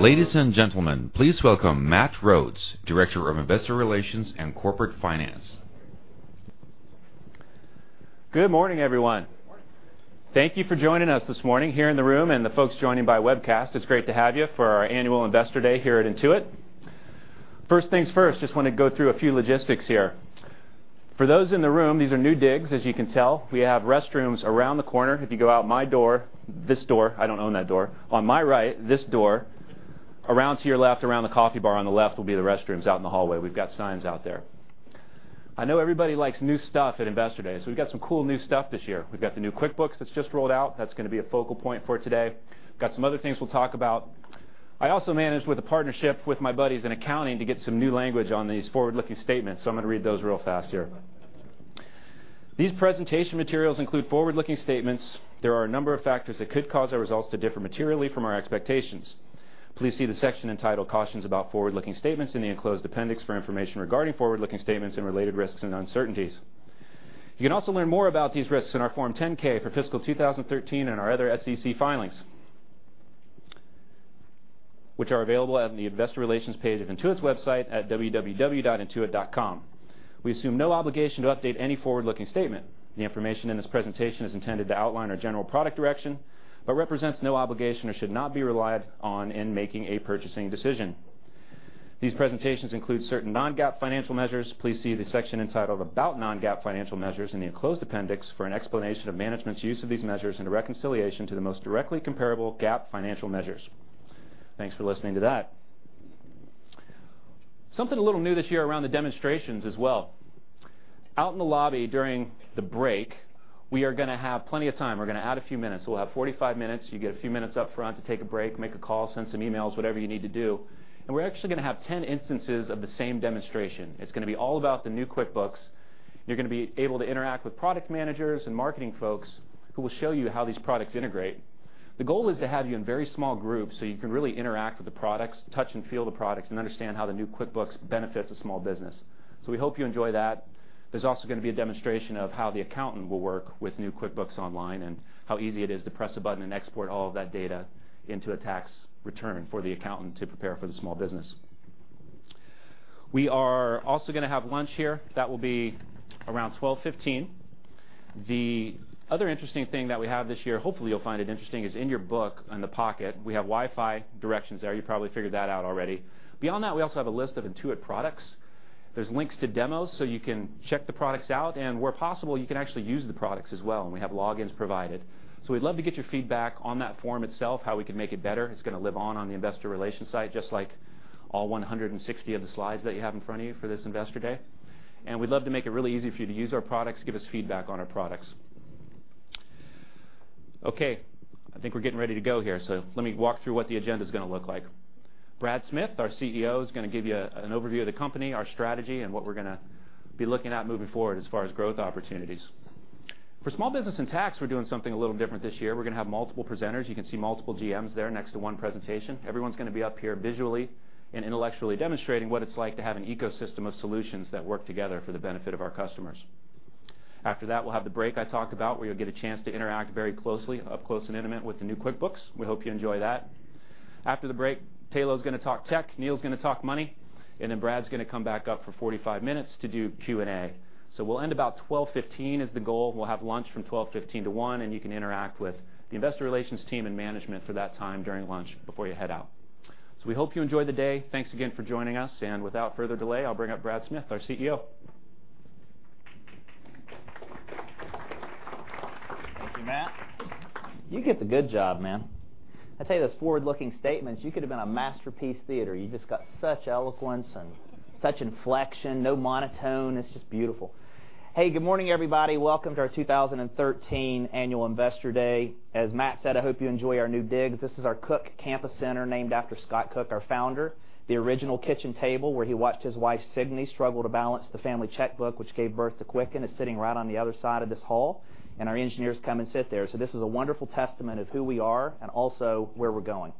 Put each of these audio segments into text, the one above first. Ladies and gentlemen, please welcome Matthew Rhodes, Director of Investor Relations and Corporate Finance. Good morning, everyone. Good morning. Thank you for joining us this morning here in the room and the folks joining by webcast. It is great to have you for our Annual Investor Day here at Intuit. First things first, just want to go through a few logistics here. For those in the room, these are new digs, as you can tell. We have restrooms around the corner. If you go out my door, this door, I do not own that door. On my right, this door, around to your left, around the coffee bar on the left will be the restrooms out in the hallway. We have got signs out there. I know everybody likes new stuff at Investor Day, so we have got some cool new stuff this year. We have got the new QuickBooks that is just rolled out. That is going to be a focal point for today. We have got some other things we will talk about. I also managed, with a partnership with my buddies in accounting, to get some new language on these forward-looking statements. I'm going to read those real fast here. These presentation materials include forward-looking statements. There are a number of factors that could cause our results to differ materially from our expectations. Please see the section entitled "Cautions about Forward-Looking Statements" in the enclosed appendix for information regarding forward-looking statements and related risks and uncertainties. You can also learn more about these risks in our Form 10-K for fiscal 2013 and our other SEC filings, which are available at the Investor Relations page of www.intuit.com. We assume no obligation to update any forward-looking statement. The information in this presentation is intended to outline our general product direction, but represents no obligation or should not be relied on in making a purchasing decision. These presentations include certain non-GAAP financial measures. Please see the section entitled "About Non-GAAP Financial Measures" in the enclosed appendix for an explanation of management's use of these measures and a reconciliation to the most directly comparable GAAP financial measures. Thanks for listening to that. Something a little new this year around the demonstrations as well. Out in the lobby during the break, we are going to have plenty of time. We're going to add a few minutes. We'll have 45 minutes. You get a few minutes up front to take a break, make a call, send some emails, whatever you need to do. We're actually going to have 10 instances of the same demonstration. It's going to be all about the new QuickBooks. You're going to be able to interact with product managers and marketing folks who will show you how these products integrate. The goal is to have you in very small groups. You can really interact with the products, touch and feel the products, and understand how the new QuickBooks benefits a small business. We hope you enjoy that. There's also going to be a demonstration of how the accountant will work with new QuickBooks Online, and how easy it is to press a button and export all of that data into a tax return for the accountant to prepare for the small business. We are also going to have lunch here. That will be around 12:15 P.M. The other interesting thing that we have this year, hopefully you'll find it interesting, is in your book in the pocket, we have Wi-Fi directions there. You probably figured that out already. Beyond that, we also have a list of Intuit products. There's links to demos. You can check the products out, and where possible, you can actually use the products as well, and we have logins provided. We'd love to get your feedback on that form itself, how we can make it better. It's going to live on on the investor relations site, just like all 160 of the slides that you have in front of you for this Investor Day. We'd love to make it really easy for you to use our products, give us feedback on our products. I think we're getting ready to go here. Let me walk through what the agenda is going to look like. Brad Smith, our CEO, is going to give you an overview of the company, our strategy, and what we're going to be looking at moving forward as far as growth opportunities. For small business and tax, we're doing something a little different this year. We're going to have multiple presenters. You can see multiple GMs there next to one presentation. Everyone's going to be up here visually and intellectually demonstrating what it's like to have an ecosystem of solutions that work together for the benefit of our customers. After that, we'll have the break I talked about, where you'll get a chance to interact very closely, up close and intimate with the new QuickBooks. We hope you enjoy that. After the break, Tayloe's going to talk tech, Neil's going to talk money, Brad's going to come back up for 45 minutes to do Q&A. We'll end about 12:15, is the goal. We'll have lunch from 12:15 to 1:00, and you can interact with the investor relations team and management for that time during lunch before you head out. We hope you enjoy the day. Thanks again for joining us, without further delay, I'll bring up Brad Smith, our CEO. Thank you, Matt. You get the good job, man. I tell you, those forward-looking statements, you could've been on Masterpiece Theatre. You just got such eloquence and such inflection. No monotone. It's just beautiful. Hey, good morning, everybody. Welcome to our 2013 Annual Investor Day. As Matt said, I hope you enjoy our new digs. This is our Cook Campus Center, named after Scott Cook, our founder. The original kitchen table where he watched his wife Signe struggle to balance the family checkbook, which gave birth to Quicken, is sitting right on the other side of this hall, and our engineers come and sit there. This is a wonderful testament of who we are and also where we're going.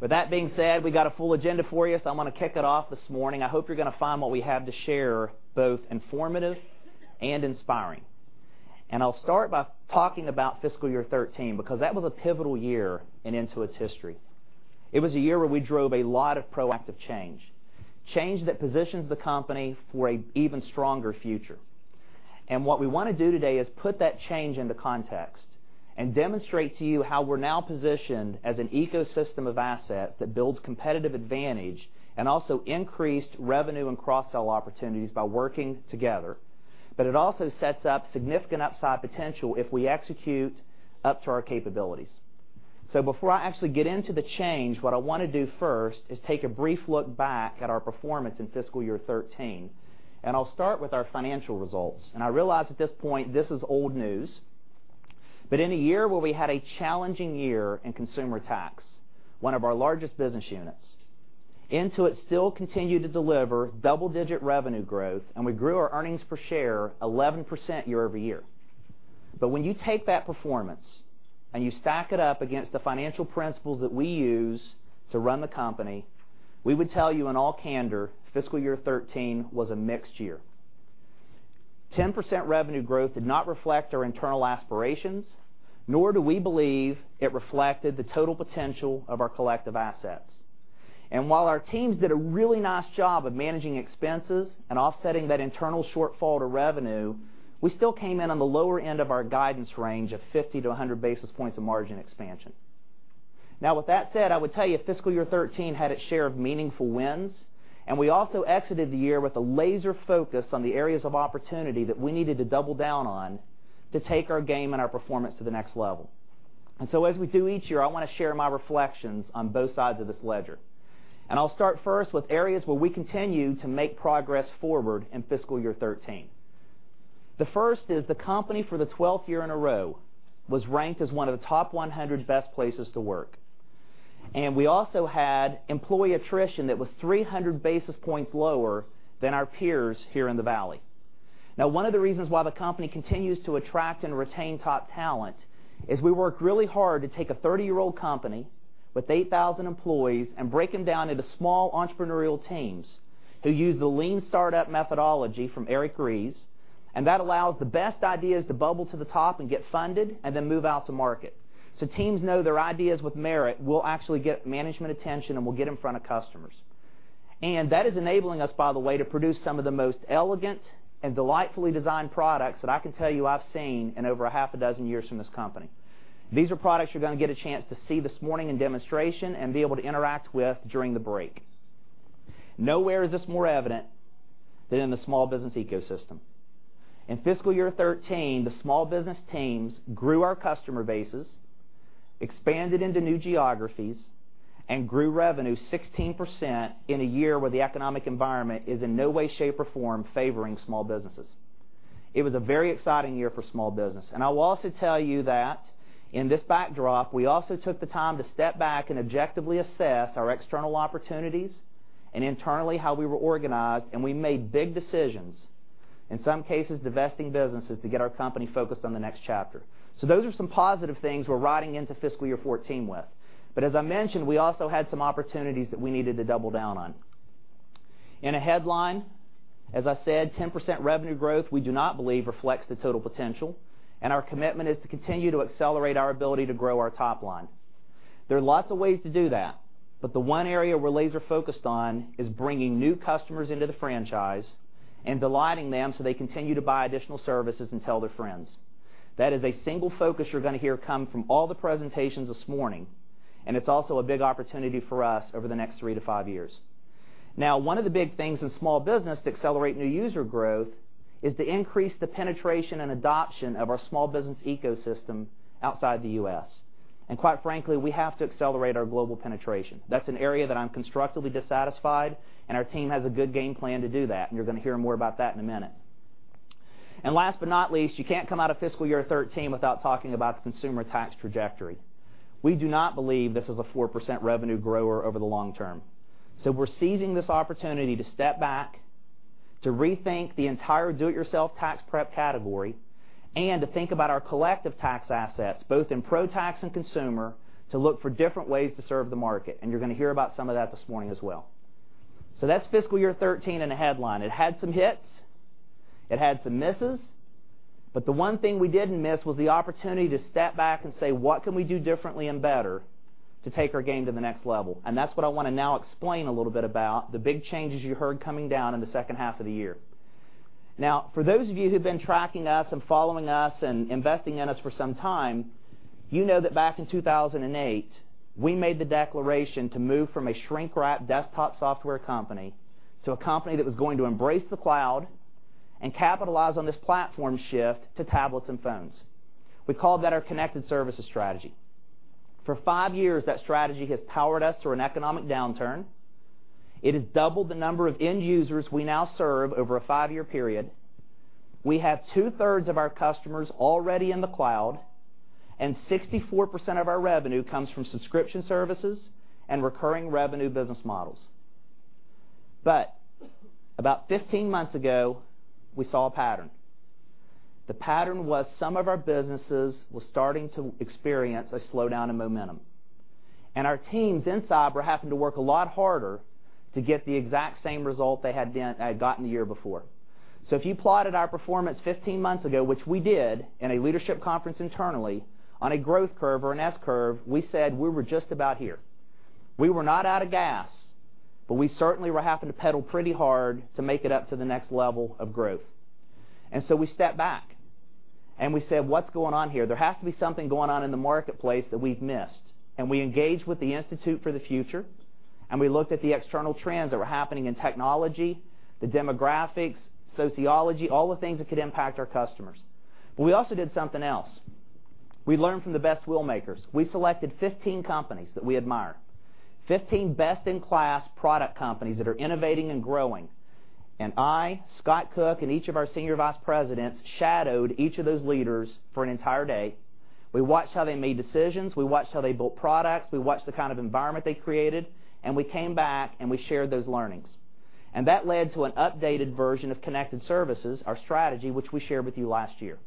With that being said, we got a full agenda for you, I'm going to kick it off this morning. I hope you're going to find what we have to share both informative and inspiring. I'll start by talking about fiscal year 2013, because that was a pivotal year in Intuit's history. It was a year where we drove a lot of proactive change that positions the company for an even stronger future. What we want to do today is put that change into context and demonstrate to you how we're now positioned as an ecosystem of assets that builds competitive advantage and also increased revenue and cross-sell opportunities by working together. It also sets up significant upside potential if we execute up to our capabilities. Before I actually get into the change, what I want to do first is take a brief look back at our performance in fiscal year 2013, I'll start with our financial results. I realize at this point, this is old news. In a year where we had a challenging year in Consumer Tax, one of our largest business units, Intuit still continued to deliver double-digit revenue growth, and we grew our earnings per share 11% year-over-year. When you take that performance and you stack it up against the financial principles that we use to run the company, we would tell you in all candor, fiscal year 2013 was a mixed year. 10% revenue growth did not reflect our internal aspirations, nor do we believe it reflected the total potential of our collective assets. While our teams did a really nice job of managing expenses and offsetting that internal shortfall to revenue, we still came in on the lower end of our guidance range of 50-100 basis points of margin expansion. With that said, I would tell you fiscal year 2013 had its share of meaningful wins, and we also exited the year with a laser focus on the areas of opportunity that we needed to double down on to take our game and our performance to the next level. As we do each year, I want to share my reflections on both sides of this ledger. I'll start first with areas where we continued to make progress forward in fiscal year 2013. The first is the company for the 12th year in a row was ranked as one of the top 100 best places to work. We also had employee attrition that was 300 basis points lower than our peers here in the Valley. One of the reasons why the company continues to attract and retain top talent is we work really hard to take a 30-year-old company with 8,000 employees and break them down into small entrepreneurial teams who use the Lean Startup methodology from Eric Ries, that allows the best ideas to bubble to the top and get funded and then move out to market. Teams know their ideas with merit will actually get management attention and will get in front of customers. That is enabling us, by the way, to produce some of the most elegant and delightfully designed products that I can tell you I've seen in over a half a dozen years from this company. These are products you're going to get a chance to see this morning in demonstration and be able to interact with during the break. Nowhere is this more evident than in the small business ecosystem. In fiscal year 2013, the small business teams grew our customer bases, expanded into new geographies, and grew revenue 16% in a year where the economic environment is in no way, shape, or form favoring small businesses. It was a very exciting year for small business. I will also tell you that in this backdrop, we also took the time to step back and objectively assess our external opportunities and internally how we were organized, we made big decisions, in some cases, divesting businesses to get our company focused on the next chapter. Those are some positive things we're riding into fiscal year 2014 with. As I mentioned, we also had some opportunities that we needed to double down on. In a headline, as I said, 10% revenue growth we do not believe reflects the total potential, and our commitment is to continue to accelerate our ability to grow our top line. There are lots of ways to do that, but the one area we're laser focused on is bringing new customers into the franchise and delighting them so they continue to buy additional services and tell their friends. That is a single focus you're going to hear come from all the presentations this morning, and it's also a big opportunity for us over the next 3-5 years. One of the big things in small business to accelerate new user growth is to increase the penetration and adoption of our small business ecosystem outside the U.S. Quite frankly, we have to accelerate our global penetration. That's an area that I'm constructively dissatisfied, and our team has a good game plan to do that, and you're going to hear more about that in a minute. Last but not least, you can't come out of fiscal year 2013 without talking about the consumer tax trajectory. We do not believe this is a 4% revenue grower over the long term. We're seizing this opportunity to step back, to rethink the entire do-it-yourself tax prep category, and to think about our collective tax assets, both in Pro Tax and consumer, to look for different ways to serve the market. You're going to hear about some of that this morning as well. That's fiscal year 2013 in a headline. It had some hits, it had some misses, but the one thing we didn't miss was the opportunity to step back and say, "What can we do differently and better to take our game to the next level?" That's what I want to now explain a little bit about the big changes you heard coming down in the second half of the year. For those of you who've been tracking us and following us and investing in us for some time, you know that back in 2008, we made the declaration to move from a shrink-wrap desktop software company to a company that was going to embrace the cloud and capitalize on this platform shift to tablets and phones. We called that our connected services strategy. For five years, that strategy has powered us through an economic downturn. It has doubled the number of end users we now serve over a five-year period. We have two-thirds of our customers already in the cloud, and 64% of our revenue comes from subscription services and recurring revenue business models. About 15 months ago, we saw a pattern. The pattern was some of our businesses were starting to experience a slowdown in momentum. Our teams inside were having to work a lot harder to get the exact same result they had gotten the year before. If you plotted our performance 15 months ago, which we did in a leadership conference internally on a growth curve or an S curve, we said we were just about here. We were not out of gas, but we certainly were having to pedal pretty hard to make it up to the next level of growth. We stepped back and we said, "What's going on here? There has to be something going on in the marketplace that we've missed." We engaged with the Institute for the Future, and we looked at the external trends that were happening in technology, the demographics, sociology, all the things that could impact our customers. We also did something else. We learned from the best wheel makers. We selected 15 companies that we admire, 15 best-in-class product companies that are innovating and growing. I, Scott Cook, and each of our senior vice presidents shadowed each of those leaders for an entire day. We watched how they made decisions. We watched how they built products. We watched the kind of environment they created, and we came back and we shared those learnings. That led to an updated version of connected services, our strategy, which we shared with you last year.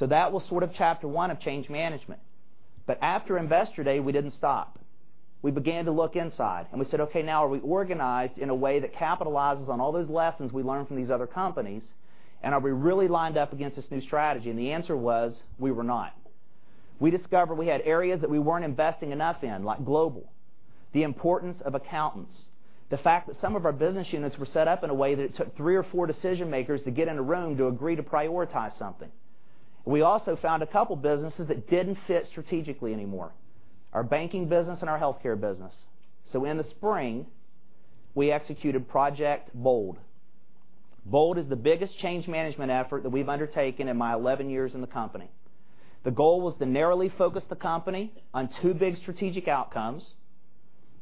That was sort of chapter one of change management. After Investor Day, we didn't stop. We began to look inside, and we said, "Okay, now are we organized in a way that capitalizes on all those lessons we learned from these other companies? Are we really lined up against this new strategy?" The answer was, we were not. We discovered we had areas that we weren't investing enough in, like global, the importance of accountants, the fact that some of our business units were set up in a way that it took three or four decision-makers to get in a room to agree to prioritize something. We also found a couple businesses that didn't fit strategically anymore, our banking business and our healthcare business. In the spring, we executed Project BOLD. BOLD is the biggest change management effort that we've undertaken in my 11 years in the company. The goal was to narrowly focus the company on two big strategic outcomes,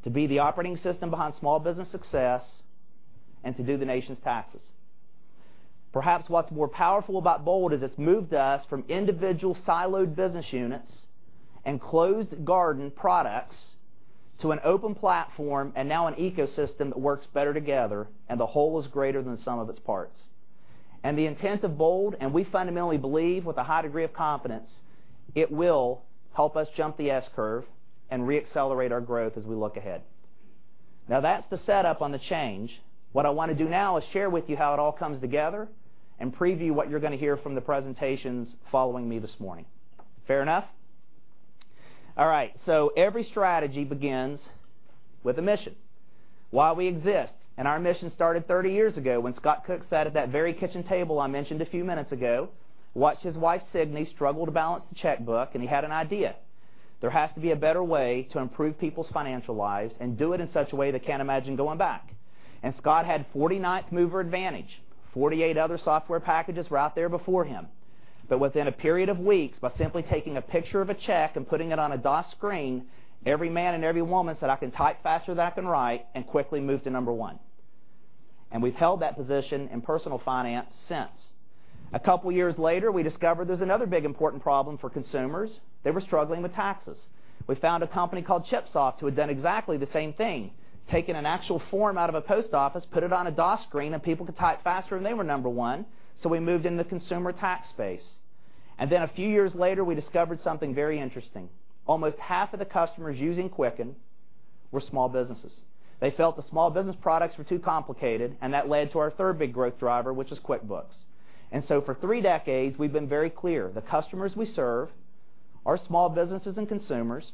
to be the operating system behind small business success, and to do the nation's taxes. Perhaps what's more powerful about BOLD is it's moved us from individual siloed business units and closed garden products to an open platform and now an ecosystem that works better together, and the whole is greater than the sum of its parts. The intent of BOLD, and we fundamentally believe with a high degree of confidence, it will help us jump the S-curve and re-accelerate our growth as we look ahead. That's the setup on the change. What I want to do now is share with you how it all comes together and preview what you're going to hear from the presentations following me this morning. Fair enough? All right. Every strategy begins with a mission. Why we exist, and our mission started 30 years ago when Scott Cook sat at that very kitchen table I mentioned a few minutes ago, watched his wife, Signe, struggle to balance the checkbook, and he had an idea. There has to be a better way to improve people's financial lives and do it in such a way they can't imagine going back. Scott had 49th mover advantage. 48 other software packages were out there before him. Within a period of weeks, by simply taking a picture of a check and putting it on a DOS screen, every man and every woman said, "I can type faster than I can write," and quickly moved to number one. We've held that position in personal finance since. A couple years later, we discovered there's another big, important problem for consumers. They were struggling with taxes. We found a company called ChipSoft who had done exactly the same thing, taken an actual form out of a post office, put it on a DOS screen, and people could type faster, and they were number one. We moved into the consumer tax space. A few years later, we discovered something very interesting. Almost half of the customers using Quicken were small businesses. They felt the small business products were too complicated, and that led to our third big growth driver, which is QuickBooks. For three decades, we've been very clear. The customers we serve are small businesses and consumers,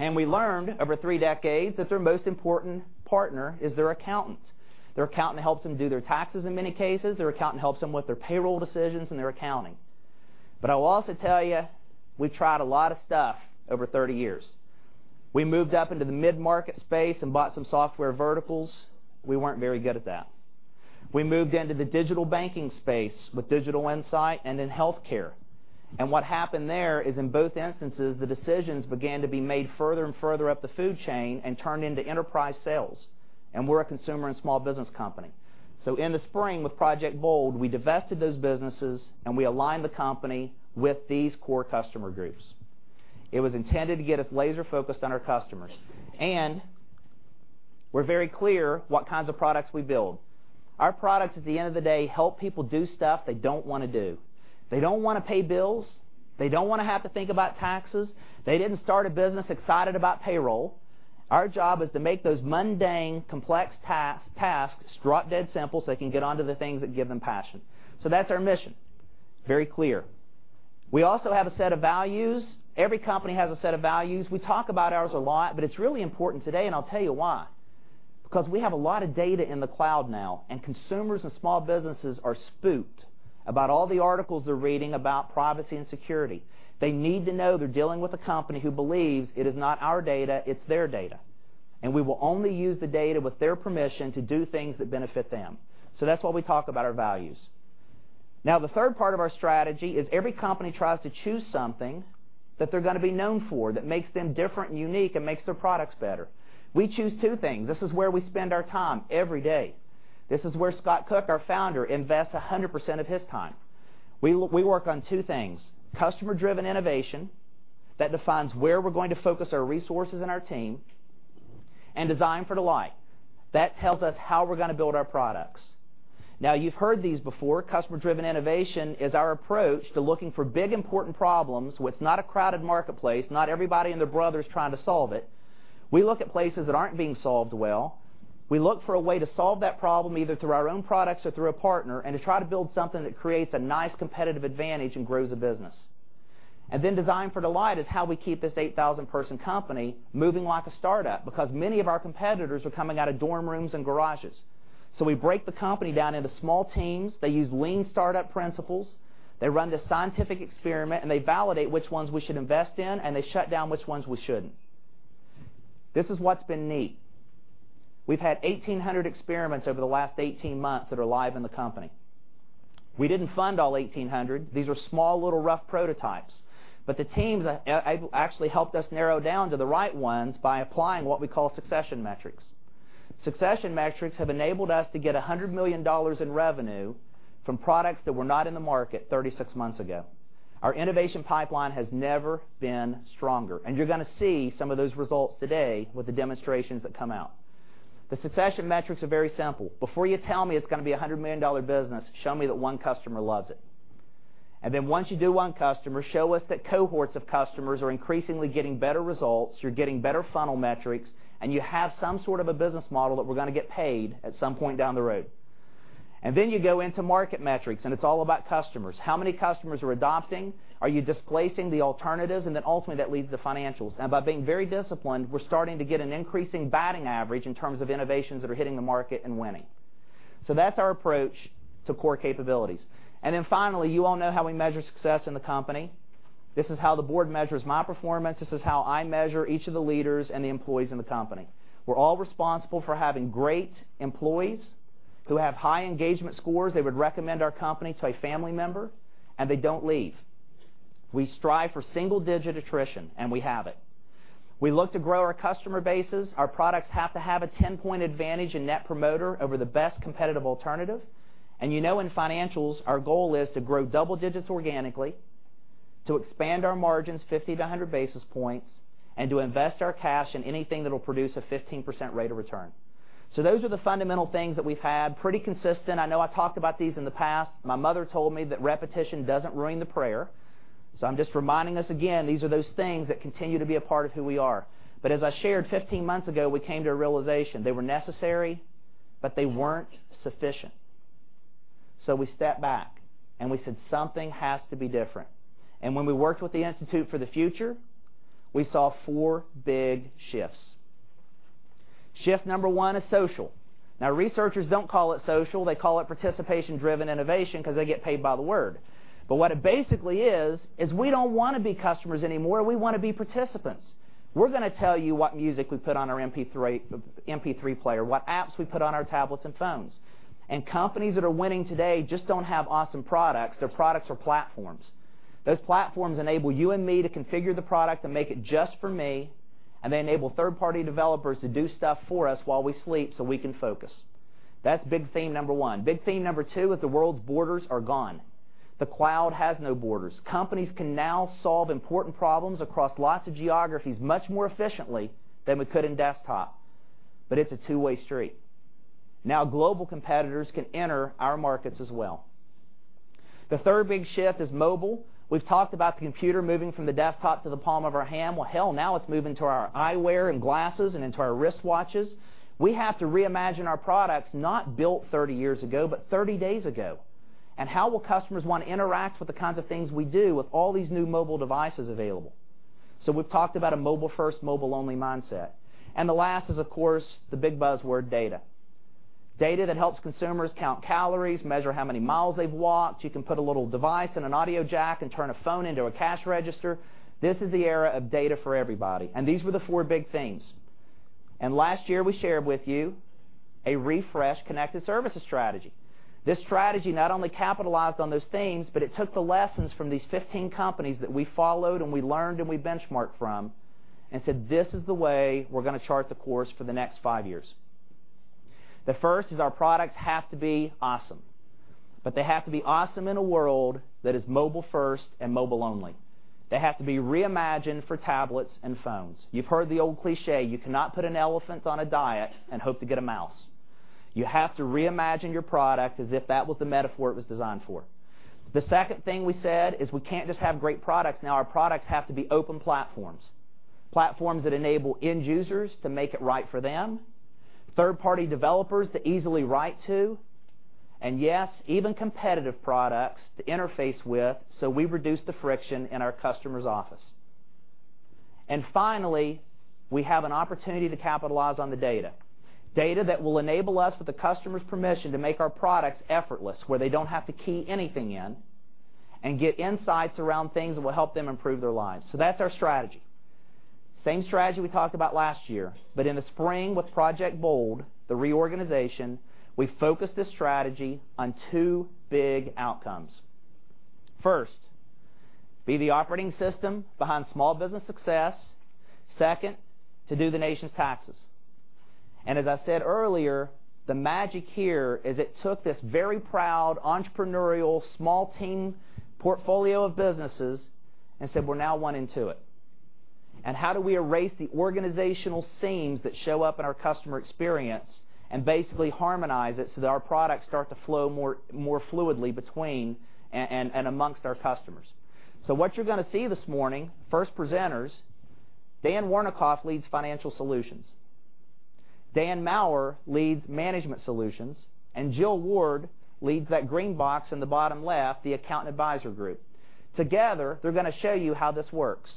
and we learned over three decades that their most important partner is their accountant. Their accountant helps them do their taxes in many cases. Their accountant helps them with their payroll decisions and their accounting. I will also tell you, we've tried a lot of stuff over 30 years. We moved up into the mid-market space and bought some software verticals. We weren't very good at that. We moved into the digital banking space with Digital Insight and in healthcare. What happened there is in both instances, the decisions began to be made further and further up the food chain and turned into enterprise sales, and we're a consumer and small business company. In the spring, with Project BOLD, we divested those businesses, and we aligned the company with these core customer groups. It was intended to get us laser-focused on our customers. We're very clear what kinds of products we build. Our products, at the end of the day, help people do stuff they don't want to do. They don't want to pay bills. They don't want to have to think about taxes. They didn't start a business excited about payroll. Our job is to make those mundane, complex tasks strut dead simple so they can get onto the things that give them passion. That's our mission. Very clear. We also have a set of values. Every company has a set of values. We talk about ours a lot, it's really important today, I'll tell you why. We have a lot of data in the cloud now, consumers and small businesses are spooked about all the articles they're reading about privacy and security. They need to know they're dealing with a company who believes it is not our data, it's their data, we will only use the data with their permission to do things that benefit them. That's why we talk about our values. The third part of our strategy is every company tries to choose something that they're going to be known for, that makes them different and unique and makes their products better. We choose two things. This is where we spend our time every day. This is where Scott Cook, our founder, invests 100% of his time. We work on two things, customer-driven innovation, that defines where we're going to focus our resources and our team, and design for delight. That tells us how we're going to build our products. You've heard these before. Customer-driven innovation is our approach to looking for big, important problems, what's not a crowded marketplace, not everybody and their brother is trying to solve it. We look at places that aren't being solved well. We look for a way to solve that problem, either through our own products or through a partner, and to try to build something that creates a nice competitive advantage and grows the business. Design for delight is how we keep this 8,000-person company moving like a startup, because many of our competitors are coming out of dorm rooms and garages. We break the company down into small teams. They use lean startup principles. They run this scientific experiment, they validate which ones we should invest in, they shut down which ones we shouldn't. This is what's been neat. We've had 1,800 experiments over the last 18 months that are live in the company. We didn't fund all 1,800. These were small, little rough prototypes. The teams actually helped us narrow down to the right ones by applying what we call succession metrics. Succession metrics have enabled us to get $100 million in revenue from products that were not in the market 36 months ago. Our innovation pipeline has never been stronger, you're going to see some of those results today with the demonstrations that come out. The succession metrics are very simple. Before you tell me it's going to be a $100 million business, show me that one customer loves it. Once you do one customer, show us that cohorts of customers are increasingly getting better results, you're getting better funnel metrics, you have some sort of a business model that we're going to get paid at some point down the road. You go into market metrics, it's all about customers. How many customers are adopting? Are you displacing the alternatives? Ultimately, that leads to financials. By being very disciplined, we're starting to get an increasing batting average in terms of innovations that are hitting the market and winning. That's our approach to core capabilities. Finally, you all know how we measure success in the company. This is how the board measures my performance. This is how I measure each of the leaders and the employees in the company. We're all responsible for having great employees who have high engagement scores, they would recommend our company to a family member, they don't leave. We strive for single-digit attrition, we have it. We look to grow our customer bases. Our products have to have a 10-point advantage in Net Promoter over the best competitive alternative. You know in financials, our goal is to grow double digits organically, to expand our margins 50 to 100 basis points, to invest our cash in anything that'll produce a 15% rate of return. Those are the fundamental things that we've had pretty consistent. I know I've talked about these in the past. My mother told me that repetition doesn't ruin the prayer. I'm just reminding us again, these are those things that continue to be a part of who we are. As I shared 15 months ago, we came to a realization. They were necessary, but they weren't sufficient. We stepped back and we said something has to be different. When we worked with the Institute for the Future, we saw four big shifts. Shift number one is social. Now, researchers don't call it social. They call it participation-driven innovation because they get paid by the word. What it basically is we don't want to be customers anymore, we want to be participants. We're going to tell you what music we put on our MP3 player, what apps we put on our tablets and phones. Companies that are winning today just don't have awesome products. Their products are platforms. Those platforms enable you and me to configure the product and make it just for me, and they enable third-party developers to do stuff for us while we sleep so we can focus. That's big theme number one. Big theme number two is the world's borders are gone. The cloud has no borders. Companies can now solve important problems across lots of geographies much more efficiently than we could in desktop, but it's a two-way street. Now global competitors can enter our markets as well. The third big shift is mobile. We've talked about the computer moving from the desktop to the palm of our hand. Well, hell, now it's moving to our eyewear and glasses and into our wristwatches. We have to reimagine our products not built 30 years ago, but 30 days ago. How will customers want to interact with the kinds of things we do with all these new mobile devices available? We've talked about a mobile first, mobile only mindset. The last is, of course, the big buzzword, data. Data that helps consumers count calories, measure how many miles they've walked. You can put a little device in an audio jack and turn a phone into a cash register. This is the era of data for everybody. These were the four big themes. Last year, we shared with you a refreshed connected services strategy. This strategy not only capitalized on those themes, but it took the lessons from these 15 companies that we followed and we learned and we benchmarked from and said, "This is the way we're going to chart the course for the next five years." The first is our products have to be awesome, but they have to be awesome in a world that is mobile first and mobile only. They have to be reimagined for tablets and phones. You've heard the old cliché, you cannot put an elephant on a diet and hope to get a mouse. You have to reimagine your product as if that was the metaphor it was designed for. The second thing we said is we can't just have great products now. Our products have to be open platforms that enable end users to make it right for them, third-party developers to easily write to, and yes, even competitive products to interface with so we reduce the friction in our customer's office. Finally, we have an opportunity to capitalize on the data. Data that will enable us, with the customer's permission, to make our products effortless, where they don't have to key anything in and get insights around things that will help them improve their lives. That's our strategy. Same strategy we talked about last year. In the spring with Project BOLD, the reorganization, we focused this strategy on two big outcomes. First, be the operating system behind small business success. Second, to do the nation's taxes. As I said earlier, the magic here is it took this very proud, entrepreneurial, small team portfolio of businesses and said, "We're now one Intuit." How do we erase the organizational seams that show up in our customer experience and basically harmonize it so that our products start to flow more fluidly between and amongst our customers? What you're going to see this morning, first presenters, Dan Wernikoff leads Financial Solutions. Dan Maurer leads Management Solutions, and Jill Ward leads that green box in the bottom left, the Accountant Advisor Group. Together, they're going to show you how this works.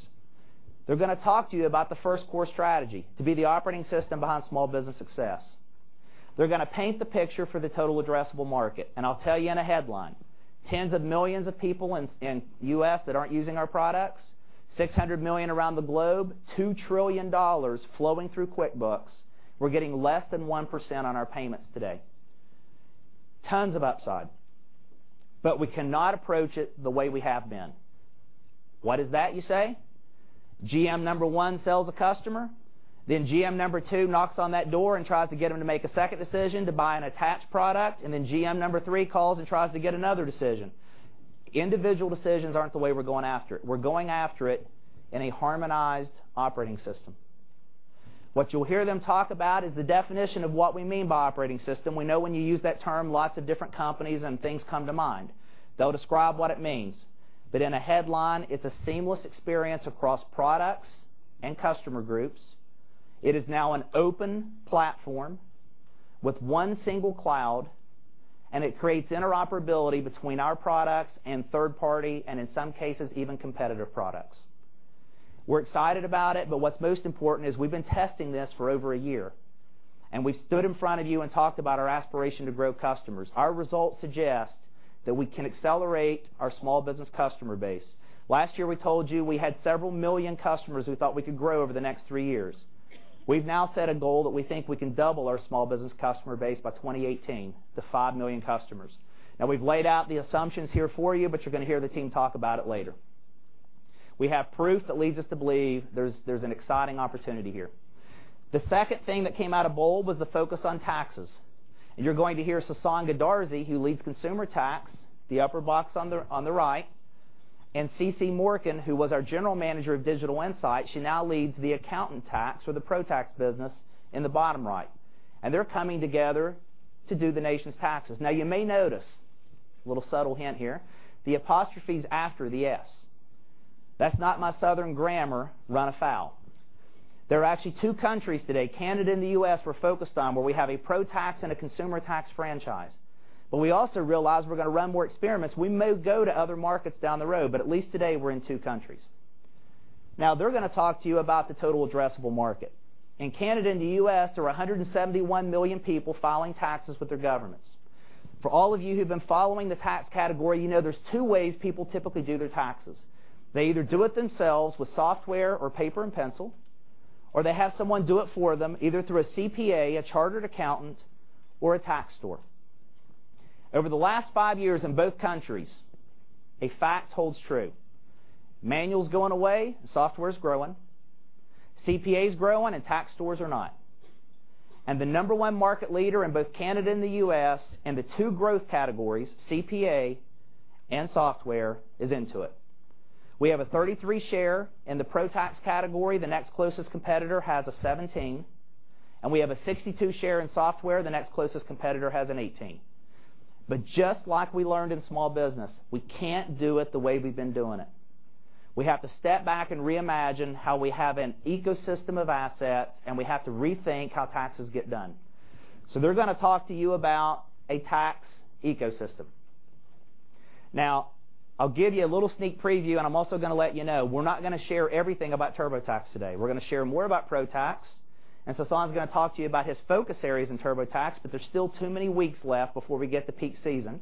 They're going to talk to you about the first core strategy, to be the operating system behind small business success. They're going to paint the picture for the total addressable market. I'll tell you in a headline, tens of millions of people in U.S. that aren't using our products, 600 million around the globe, $2 trillion flowing through QuickBooks. We're getting less than 1% on our payments today. Tons of upside, we cannot approach it the way we have been. What is that, you say? GM number 1 sells a customer, then GM number 2 knocks on that door and tries to get him to make a second decision to buy an attached product, then GM number 3 calls and tries to get another decision. Individual decisions aren't the way we're going after it. We're going after it in a harmonized operating system. What you'll hear them talk about is the definition of what we mean by operating system. We know when you use that term, lots of different companies and things come to mind. They'll describe what it means. In a headline, it's a seamless experience across products and customer groups. It is now an open platform with one single cloud, it creates interoperability between our products and third-party, and in some cases, even competitive products. We're excited about it, what's most important is we've been testing this for over a year, we stood in front of you and talked about our aspiration to grow customers. Our results suggest that we can accelerate our small business customer base. Last year, we told you we had several million customers we thought we could grow over the next three years. We've now set a goal that we think we can double our small business customer base by 2018 to five million customers. We've laid out the assumptions here for you, but you're going to hear the team talk about it later. We have proof that leads us to believe there's an exciting opportunity here. The second thing that came out of BOLD was the focus on taxes. You're going to hear Sasan Goodarzi, who leads consumer tax, the upper box on the right, and CeCe Morken, who was our general manager of Digital Insight, she now leads the accountant tax for the Pro Tax business in the bottom right. They're coming together to do the nation's taxes. Now you may notice, a little subtle hint here, the apostrophe is after the S. That's not my Southern grammar run afoul. There are actually two countries today, Canada and the U.S., we're focused on, where we have a Pro Tax and a consumer tax franchise. We also realize we're going to run more experiments. We may go to other markets down the road, at least today, we're in two countries. Now they're going to talk to you about the total addressable market. In Canada and the U.S., there are 171 million people filing taxes with their governments. For all of you who've been following the tax category, you know there's two ways people typically do their taxes. They either do it themselves with software or paper and pencil, or they have someone do it for them, either through a CPA, a chartered accountant, or a tax store. Over the last 5 years in both countries, a fact holds true. Manual is going away, software is growing, CPA is growing, and tax stores are not. The number one market leader in both Canada and the U.S., and the two growth categories, CPA and software, is Intuit. We have a 33 share in the Pro Tax category. The next closest competitor has a 17. We have a 62 share in software. The next closest competitor has an 18. Just like we learned in small business, we can't do it the way we've been doing it. We have to step back and reimagine how we have an ecosystem of assets. We have to rethink how taxes get done. They're going to talk to you about a tax ecosystem. Now, I'll give you a little sneak preview. I'm also going to let you know, we're not going to share everything about TurboTax today. We're going to share more about Pro Tax, and Sasan is going to talk to you about his focus areas in TurboTax. There's still too many weeks left before we get to peak season.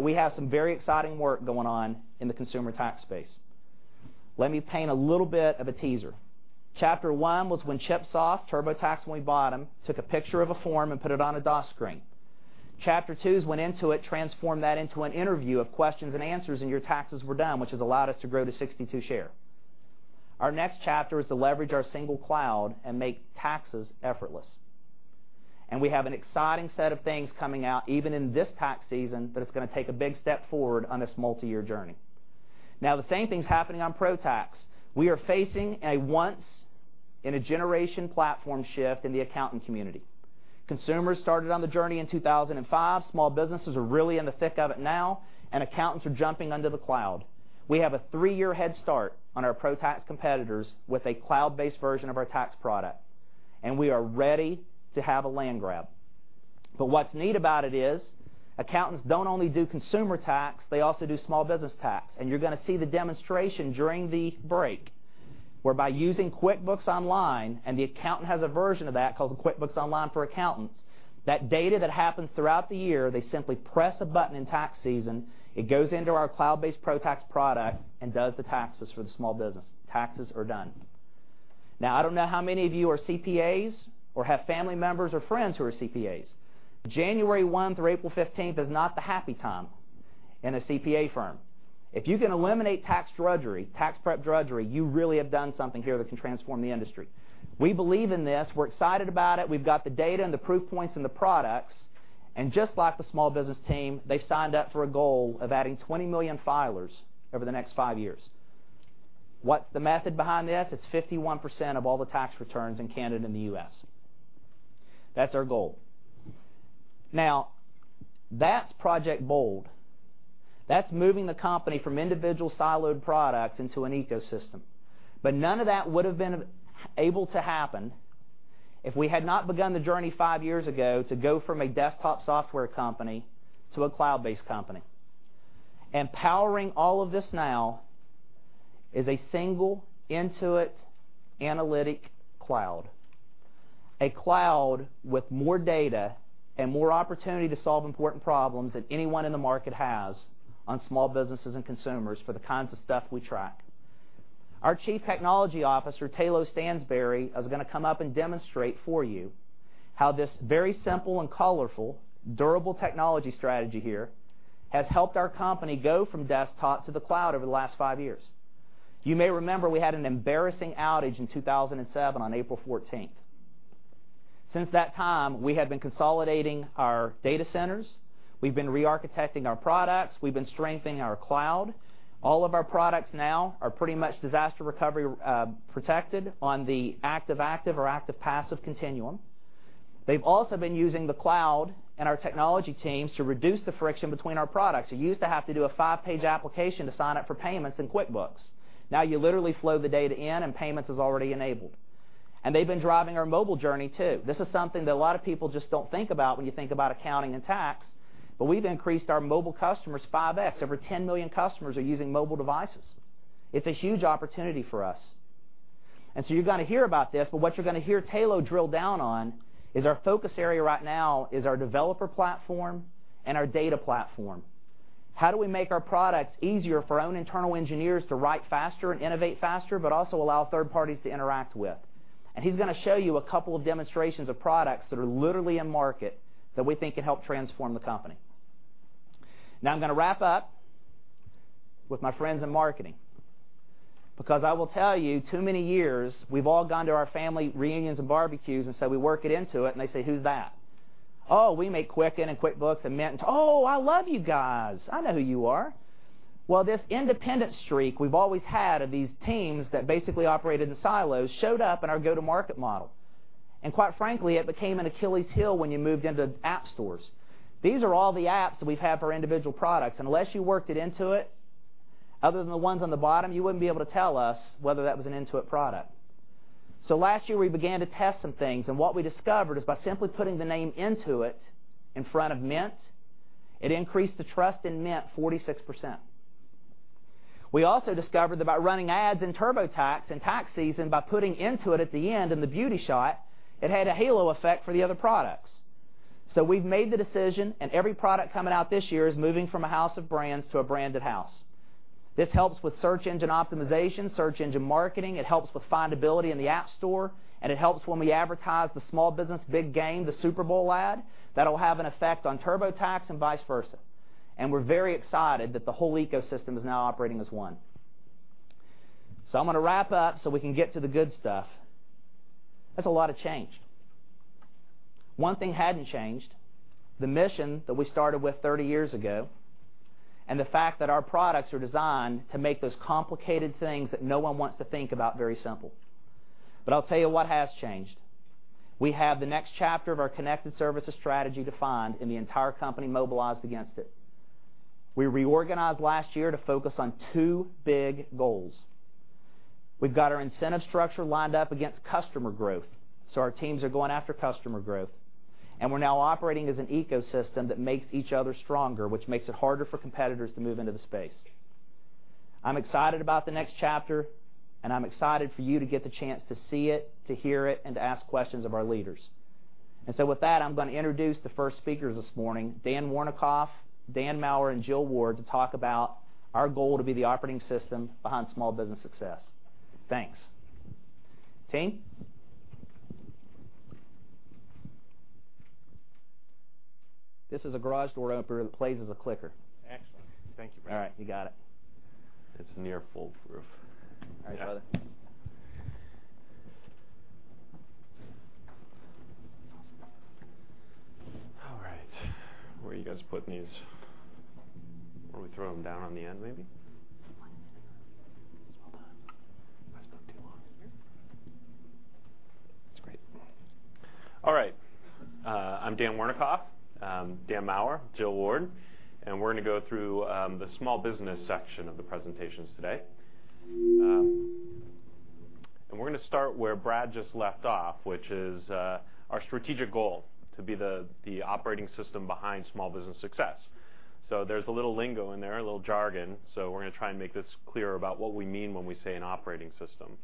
We have some very exciting work going on in the consumer tax space. Let me paint a little bit of a teaser. Chapter one was when ChipSoft, TurboTax, when we bought them, took a picture of a form and put it on a DOS screen. Chapter two is when Intuit transformed that into an interview of questions and answers, and your taxes were done, which has allowed us to grow to 62 share. Our next chapter is to leverage our single cloud and make taxes effortless. We have an exciting set of things coming out even in this tax season that is going to take a big step forward on this multi-year journey. Now, the same thing is happening on Pro Tax. We are facing a once in a generation platform shift in the accountant community. Consumers started on the journey in 2005. Small businesses are really in the thick of it now, accountants are jumping onto the cloud. We have a three-year head start on our Pro Tax competitors with a cloud-based version of our tax product, we are ready to have a land grab. What's neat about it is accountants don't only do consumer tax, they also do small business tax. You're going to see the demonstration during the break, whereby using QuickBooks Online, and the accountant has a version of that called QuickBooks Online for Accountants, that data that happens throughout the year, they simply press a button in tax season, it goes into our cloud-based Pro Tax product and does the taxes for the small business. Taxes are done. I don't know how many of you are CPAs or have family members or friends who are CPAs. January 1 through April 15 is not the happy time in a CPA firm. If you can eliminate tax drudgery, tax prep drudgery, you really have done something here that can transform the industry. We believe in this. We're excited about it. We've got the data and the proof points and the products. Just like the small business team, they signed up for a goal of adding 20 million filers over the next 5 years. What's the method behind this? It's 51% of all the tax returns in Canada and the U.S. That's our goal. That's Project BOLD. That's moving the company from individual siloed products into an ecosystem. None of that would have been able to happen if we had not begun the journey 5 years ago to go from a desktop software company to a cloud-based company. Powering all of this now is a single Intuit Analytics Cloud, a cloud with more data and more opportunity to solve important problems than anyone in the market has on small businesses and consumers for the kinds of stuff we track. Our Chief Technology Officer, Tayloe Stansbury, is going to come up and demonstrate for you how this very simple and colorful, durable technology strategy here has helped our company go from desktop to the cloud over the last 5 years. You may remember we had an embarrassing outage in 2007 on April 14th. Since that time, we have been consolidating our data centers. We've been re-architecting our products. We've been strengthening our cloud. All of our products now are pretty much disaster recovery protected on the active-active or active-passive continuum. They've also been using the cloud and our technology teams to reduce the friction between our products. You used to have to do a five-page application to sign up for payments in QuickBooks. You literally flow the data in, and payments is already enabled. They've been driving our mobile journey, too. This is something that a lot of people just don't think about when you think about accounting and tax, but we've increased our mobile customers 5X. Over 10 million customers are using mobile devices. It's a huge opportunity for us. You're going to hear about this, but what you're going to hear Tayloe drill down on is our focus area right now is our developer platform and our data platform. How do we make our products easier for our own internal engineers to write faster and innovate faster, but also allow third parties to interact with. He's going to show you a couple of demonstrations of products that are literally in market that we think can help transform the company. I'm going to wrap up with my friends in marketing, because I will tell you, too many years, we've all gone to our family reunions and barbecues, so we work it into Intuit, and they say, "Who's that?" "Oh, we make Quicken and QuickBooks and Mint." "Oh, I love you guys. I know who you are." This independent streak we've always had of these teams that basically operated in silos showed up in our go-to-market model. Quite frankly, it became an Achilles heel when you moved into App Stores. These are all the apps that we've had for our individual products. Unless you worked at Intuit, other than the ones on the bottom, you wouldn't be able to tell us whether that was an Intuit product. Last year, we began to test some things, and what we discovered is by simply putting the name Intuit in front of Mint, it increased the trust in Mint 46%. We also discovered that by running ads in TurboTax in tax season, by putting Intuit at the end in the beauty shot, it had a halo effect for the other products. We've made the decision, and every product coming out this year is moving from a house of brands to a branded house. This helps with search engine optimization, search engine marketing. It helps with findability in the App Store, and it helps when we advertise the Small Business Big Game, the Super Bowl ad. That'll have an effect on TurboTax and vice versa. We're very excited that the whole ecosystem is now operating as one. I'm going to wrap up so we can get to the good stuff. That's a lot of change. One thing hadn't changed, the mission that we started with 30 years ago, and the fact that our products are designed to make those complicated things that no one wants to think about very simple. I'll tell you what has changed. We have the next chapter of our connected services strategy defined and the entire company mobilized against it. We reorganized last year to focus on two big goals. We've got our incentive structure lined up against customer growth, so our teams are going after customer growth. We're now operating as an ecosystem that makes each other stronger, which makes it harder for competitors to move into the space. I'm excited about the next chapter, and I'm excited for you to get the chance to see it, to hear it, and to ask questions of our leaders. With that, I'm going to introduce the first speakers this morning, Dan Wernikoff, Dan Maurer, and Jill Ward, to talk about our goal to be the operating system behind small business success. Thanks. Team? This is a garage door opener that plays as a clicker. Excellent. Thank you, Brad. All right, you got it. It's near foolproof. All right, brother. All right. Where are you guys putting these? Want me to throw them down on the end, maybe? Hold on. I spoke too long. Here? That's great. All right. I'm Dan Wernikoff. Dan Maurer, Jill Ward, we're going to go through the small business section of the presentations today. We're going to start where Brad just left off, which is our strategic goal to be the operating system behind small business success. There's a little lingo in there, a little jargon, so we're going to try and make this clear about what we mean when we say an operating system.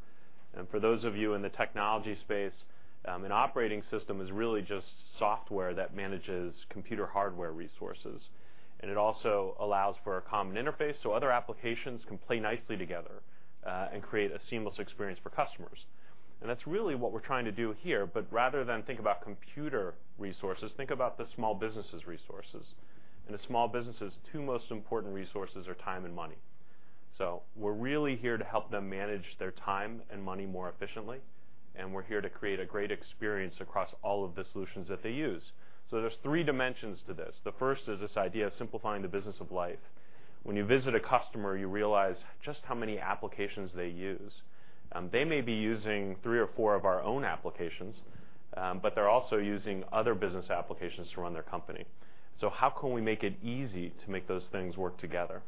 For those of you in the technology space, an operating system is really just software that manages computer hardware resources. It also allows for a common interface so other applications can play nicely together, and create a seamless experience for customers. That's really what we're trying to do here, but rather than think about computer resources, think about the small business' resources. A small business' two most important resources are time and money. We're really here to help them manage their time and money more efficiently, and we're here to create a great experience across all of the solutions that they use. There's three dimensions to this. The first is this idea of simplifying the business of life. When you visit a customer, you realize just how many applications they use. They may be using three or four of our own applications, but they're also using other business applications to run their company. How can we make it easy to make those things work together?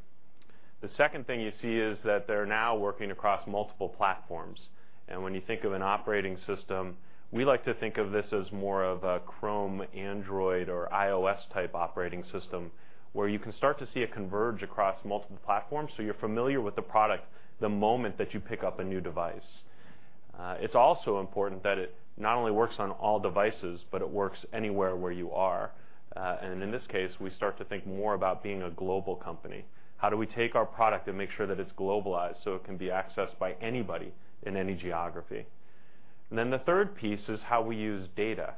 The second thing you see is that they're now working across multiple platforms. When you think of an operating system, we like to think of this as more of a Chrome, Android, or iOS-type operating system, where you can start to see it converge across multiple platforms, so you're familiar with the product the moment that you pick up a new device. It's also important that it not only works on all devices, but it works anywhere where you are. In this case, we start to think more about being a global company. How do we take our product and make sure that it's globalized so it can be accessed by anybody in any geography? Then the third piece is how we use data.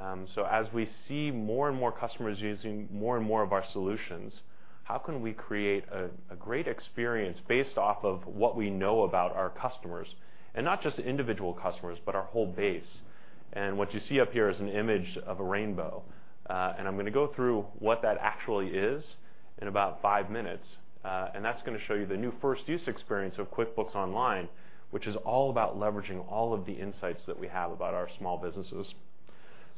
As we see more and more customers using more and more of our solutions, how can we create a great experience based off of what we know about our customers? Not just individual customers, but our whole base. What you see up here is an image of a rainbow. I'm going to go through what that actually is in about five minutes, and that's going to show you the new first use experience of QuickBooks Online, which is all about leveraging all of the insights that we have about our small businesses.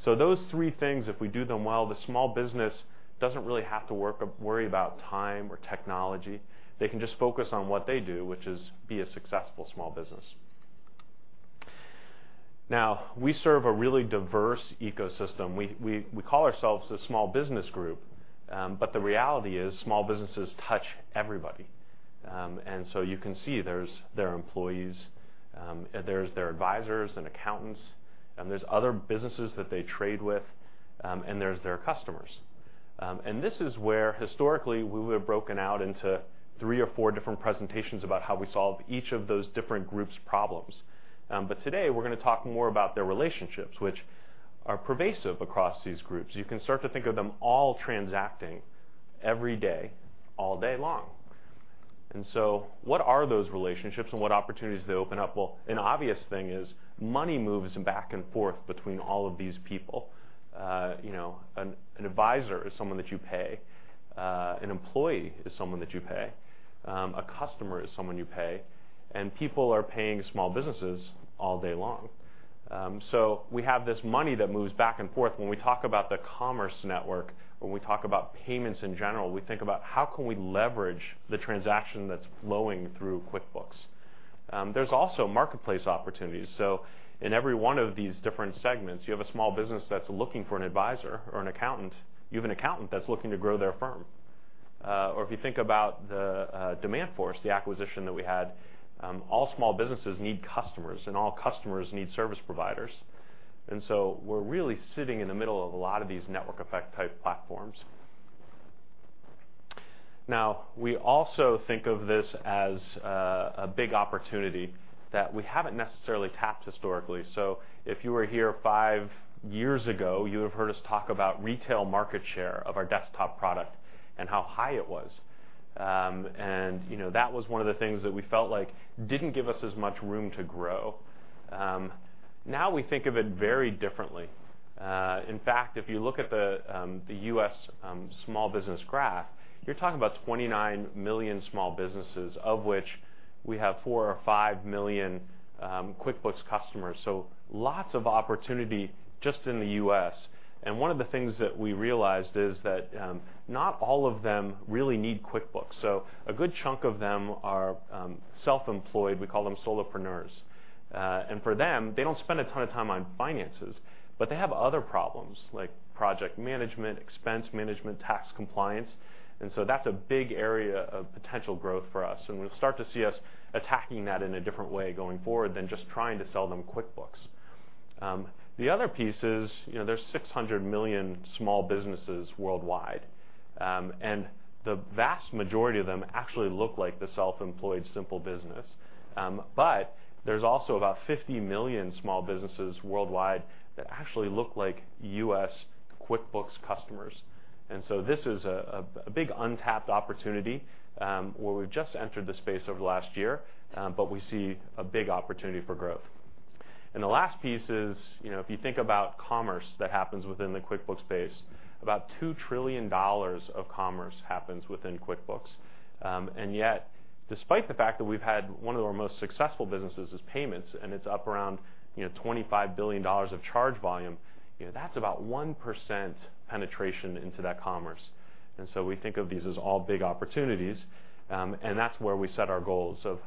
Those three things, if we do them well, the small business doesn't really have to worry about time or technology. They can just focus on what they do, which is be a successful small business. Now, we serve a really diverse ecosystem. We call ourselves the small business group, but the reality is small businesses touch everybody. You can see there's their employees, there's their advisors and accountants, and there's other businesses that they trade with, and there's their customers. This is where, historically, we would have broken out into three or four different presentations about how we solve each of those different groups' problems. Today, we're going to talk more about their relationships, which are pervasive across these groups. You can start to think of them all transacting every day, all day long. What are those relationships and what opportunities do they open up? Well, an obvious thing is money moves back and forth between all of these people. An advisor is someone that you pay, an employee is someone that you pay, a customer is someone you pay, and people are paying small businesses all day long. We have this money that moves back and forth. When we talk about the commerce network, when we talk about payments in general, we think about how can we leverage the transaction that's flowing through QuickBooks. There's also marketplace opportunities. In every one of these different segments, you have a small business that's looking for an advisor or an accountant. You have an accountant that's looking to grow their firm. If you think about the Demandforce, the acquisition that we had, all small businesses need customers, and all customers need service providers. We're really sitting in the middle of a lot of these network effect-type platforms. We also think of this as a big opportunity that we haven't necessarily tapped historically. If you were here five years ago, you would have heard us talk about retail market share of our desktop product and how high it was. That was one of the things that we felt like didn't give us as much room to grow. We think of it very differently. In fact, if you look at the U.S. small business graph, you're talking about 29 million small businesses, of which we have four or five million QuickBooks customers. Lots of opportunity just in the U.S. One of the things that we realized is that not all of them really need QuickBooks. A good chunk of them are self-employed. We call them solopreneurs. For them, they don't spend a ton of time on finances, but they have other problems like project management, expense management, tax compliance. That's a big area of potential growth for us, and you'll start to see us attacking that in a different way going forward than just trying to sell them QuickBooks. The other piece is, there's 600 million small businesses worldwide, and the vast majority of them actually look like the self-employed simple business. There's also about 50 million small businesses worldwide that actually look like U.S. QuickBooks customers. This is a big untapped opportunity, where we've just entered the space over the last year, but we see a big opportunity for growth. The last piece is, if you think about commerce that happens within the QuickBooks space, about $2 trillion of commerce happens within QuickBooks. Yet, despite the fact that we've had one of our most successful businesses as payments, and it's up around $25 billion of charge volume, that's about 1% penetration into that commerce. We think of these as all big opportunities, and that's where we set our goals of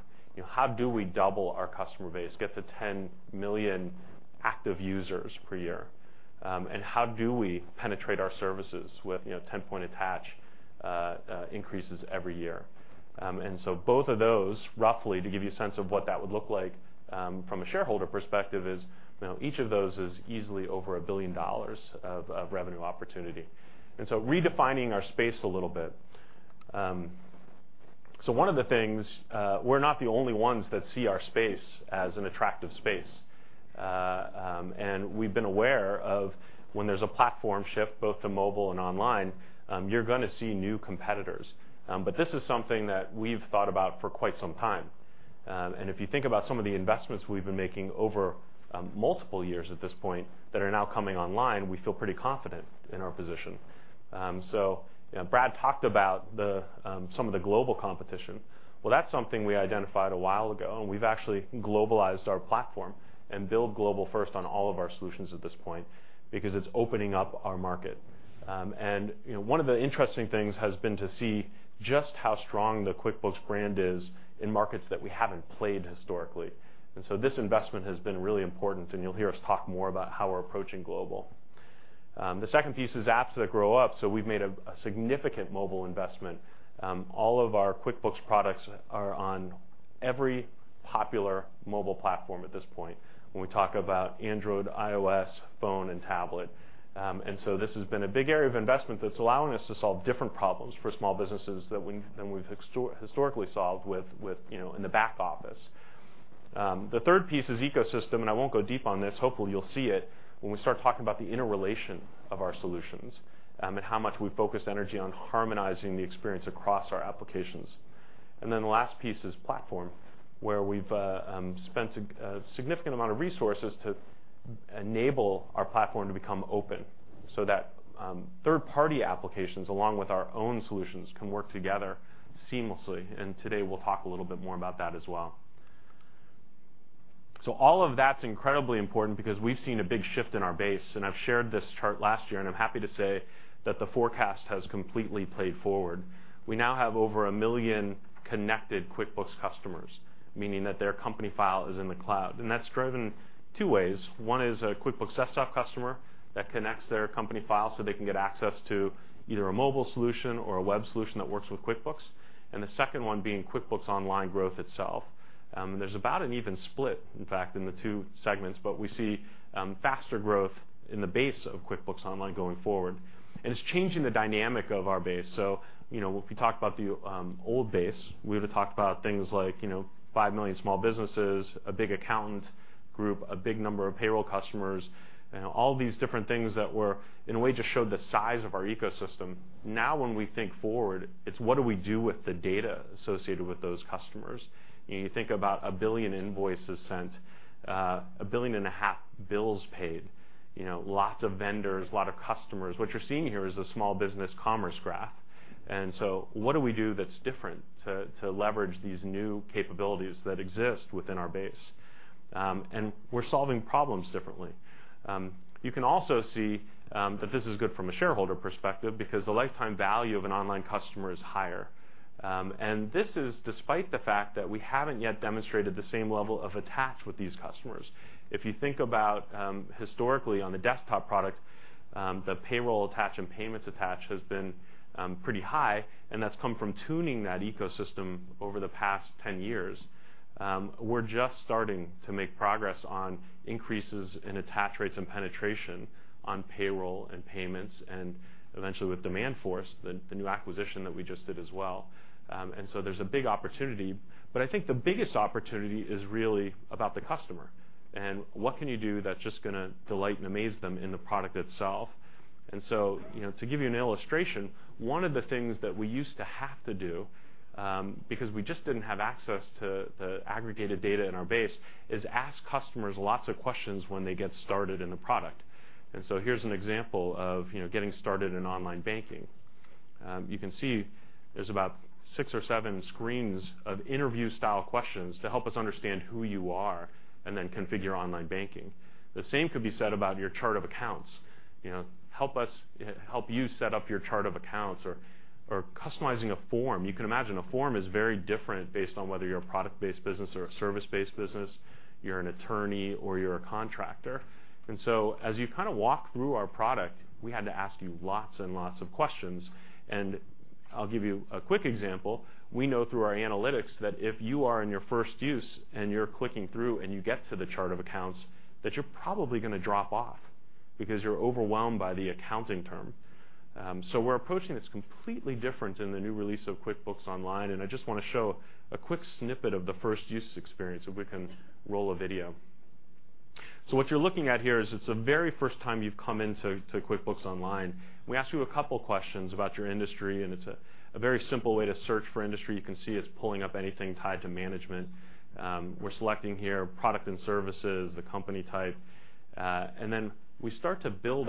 how do we double our customer base, get to 10 million active users per year? How do we penetrate our services with 10-point attach increases every year? Both of those, roughly, to give you a sense of what that would look like from a shareholder perspective, is each of those is easily over $1 billion of revenue opportunity. Redefining our space a little bit. One of the things, we're not the only ones that see our space as an attractive space. We've been aware of when there's a platform shift, both to mobile and online, you're going to see new competitors. This is something that we've thought about for quite some time. If you think about some of the investments we've been making over multiple years at this point that are now coming online, we feel pretty confident in our position. Brad talked about some of the global competition. That's something we identified a while ago, and we've actually globalized our platform and build global first on all of our solutions at this point because it's opening up our market. One of the interesting things has been to see just how strong the QuickBooks brand is in markets that we haven't played historically. This investment has been really important, and you'll hear us talk more about how we're approaching global. The second piece is apps that grow up. We've made a significant mobile investment. All of our QuickBooks products are on every popular mobile platform at this point, when we talk about Android, iOS, phone, and tablet. This has been a big area of investment that's allowing us to solve different problems for small businesses than we've historically solved in the back office. The third piece is ecosystem, I won't go deep on this. Hopefully, you'll see it when we start talking about the interrelation of our solutions, and how much we've focused energy on harmonizing the experience across our applications. The last piece is platform, where we've spent a significant amount of resources to enable our platform to become open, so that third-party applications, along with our own solutions, can work together seamlessly. Today, we'll talk a little bit more about that as well. All of that's incredibly important because we've seen a big shift in our base, I've shared this chart last year, I'm happy to say that the forecast has completely played forward. We now have over 1 million connected QuickBooks customers, meaning that their company file is in the cloud, that's driven two ways. One is a QuickBooks Desktop customer that connects their company file so they can get access to either a mobile solution or a web solution that works with QuickBooks. The second one being QuickBooks Online growth itself. There's about an even split, in fact, in the two segments, but we see faster growth in the base of QuickBooks Online going forward. It's changing the dynamic of our base. If we talk about the old base, we would've talked about things like 5 million small businesses, a big accountant group, a big number of payroll customers, all these different things that in a way, just showed the size of our ecosystem. Now when we think forward, it's what do we do with the data associated with those customers? You think about 1 billion invoices sent, a billion and a half bills paid, lots of vendors, lot of customers. What you're seeing here is a small business commerce graph. What do we do that's different to leverage these new capabilities that exist within our base? We're solving problems differently. You can also see that this is good from a shareholder perspective because the lifetime value of an online customer is higher. This is despite the fact that we haven't yet demonstrated the same level of attach with these customers. If you think about, historically, on the desktop product, the payroll attach and payments attach has been pretty high, and that's come from tuning that ecosystem over the past 10 years. We're just starting to make progress on increases in attach rates and penetration on payroll and payments, eventually with Demandforce, the new acquisition that we just did as well. There's a big opportunity. I think the biggest opportunity is really about the customer, and what can you do that's just going to delight and amaze them in the product itself. To give you an illustration, one of the things that we used to have to do, because we just didn't have access to the aggregated data in our base, is ask customers lots of questions when they get started in a product. Here's an example of getting started in online banking. You can see there's about six or seven screens of interview-style questions to help us understand who you are and then configure online banking. The same could be said about your chart of accounts. Help you set up your chart of accounts or customizing a form. You can imagine a form is very different based on whether you're a product-based business or a service-based business, you're an attorney or you're a contractor. As you walk through our product, we had to ask you lots and lots of questions, and I'll give you a quick example. We know through our analytics that if you are in your first use and you're clicking through and you get to the chart of accounts, that you're probably going to drop off because you're overwhelmed by the accounting term. We're approaching this completely different in the new release of QuickBooks Online, and I just want to show a quick snippet of the first-use experience, if we can roll a video. What you're looking at here is, it's the very first time you've come into QuickBooks Online. We ask you a couple of questions about your industry, and it's a very simple way to search for industry. You can see it's pulling up anything tied to management. We're selecting here product and services, the company type. We start to build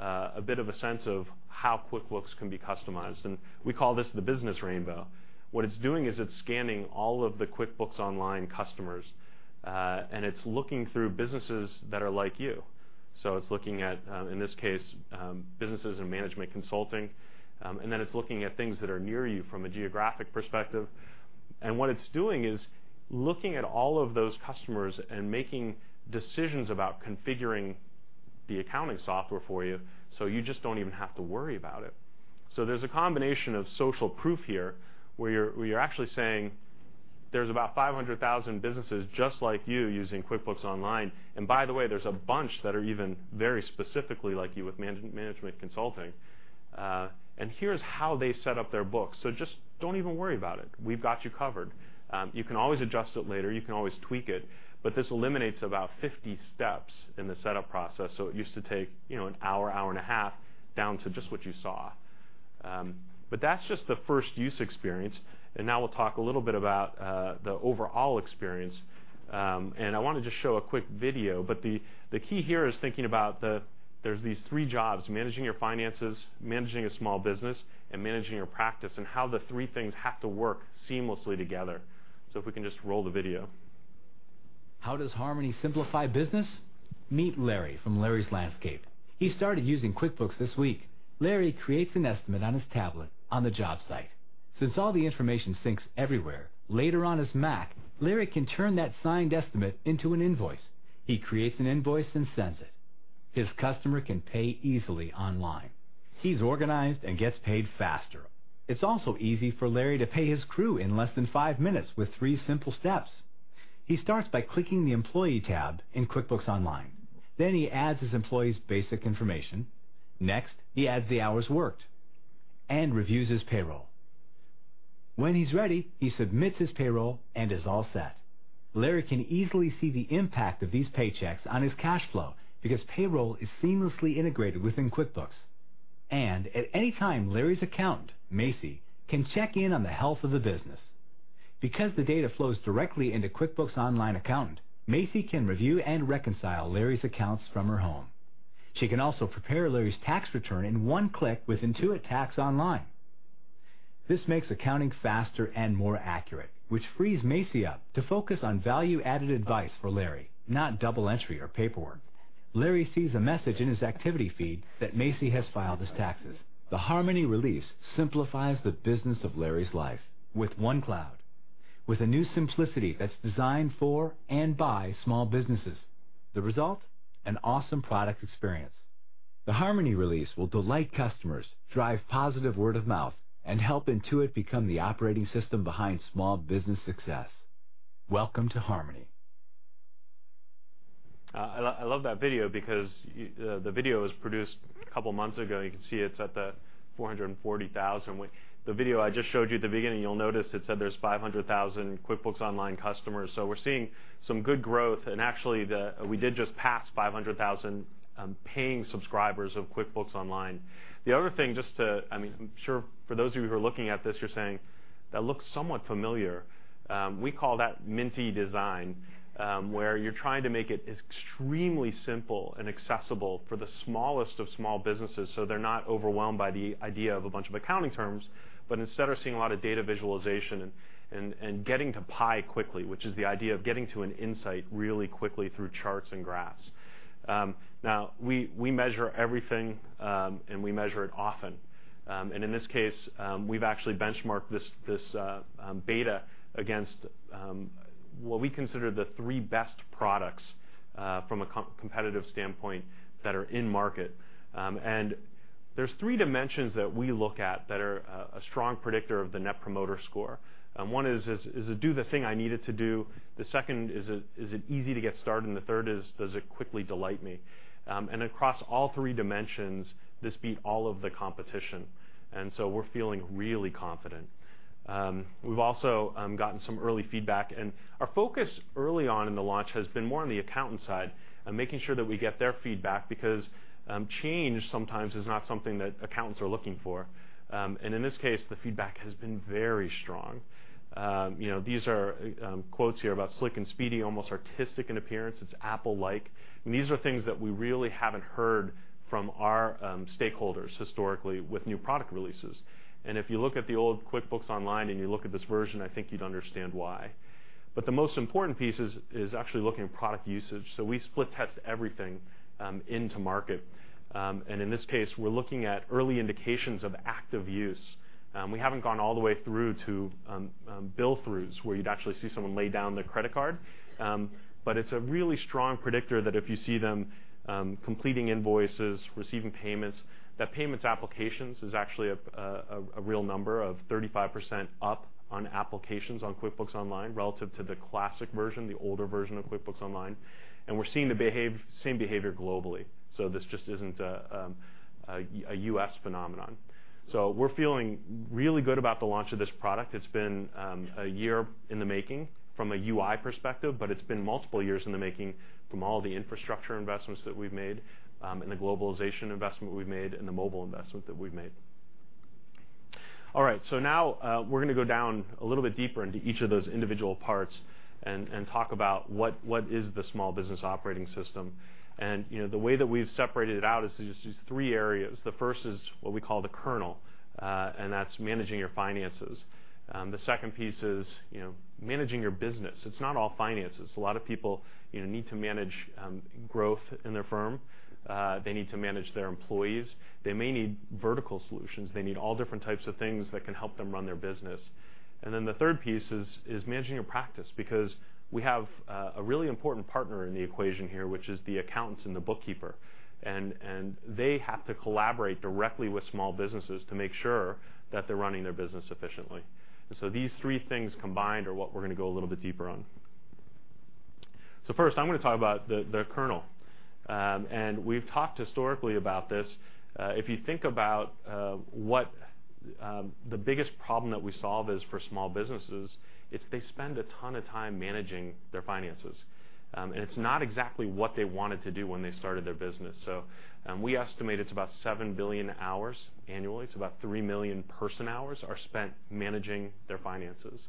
out a bit of a sense of how QuickBooks can be customized, and we call this the business rainbow. What it's doing is it's scanning all of the QuickBooks Online customers, and it's looking through businesses that are like you. It's looking at, in this case, businesses in management consulting, and then it's looking at things that are near you from a geographic perspective. What it's doing is looking at all of those customers and making decisions about configuring the accounting software for you, so you just don't even have to worry about it. There's a combination of social proof here, where you're actually saying there's about 500,000 businesses just like you using QuickBooks Online. By the way, there's a bunch that are even very specifically like you with management consulting. Here's how they set up their books. Just don't even worry about it. We've got you covered. You can always adjust it later. You can always tweak it. This eliminates about 50 steps in the setup process. It used to take an hour and a half, down to just what you saw. That's just the first-use experience, and now we'll talk a little bit about the overall experience. I want to just show a quick video, the key here is thinking about that there's these three jobs, managing your finances, managing a small business, and managing your practice, and how the three things have to work seamlessly together. If we can just roll the video. How does Harmony simplify business? Meet Larry from Larry's Landscaping. He started using QuickBooks this week. Larry creates an estimate on his tablet on the job site. Since all the information syncs everywhere, later on his Mac, Larry can turn that signed estimate into an invoice. He creates an invoice and sends it. His customer can pay easily online. He's organized and gets paid faster. It's also easy for Larry to pay his crew in less than five minutes with three simple steps. He starts by clicking the Employee tab in QuickBooks Online. He adds his employee's basic information. Next, he adds the hours worked. Reviews his payroll. When he's ready, he submits his payroll and is all set. Larry can easily see the impact of these paychecks on his cash flow because payroll is seamlessly integrated within QuickBooks. At any time, Larry's accountant, Macy, can check in on the health of the business. Because the data flows directly into QuickBooks Online Accountant, Macy can review and reconcile Larry's accounts from her home. She can also prepare Larry's tax return in one click with Intuit Tax Online. This makes accounting faster and more accurate, which frees Macy up to focus on value-added advice for Larry, not double entry or paperwork. Larry sees a message in his activity feed that Macy has filed his taxes. The Harmony release simplifies the business of Larry's life with one cloud, with a new simplicity that's designed for and by small businesses. The result? An awesome product experience. The Harmony release will delight customers, drive positive word of mouth, and help Intuit become the operating system behind small business success. Welcome to Harmony. I love that video because the video was produced a couple of months ago. You can see it's at the 440,000, which the video I just showed you at the beginning, you'll notice it said there's 500,000 QuickBooks Online customers. We're seeing some good growth. Actually, we did just pass 500,000 paying subscribers of QuickBooks Online. The other thing, I'm sure for those of you who are looking at this, you're saying, "That looks somewhat familiar." We call that Minty design, where you're trying to make it extremely simple and accessible for the smallest of small businesses, so they're not overwhelmed by the idea of a bunch of accounting terms, but instead are seeing a lot of data visualization and getting to PI quickly, which is the idea of getting to an insight really quickly through charts and graphs. Now, we measure everything, and we measure it often. In this case, we've actually benchmarked this beta against what we consider the three best products, from a competitive standpoint, that are in market. There's three dimensions that we look at that are a strong predictor of the Net Promoter Score. One is, does it do the thing I need it to do? The second, is it easy to get started? The third is, does it quickly delight me? Across all three dimensions, this beat all of the competition, so we're feeling really confident. We've also gotten some early feedback, and our focus early on in the launch has been more on the accountant side and making sure that we get their feedback because change sometimes is not something that accountants are looking for. In this case, the feedback has been very strong. These are quotes here about slick and speedy, almost artistic in appearance. It's Apple-like. These are things that we really haven't heard from our stakeholders historically with new product releases. If you look at the old QuickBooks Online and you look at this version, I think you'd understand why. The most important piece is actually looking at product usage. We split-test everything into market. In this case, we're looking at early indications of active use. We haven't gone all the way through to bill-throughs, where you'd actually see someone lay down their credit card, but it's a really strong predictor that if you see them completing invoices, receiving payments, that payments applications is actually a real number of 35% up on applications on QuickBooks Online relative to the classic version, the older version of QuickBooks Online, and we're seeing the same behavior globally. This just isn't a U.S. phenomenon. We're feeling really good about the launch of this product. It's been a year in the making from a UI perspective, but it's been multiple years in the making from all the infrastructure investments that we've made, the globalization investment we've made, and the mobile investment that we've made. All right. Now, we're going to go down a little bit deeper into each of those individual parts and talk about what is the small business operating system. The way that we've separated it out is to just use three areas. The first is what we call the kernel, and that's managing your finances. The second piece is managing your business. It's not all finances. A lot of people need to manage growth in their firm. They need to manage their employees. They may need vertical solutions. They need all different types of things that can help them run their business. The third piece is managing your practice because we have a really important partner in the equation here, which is the accountants and the bookkeeper. They have to collaborate directly with small businesses to make sure that they're running their business efficiently. These three things combined are what we're going to go a little bit deeper on. First, I'm going to talk about the kernel. We've talked historically about this. If you think about what the biggest problem that we solve is for small businesses, it's they spend a ton of time managing their finances. It's not exactly what they wanted to do when they started their business. We estimate it's about seven billion hours annually. It's about three million person-hours are spent managing their finances.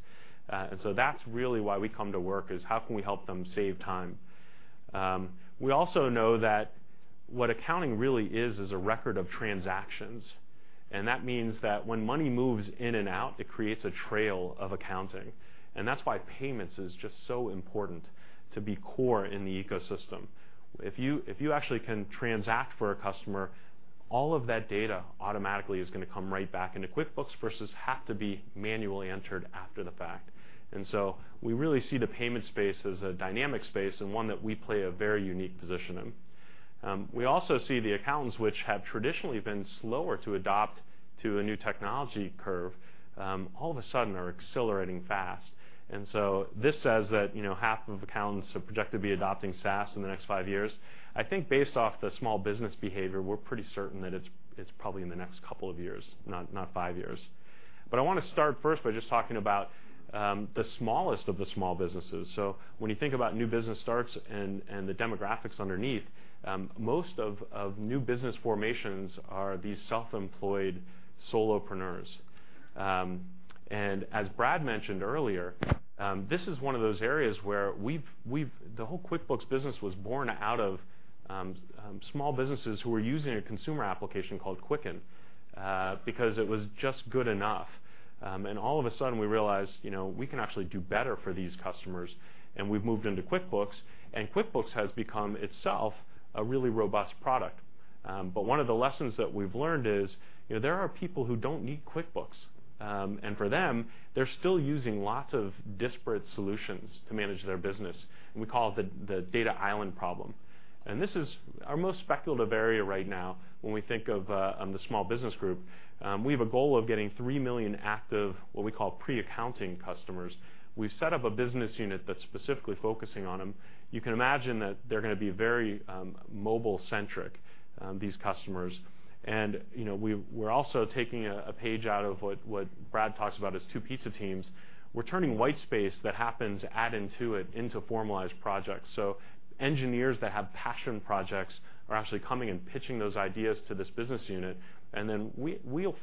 That's really why we come to work, is how can we help them save time? We also know that what accounting really is a record of transactions, and that means that when money moves in and out, it creates a trail of accounting. That's why payments is just so important to be core in the ecosystem. If you actually can transact for a customer, all of that data automatically is going to come right back into QuickBooks, versus have to be manually entered after the fact. We really see the payment space as a dynamic space and one that we play a very unique position in. We also see the accountants, which have traditionally been slower to adopt to a new technology curve, all of a sudden are accelerating fast. This says that half of accountants are projected to be adopting SaaS in the next five years. I think based off the small business behavior, we're pretty certain that it's probably in the next couple of years, not five years. I want to start first by just talking about the smallest of the small businesses. When you think about new business starts and the demographics underneath, most of new business formations are these self-employed solopreneurs. As Brad mentioned earlier, this is one of those areas where the whole QuickBooks business was born out of small businesses who were using a consumer application called Quicken because it was just good enough. All of a sudden, we realized, we can actually do better for these customers, and we've moved into QuickBooks, and QuickBooks has become itself a really robust product. One of the lessons that we've learned is, there are people who don't need QuickBooks. For them, they're still using lots of disparate solutions to manage their business, and we call it the data island problem. This is our most speculative area right now, when we think of the small business group. We have a goal of getting 3 million active, what we call pre-accounting customers. We've set up a business unit that's specifically focusing on them. You can imagine that they're going to be very mobile-centric, these customers. We're also taking a page out of what Brad talks about as two pizza teams. We're turning white space that happens at Intuit into formalized projects. Engineers that have passion projects are actually coming and pitching those ideas to this business unit, and then we'll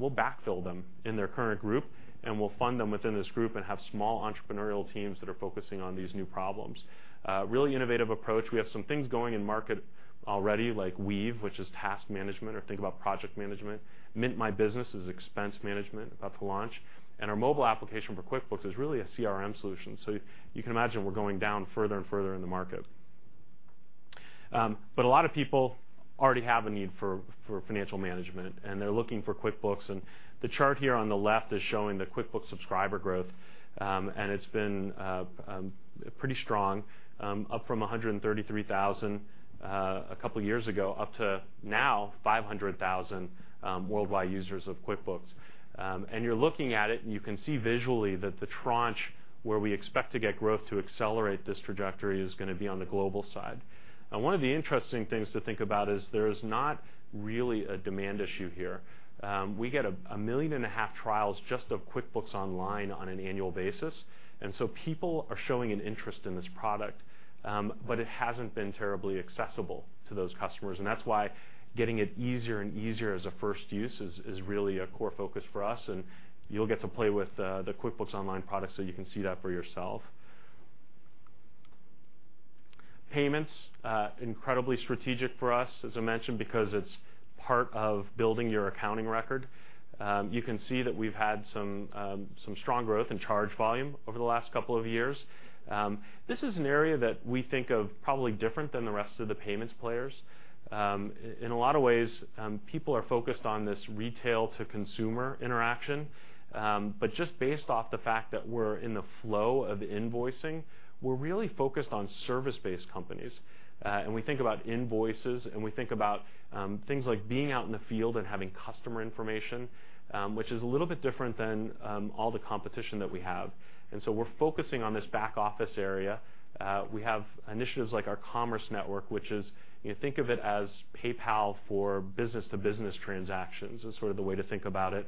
backfill them in their current group, and we'll fund them within this group and have small entrepreneurial teams that are focusing on these new problems. Really innovative approach. We have some things going in market already, like Weave, which is task management, or think about project management. Mint My Business is expense management, about to launch. Our mobile application for QuickBooks is really a CRM solution. You can imagine we're going down further and further in the market. A lot of people already have a need for financial management, and they're looking for QuickBooks. The chart here on the left is showing the QuickBooks subscriber growth. It's been pretty strong, up from 133,000 a couple of years ago up to now 500,000 worldwide users of QuickBooks. You're looking at it, and you can see visually that the tranche where we expect to get growth to accelerate this trajectory is going to be on the global side. One of the interesting things to think about is there's not really a demand issue here. We get 1.5 million trials just of QuickBooks Online on an annual basis, and so people are showing an interest in this product. It hasn't been terribly accessible to those customers, and that's why getting it easier and easier as a first use is really a core focus for us, and you'll get to play with the QuickBooks Online product so you can see that for yourself. Payments, incredibly strategic for us, as I mentioned, because it's part of building your accounting record. You can see that we've had some strong growth in charge volume over the last couple of years. This is an area that we think of probably different than the rest of the payments players. In a lot of ways, people are focused on this retail-to-consumer interaction. Just based off the fact that we're in the flow of invoicing, we're really focused on service-based companies. We think about invoices, and we think about things like being out in the field and having customer information, which is a little bit different than all the competition that we have. We're focusing on this back office area. We have initiatives like our Commerce Network, which is, you think of it as PayPal for business-to-business transactions, is sort of the way to think about it.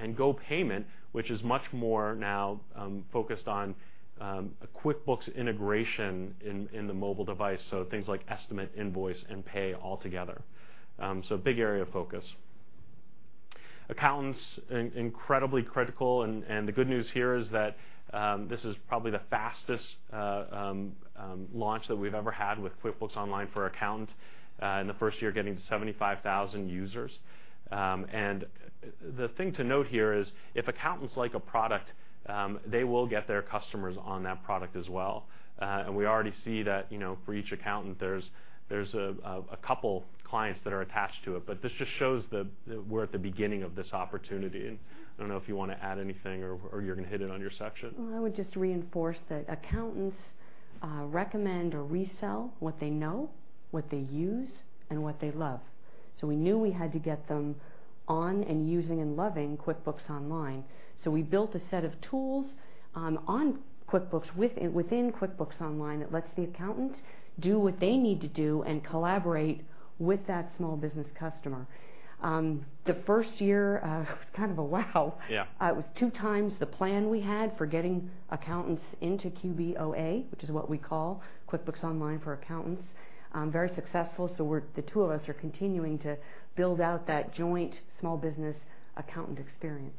GoPayment, which is much more now focused on a QuickBooks integration in the mobile device, so things like estimate, invoice, and pay all together. Big area of focus. Accountants, incredibly critical, and the good news here is that this is probably the fastest launch that we've ever had with QuickBooks Online for Accountants, in the first year getting to 75,000 users. The thing to note here is, if accountants like a product, they will get their customers on that product as well. We already see that for each accountant, there's a couple clients that are attached to it. This just shows that we're at the beginning of this opportunity. I don't know if you want to add anything, or you're going to hit it on your section. I would just reinforce that accountants recommend or resell what they know, what they use, and what they love. We knew we had to get them on and using and loving QuickBooks Online. We built a set of tools within QuickBooks Online that lets the accountant do what they need to do and collaborate with that small business customer. The first year was kind of a wow. Yeah. It was two times the plan we had for getting accountants into QBOA, which is what we call QuickBooks Online for Accountants. Very successful, the two of us are continuing to build out that joint small business accountant experience.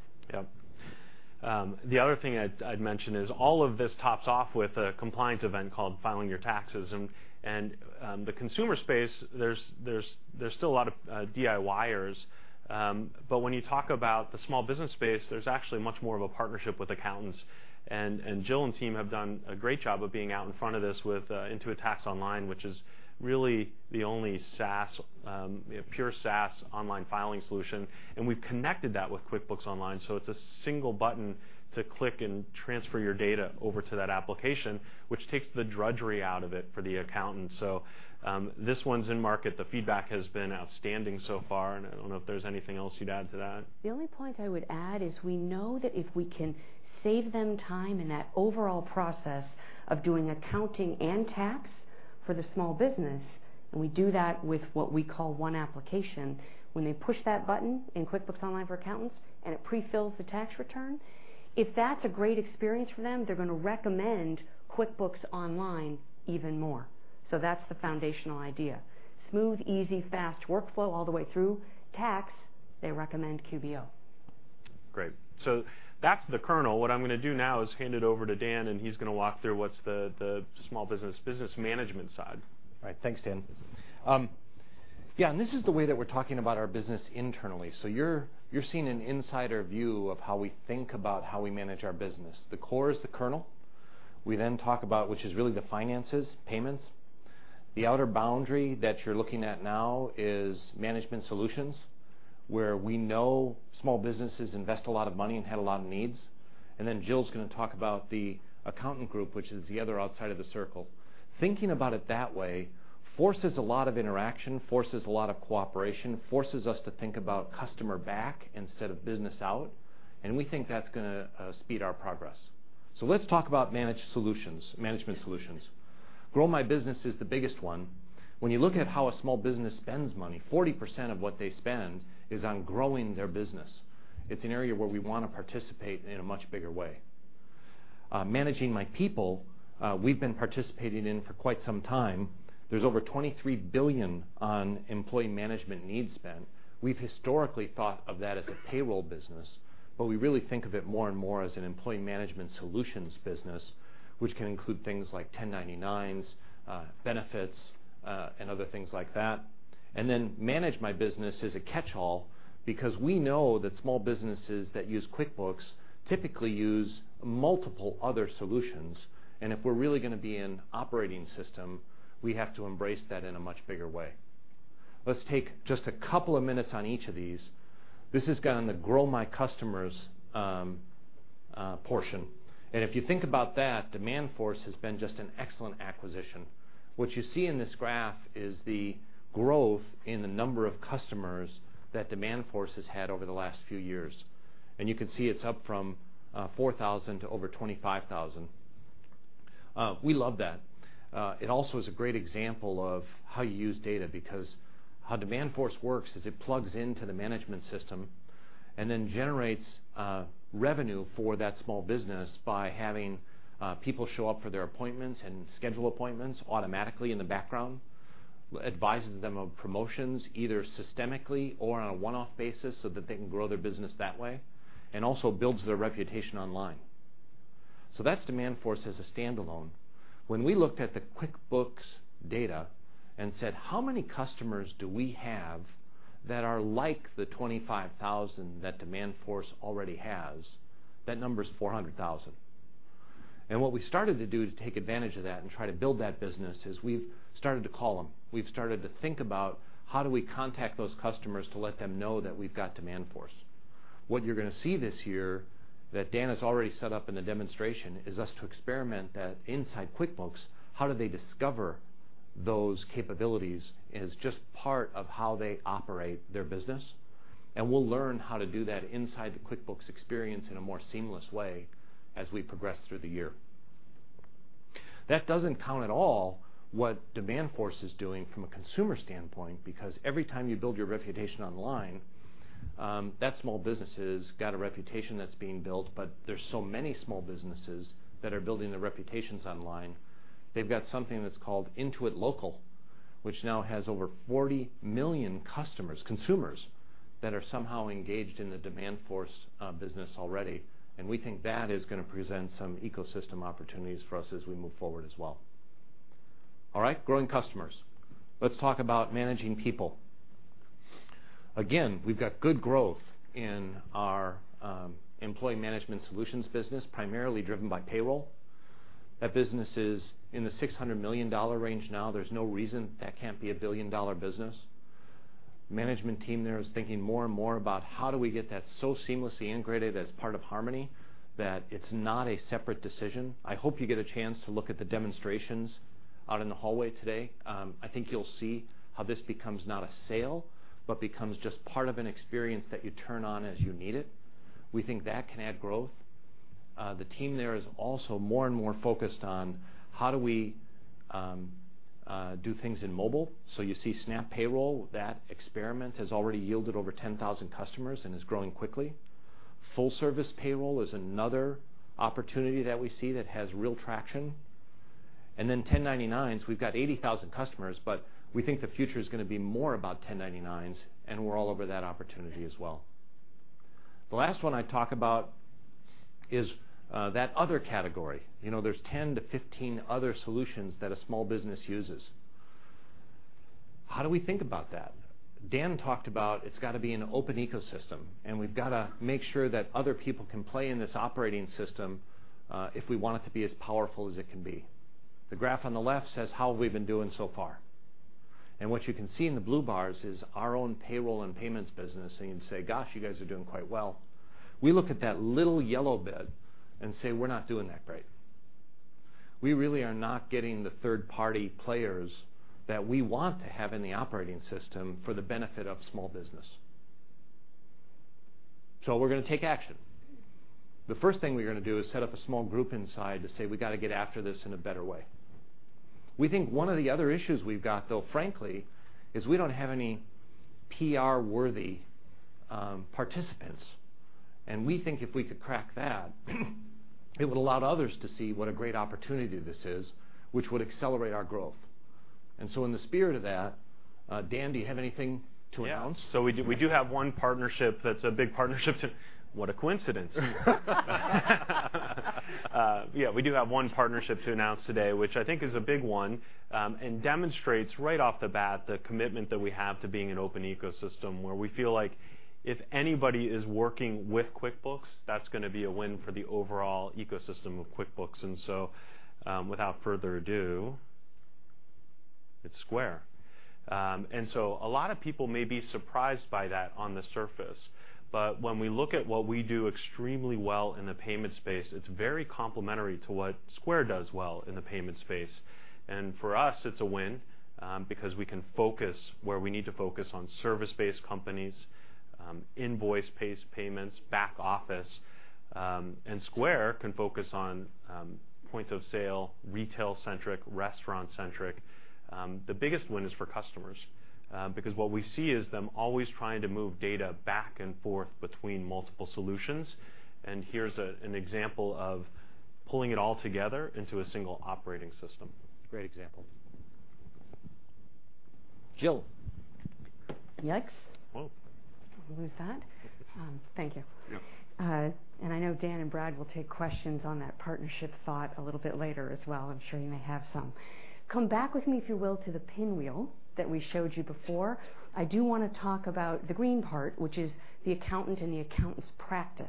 Yep. The other thing I'd mention is all of this tops off with a compliance event called Filing Your Taxes. The consumer space, there's still a lot of DIYers. When you talk about the small business space, there's actually much more of a partnership with accountants. Jill and team have done a great job of being out in front of this with Intuit Tax Online, which is really the only pure SaaS online filing solution. We've connected that with QuickBooks Online, so it's a single button to click and transfer your data over to that application, which takes the drudgery out of it for the accountant. This one's in market. The feedback has been outstanding so far, I don't know if there's anything else you'd add to that. The only point I would add is we know that if we can save them time in that overall process of doing accounting and tax. For the small business, we do that with what we call one application. When they push that button in QuickBooks Online for Accountants and it pre-fills the tax return, if that's a great experience for them, they're going to recommend QuickBooks Online even more. That's the foundational idea. Smooth, easy, fast workflow all the way through tax, they recommend QBO. Great. That's the kernel. What I'm going to do now is hand it over to Dan, and he's going to walk through what's the small business management side. All right. Thanks, Dan. Yeah, this is the way that we're talking about our business internally. You're seeing an insider view of how we think about how we manage our business. The core is the kernel. We talk about, which is really the finances, payments. The outer boundary that you're looking at now is Management Solutions, where we know small businesses invest a lot of money and have a lot of needs. Jill's going to talk about the Accountant Group, which is the other outside of the circle. Thinking about it that way forces a lot of interaction, forces a lot of cooperation, forces us to think about customer back instead of business out, and we think that's going to speed our progress. Let's talk about Management Solutions. Grow My Business is the biggest one. When you look at how a small business spends money, 40% of what they spend is on growing their business. It's an area where we want to participate in a much bigger way. Managing My People, we've been participating in for quite some time. There's over $23 billion on employee management needs spent. We've historically thought of that as a payroll business, but we really think of it more and more as an employee management solutions business, which can include things like 1099s, benefits, and other things like that. Manage My Business is a catchall because we know that small businesses that use QuickBooks typically use multiple other solutions, and if we're really going to be an operating system, we have to embrace that in a much bigger way. Let's take just a couple of minutes on each of these. This has gone the Grow My Customers portion. If you think about that, Demandforce has been just an excellent acquisition. What you see in this graph is the growth in the number of customers that Demandforce has had over the last few years. You can see it's up from 4,000 to over 25,000. We love that. It also is a great example of how you use data, because how Demandforce works is it plugs into the management system and then generates revenue for that small business by having people show up for their appointments and schedule appointments automatically in the background, advises them of promotions, either systemically or on a one-off basis so that they can grow their business that way, and also builds their reputation online. That's Demandforce as a standalone. When we looked at the QuickBooks data and said, "How many customers do we have that are like the 25,000 that Demandforce already has?" That number is 400,000. What we started to do to take advantage of that and try to build that business is we've started to call them. We've started to think about how do we contact those customers to let them know that we've got Demandforce. What you're going to see this year that Dan has already set up in the demonstration is us to experiment that inside QuickBooks, how do they discover those capabilities as just part of how they operate their business. We'll learn how to do that inside the QuickBooks experience in a more seamless way as we progress through the year. That doesn't count at all what Demandforce is doing from a consumer standpoint, because every time you build your reputation online, that small business has got a reputation that's being built, but there's so many small businesses that are building their reputations online. They've got something that's called Intuit Local, which now has over 40 million consumers that are somehow engaged in the Demandforce business already, and we think that is going to present some ecosystem opportunities for us as we move forward as well. All right. Growing customers. Let's talk about managing people. Again, we've got good growth in our employee management solutions business, primarily driven by payroll. That business is in the $600 million range now. There's no reason that can't be a billion-dollar business. Management team there is thinking more and more about how do we get that so seamlessly integrated as part of Harmony that it's not a separate decision. I hope you get a chance to look at the demonstrations out in the hallway today. I think you'll see how this becomes not a sale, but becomes just part of an experience that you turn on as you need it. We think that can add growth. The team there is also more and more focused on how do we do things in mobile. You see Snap Payroll, that experiment has already yielded over 10,000 customers and is growing quickly. Full service payroll is another opportunity that we see that has real traction. Then 1099s, we've got 80,000 customers, but we think the future is going to be more about 1099s, and we're all over that opportunity as well. The last one I talk about is that other category. There's 10 to 15 other solutions that a small business uses. How do we think about that? Dan talked about it's got to be an open ecosystem. We've got to make sure that other people can play in this operating system if we want it to be as powerful as it can be. The graph on the left says how we've been doing so far. What you can see in the blue bars is our own payroll and payments business. You'd say, "Gosh, you guys are doing quite well." We look at that little yellow bit and say, "We're not doing that great." We really are not getting the third-party players that we want to have in the operating system for the benefit of small business. We're going to take action. The first thing we're going to do is set up a small group inside to say we got to get after this in a better way. We think one of the other issues we've got, though, frankly, is we don't have any PR-worthy participants. We think if we could crack that, it would allow others to see what a great opportunity this is, which would accelerate our growth. In the spirit of that, Dan, do you have anything to announce? Yeah. What a coincidence. Yeah, we do have one partnership to announce today, which I think is a big one, and demonstrates right off the bat the commitment that we have to being an open ecosystem, where we feel like if anybody is working with QuickBooks, that's going to be a win for the overall ecosystem of QuickBooks. Without further ado, it's Square. A lot of people may be surprised by that on the surface, but when we look at what we do extremely well in the payment space, it's very complementary to what Square does well in the payment space. For us, it's a win because we can focus where we need to focus on service-based companies, invoice-based payments, back office. Square can focus on point-of-sale, retail-centric, restaurant-centric. The biggest win is for customers because what we see is them always trying to move data back and forth between multiple solutions, and here's an example of pulling it all together into a single operating system. Great example. Jill? Yikes. Whoa. Don't want to lose that. Thank you. Yeah. I know Dan and Brad will take questions on that partnership thought a little bit later as well. I'm sure you may have some. Come back with me, if you will, to the pinwheel that we showed you before. I do want to talk about the green part, which is the accountant and the accountant's practice.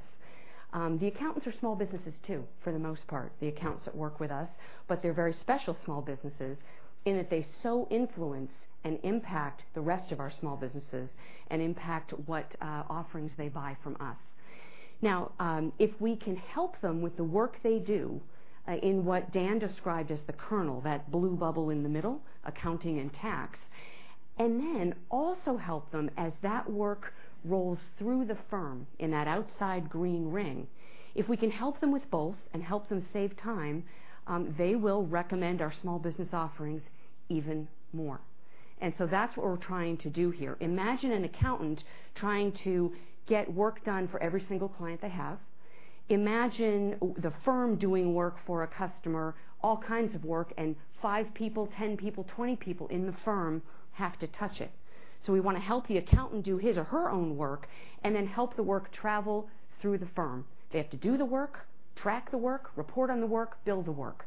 The accountants are small businesses too, for the most part, the accountants that work with us. They're very special small businesses in that they so influence and impact the rest of our small businesses and impact what offerings they buy from us. If we can help them with the work they do in what Dan described as the kernel, that blue bubble in the middle, accounting and tax, and then also help them as that work rolls through the firm in that outside green ring. If we can help them with both and help them save time, they will recommend our small business offerings even more. That's what we're trying to do here. Imagine an accountant trying to get work done for every single client they have. Imagine the firm doing work for a customer, all kinds of work, and five people, 10 people, 20 people in the firm have to touch it. We want to help the accountant do his or her own work and then help the work travel through the firm. They have to do the work, track the work, report on the work, bill the work.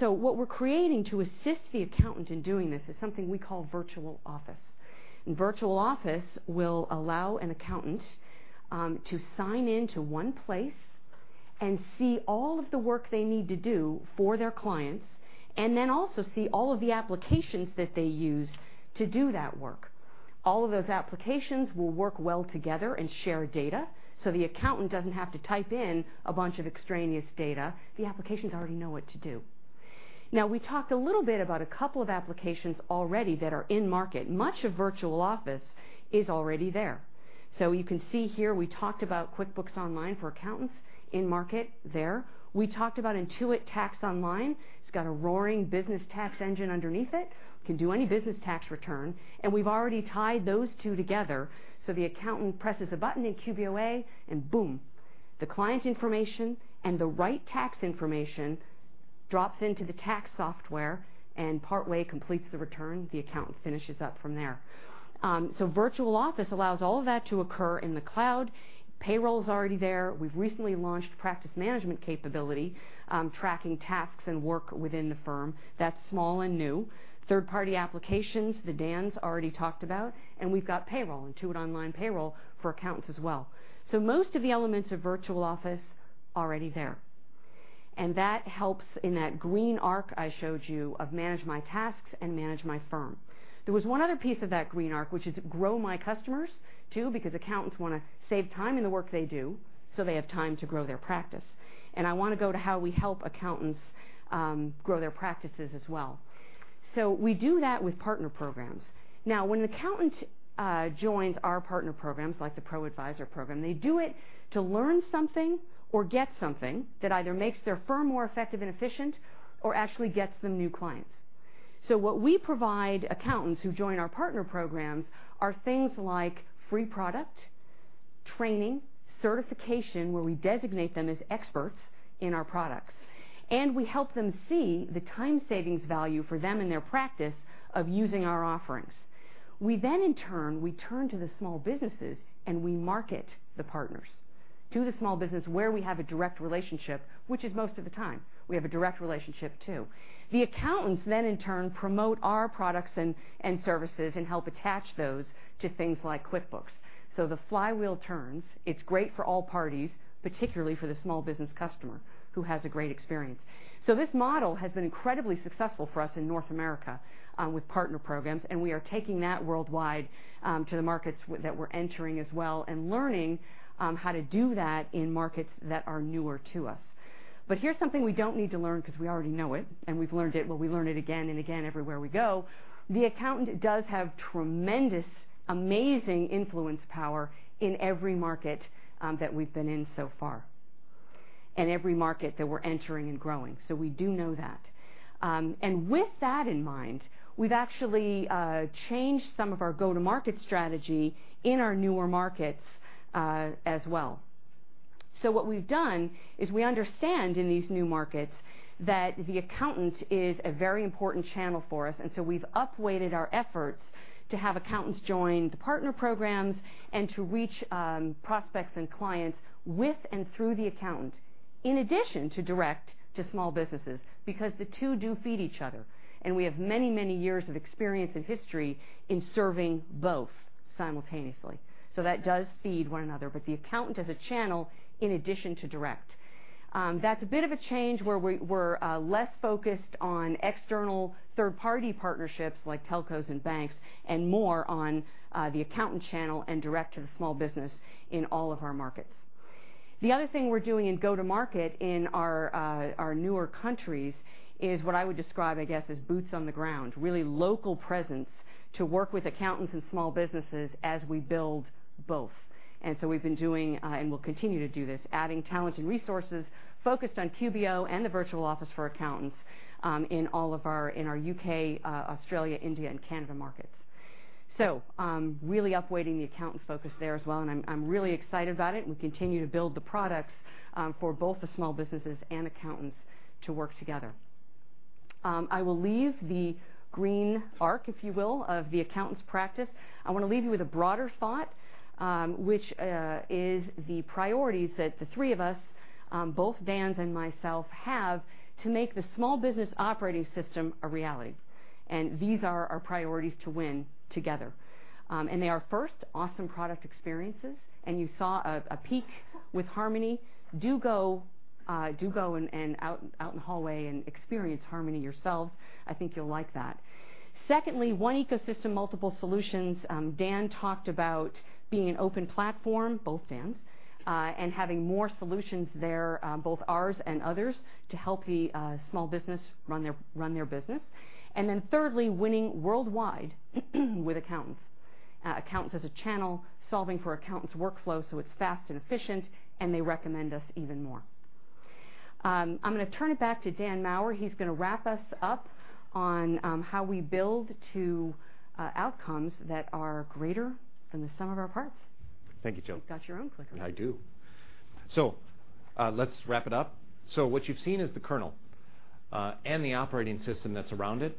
What we're creating to assist the accountant in doing this is something we call Virtual Office. Virtual Office will allow an accountant to sign into one place and see all of the work they need to do for their clients, and then also see all of the applications that they use to do that work. All of those applications will work well together and share data, so the accountant doesn't have to type in a bunch of extraneous data. The applications already know what to do. We talked a little bit about a couple of applications already that are in market. Much of Virtual Office is already there. You can see here we talked about QuickBooks Online for Accountants in market there. We talked about Intuit Tax Online. It's got a roaring business tax engine underneath it. Can do any business tax return. We've already tied those two together, the accountant presses a button in QBOA, and boom, the client information and the right tax information drops into the tax software and partway completes the return. The accountant finishes up from there. Virtual Office allows all of that to occur in the cloud. Payroll's already there. We've recently launched practice management capability, tracking tasks and work within the firm. That's small and new. Third-party applications, the Dans already talked about. We've got payroll, Intuit Online Payroll for accountants as well. Most of the elements of Virtual Office, already there. That helps in that green arc I showed you of manage my tasks and manage my firm. There was one other piece of that green arc, which is grow my customers, too, because accountants want to save time in the work they do, so they have time to grow their practice. I want to go to how we help accountants grow their practices as well. We do that with partner programs. Now, when an accountant joins our partner programs, like the ProAdvisor program, they do it to learn something or get something that either makes their firm more effective and efficient or actually gets them new clients. What we provide accountants who join our partner programs are things like free product, training, certification, where we designate them as experts in our products. We help them see the time savings value for them in their practice of using our offerings. We in turn, we turn to the small businesses, we market the partners to the small business where we have a direct relationship, which is most of the time. We have a direct relationship, too. The accountants then, in turn, promote our products and services and help attach those to things like QuickBooks. The flywheel turns. It's great for all parties, particularly for the small business customer who has a great experience. This model has been incredibly successful for us in North America with partner programs, we are taking that worldwide to the markets that we're entering as well and learning how to do that in markets that are newer to us. Here's something we don't need to learn because we already know it, and we've learned it, well, we learn it again and again everywhere we go. The accountant does have tremendous, amazing influence power in every market that we've been in so far. in every market that we're entering and growing. We do know that. With that in mind, we've actually changed some of our go-to-market strategy in our newer markets, as well. What we've done is we understand in these new markets that the accountant is a very important channel for us, we've up-weighted our efforts to have accountants join the partner programs to reach prospects and clients with and through the accountant, in addition to direct to small businesses, because the two do feed each other, we have many years of experience and history in serving both simultaneously. That does feed one another, the accountant as a channel in addition to direct. That's a bit of a change where we're less focused on external third-party partnerships like telcos and banks, and more on the accountant channel and direct to the small business in all of our markets. The other thing we're doing in go-to-market in our newer countries is what I would describe, I guess, as boots on the ground, really local presence to work with accountants and small businesses as we build both. We've been doing, and will continue to do this, adding talent and resources focused on QBO and the virtual office for accountants, in our U.K., Australia, India, and Canada markets. Really up-weighting the accountant focus there as well, and I'm really excited about it, and we continue to build the products for both the small businesses and accountants to work together. I will leave the green arc, if you will, of the accountants practice. I want to leave you with a broader thought, which is the priorities that the three of us, both Dans and myself, have to make the small business operating system a reality. These are our priorities to win together. They are, first, awesome product experiences, and you saw a peek with Harmony. Do go out in the hallway and experience Harmony yourselves. I think you'll like that. Secondly, one ecosystem, multiple solutions. Dan talked about being an open platform, both Dans, and having more solutions there, both ours and others, to help the small business run their business. Thirdly, winning worldwide with accountants. Accountants as a channel, solving for accountants' workflow, so it's fast and efficient, and they recommend us even more. I'm going to turn it back to Dan Maurer. He's going to wrap us up on how we build to outcomes that are greater than the sum of our parts. Thank you, Jill. You've got your own clicker. I do. Let's wrap it up. What you've seen is the kernel, and the operating system that's around it.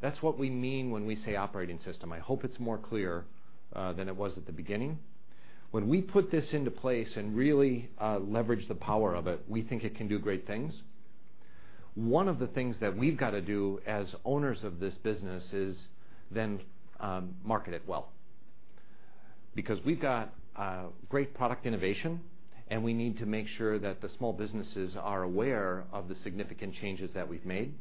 That's what we mean when we say operating system. I hope it's more clear than it was at the beginning. When we put this into place and really leverage the power of it, we think it can do great things. One of the things that we've got to do as owners of this business is then market it well. We've got great product innovation, and we need to make sure that the small businesses are aware of the significant changes that we've made.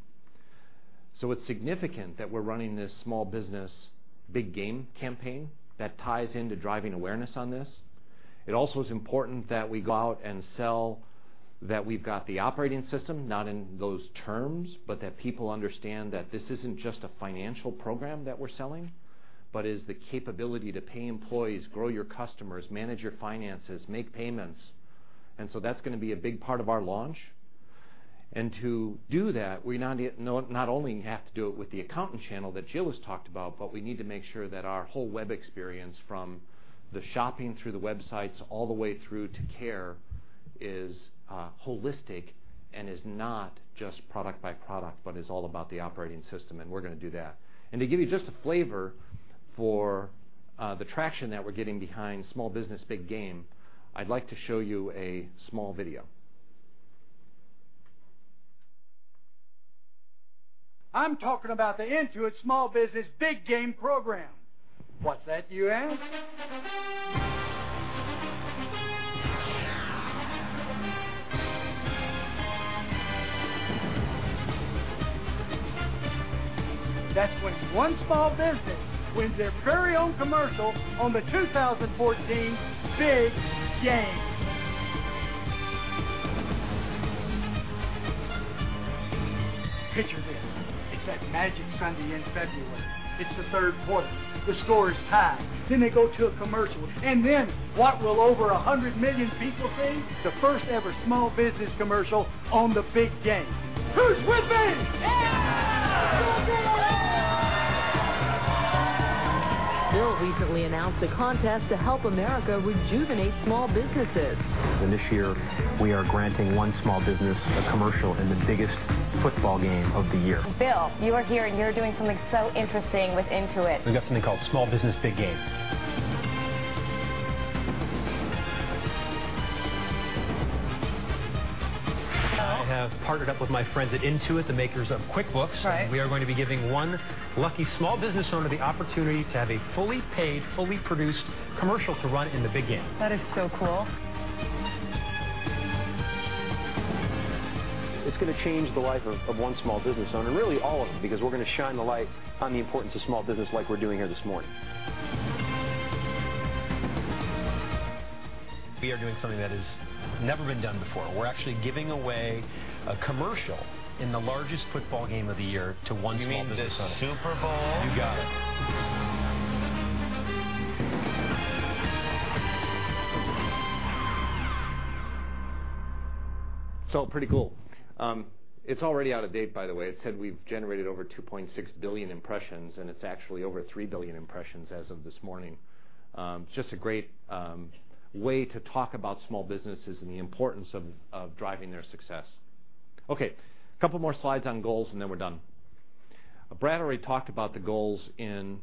It's significant that we're running this Small Business, Big Game campaign that ties into driving awareness on this. It also is important that we go out and sell that we've got the operating system, not in those terms, but that people understand that this isn't just a financial program that we're selling, but is the capability to pay employees, grow your customers, manage your finances, make payments. That's going to be a big part of our launch. To do that, we not only have to do it with the accountant channel that Jill has talked about, but we need to make sure that our whole web experience, from the shopping through the websites all the way through to care, is holistic and is not just product by product, but is all about the operating system, and we're going to do that. To give you just a flavor for the traction that we're getting behind Small Business, Big Game, I'd like to show you a small video. I'm talking about the Intuit Small Business Big Game program. What's that, you ask? That's when one small business wins their very own commercial on the 2014 Big Game. Picture this. It's that magic Sunday in February. It's the third quarter. The score is tied. They go to a commercial. What will over 100 million people see? The first ever small business commercial on the Big Game. Who's with me? Yeah. Small business. Bill recently announced a contest to help America rejuvenate small businesses. This year, we are granting one small business a commercial in the biggest football game of the year. Bill, you are here, and you're doing something so interesting with Intuit. We've got something called Small Business Big Game. I have partnered up with my friends at Intuit, the makers of QuickBooks. Right. We are going to be giving one lucky small business owner the opportunity to have a fully paid, fully produced commercial to run in the Big Game. That is so cool. It's going to change the life of one small business owner, and really all of them, because we're going to shine the light on the importance of small business like we're doing here this morning. We are doing something that has never been done before. We're actually giving away a commercial in the largest football game of the year to one small business owner. You mean the Super Bowl? You got it. Pretty cool. It's already out of date, by the way. It said we've generated over 2.6 billion impressions, and it's actually over 3 billion impressions as of this morning. Just a great way to talk about small businesses and the importance of driving their success. A couple more slides on goals, then we're done. Brad already talked about the goals in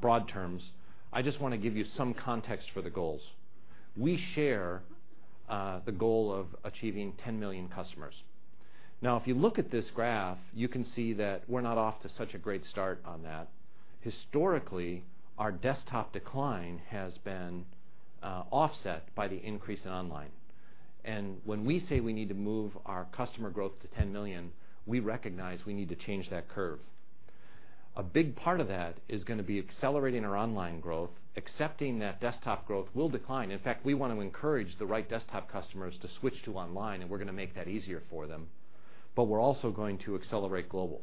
broad terms. I just want to give you some context for the goals. We share the goal of achieving 10 million customers. If you look at this graph, you can see that we're not off to such a great start on that. Historically, our desktop decline has been offset by the increase in online. When we say we need to move our customer growth to 10 million, we recognize we need to change that curve. A big part of that is going to be accelerating our online growth, accepting that desktop growth will decline. In fact, we want to encourage the right desktop customers to switch to online, and we're going to make that easier for them. We're also going to accelerate global.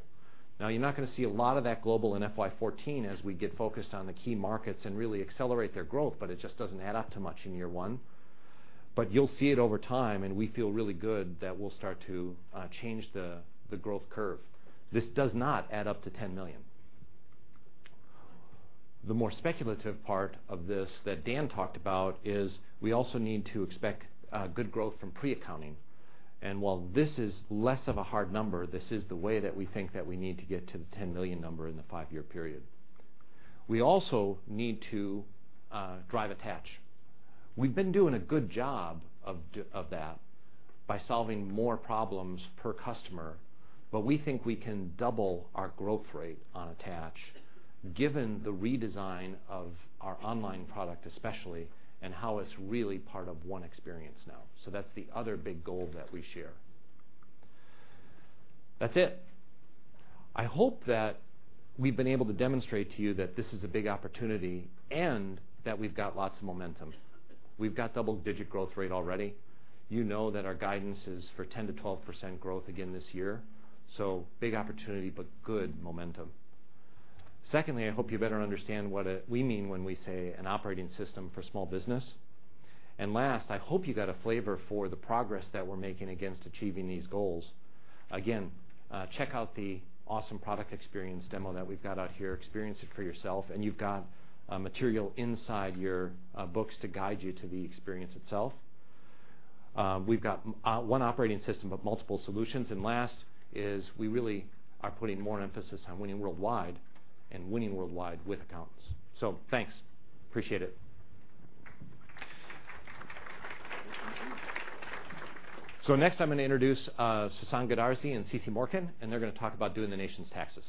You're not going to see a lot of that global in FY 2014 as we get focused on the key markets and really accelerate their growth, it just doesn't add up to much in year one. You'll see it over time, and we feel really good that we'll start to change the growth curve. This does not add up to 10 million. The more speculative part of this that Dan talked about is we also need to expect good growth from pre-accounting. While this is less of a hard number, this is the way that we think that we need to get to the 10 million number in the 5-year period. We also need to drive attach. We've been doing a good job of that by solving more problems per customer, but we think we can double our growth rate on attach given the redesign of our online product especially, and how it's really part of one experience now. That's the other big goal that we share. That's it. I hope that we've been able to demonstrate to you that this is a big opportunity and that we've got lots of momentum. We've got double-digit growth rate already. You know that our guidance is for 10%-12% growth again this year, big opportunity, but good momentum. Secondly, I hope you better understand what we mean when we say an operating system for small business. Last, I hope you got a flavor for the progress that we're making against achieving these goals. Again, check out the awesome product experience demo that we've got out here, experience it for yourself, and you've got material inside your books to guide you to the experience itself. We've got one operating system but multiple solutions. Last is we really are putting more emphasis on winning worldwide and winning worldwide with accountants. Thanks, appreciate it. Next, I'm going to introduce Sasan Goodarzi and CeCe Morken, and they're going to talk about doing the nation's taxes.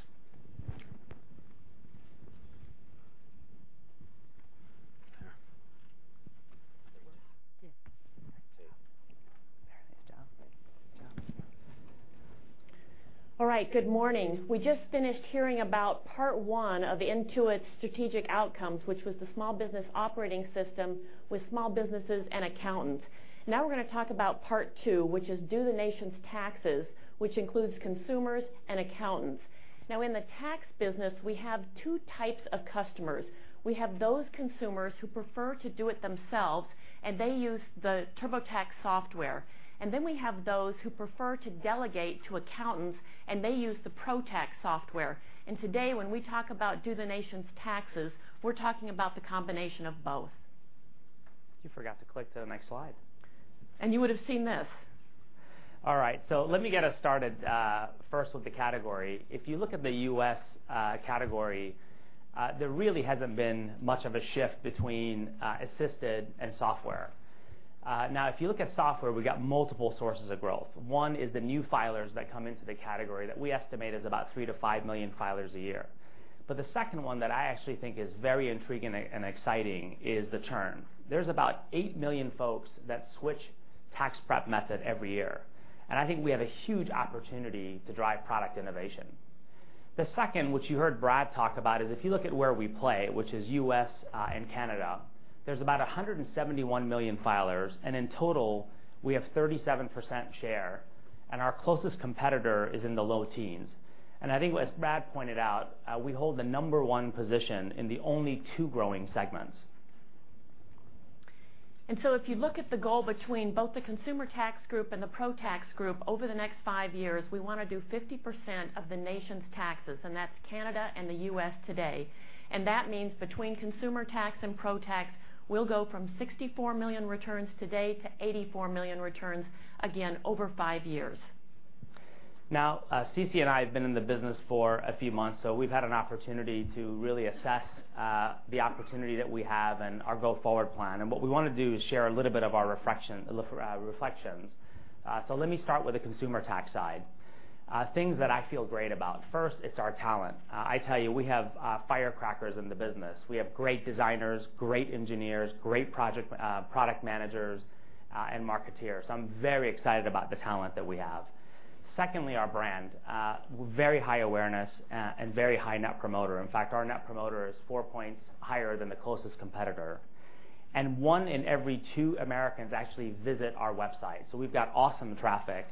Yeah. Two. Very nice job. Good job. All right. Good morning. We just finished hearing about part 1 of Intuit's strategic outcomes, which was the small business operating system with small businesses and accountants. Now we're going to talk about part 2, which is do the nation's taxes, which includes consumers and accountants. Now, in the tax business, we have 2 types of customers. We have those consumers who prefer to do it themselves, and they use the TurboTax software, and then we have those who prefer to delegate to accountants, and they use the Pro Tax software. Today, when we talk about do the nation's taxes, we're talking about the combination of both. You forgot to click to the next slide. You would have seen this. Let me get us started first with the category. If you look at the U.S. category, there really hasn't been much of a shift between assisted and software. If you look at software, we got multiple sources of growth. One is the new filers that come into the category that we estimate is about 3 million-5 million filers a year. The second one that I actually think is very intriguing and exciting is the churn. There's about 8 million folks that switch tax prep method every year, and I think we have a huge opportunity to drive product innovation. The second, which you heard Brad talk about, is if you look at where we play, which is U.S. and Canada, there's about 171 million filers, and in total, we have 37% share, and our closest competitor is in the low teens. I think as Brad pointed out, we hold the number 1 position in the only two growing segments. If you look at the goal between both the Consumer Tax group and the Pro Tax group over the next five years, we want to do 50% of the nation's taxes, and that's Canada and the U.S. today. That means between Consumer Tax and Pro Tax, we'll go from 64 million returns today to 84 million returns, again, over five years. CeCe and I have been in the business for a few months, we've had an opportunity to really assess the opportunity that we have and our go-forward plan, what we want to do is share a little bit of our reflections. Let me start with the consumer tax side. Things that I feel great about. First, it's our talent. I tell you, we have firecrackers in the business. We have great designers, great engineers, great product managers, and marketeers. I'm very excited about the talent that we have. Secondly, our brand. Very high awareness and very high Net Promoter. In fact, our Net Promoter is four points higher than the closest competitor. One in every two Americans actually visit our website, we've got awesome traffic.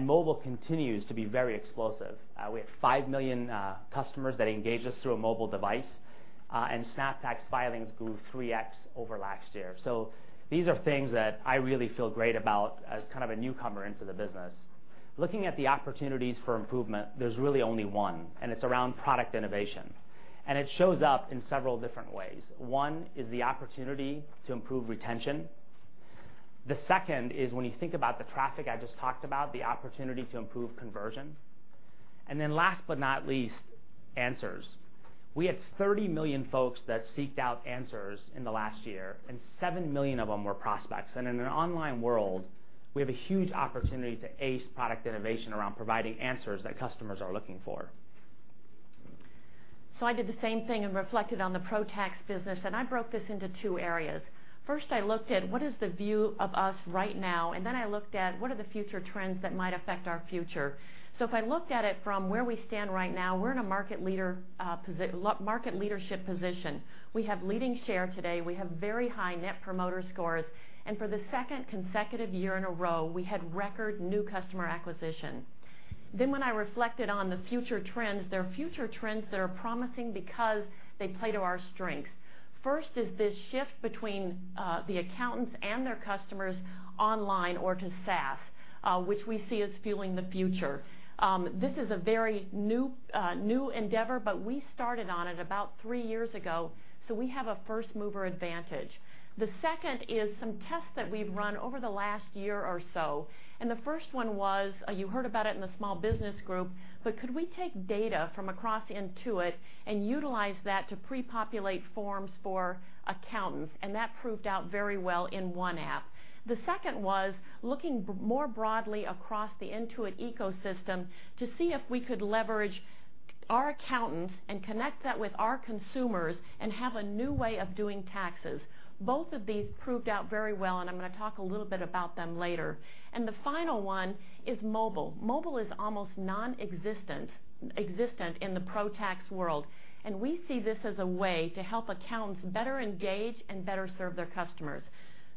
Mobile continues to be very explosive. We have 5 million customers that engage us through a mobile device, SnapTax filings grew 3x over last year. These are things that I really feel great about as a newcomer into the business. Looking at the opportunities for improvement, there's really only one, it's around product innovation, it shows up in several different ways. One is the opportunity to improve retention. The second is when you think about the traffic I just talked about, the opportunity to improve conversion. Last but not least, answers. We had 30 million folks that seeked out answers in the last year, 7 million of them were prospects. In an online world, we have a huge opportunity to ace product innovation around providing answers that customers are looking for. I did the same thing reflected on the Pro Tax business, I broke this into two areas. First, I looked at what is the view of us right now, I looked at what are the future trends that might affect our future. If I looked at it from where we stand right now, we're in a market leadership position. We have leading share today. We have very high Net Promoter Scores. For the second consecutive year in a row, we had record new customer acquisition. When I reflected on the future trends, there are future trends that are promising because they play to our strengths. First is this shift between the accountants and their customers online or to SaaS, which we see as fueling the future. This is a very new endeavor, we started on it about 3 years ago, we have a first-mover advantage. The second is some tests that we've run over the last year or so, the first one was, you heard about it in the small business group, could we take data from across Intuit and utilize that to pre-populate forms for accountants? That proved out very well in one app. The second was looking more broadly across the Intuit ecosystem to see if we could leverage our accountants and connect that with our consumers and have a new way of doing taxes. Both of these proved out very well, I'm going to talk a little bit about them later. The final one is mobile. Mobile is almost nonexistent in the Pro Tax world. We see this as a way to help accountants better engage and better serve their customers.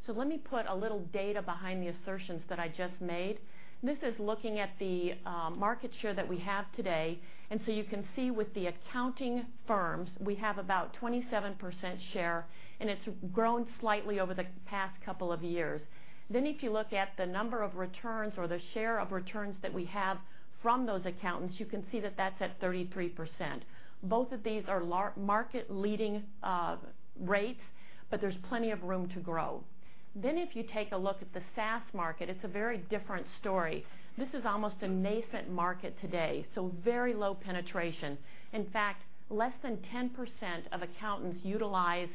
Let me put a little data behind the assertions that I just made. This is looking at the market share that we have today. You can see with the accounting firms, we have about 27% share, and it's grown slightly over the past couple of years. If you look at the number of returns or the share of returns that we have from those accountants, you can see that that's at 33%. Both of these are market-leading rates, but there's plenty of room to grow. If you take a look at the SaaS market, it's a very different story. This is almost a nascent market today, so very low penetration. In fact, less than 10% of accountants utilize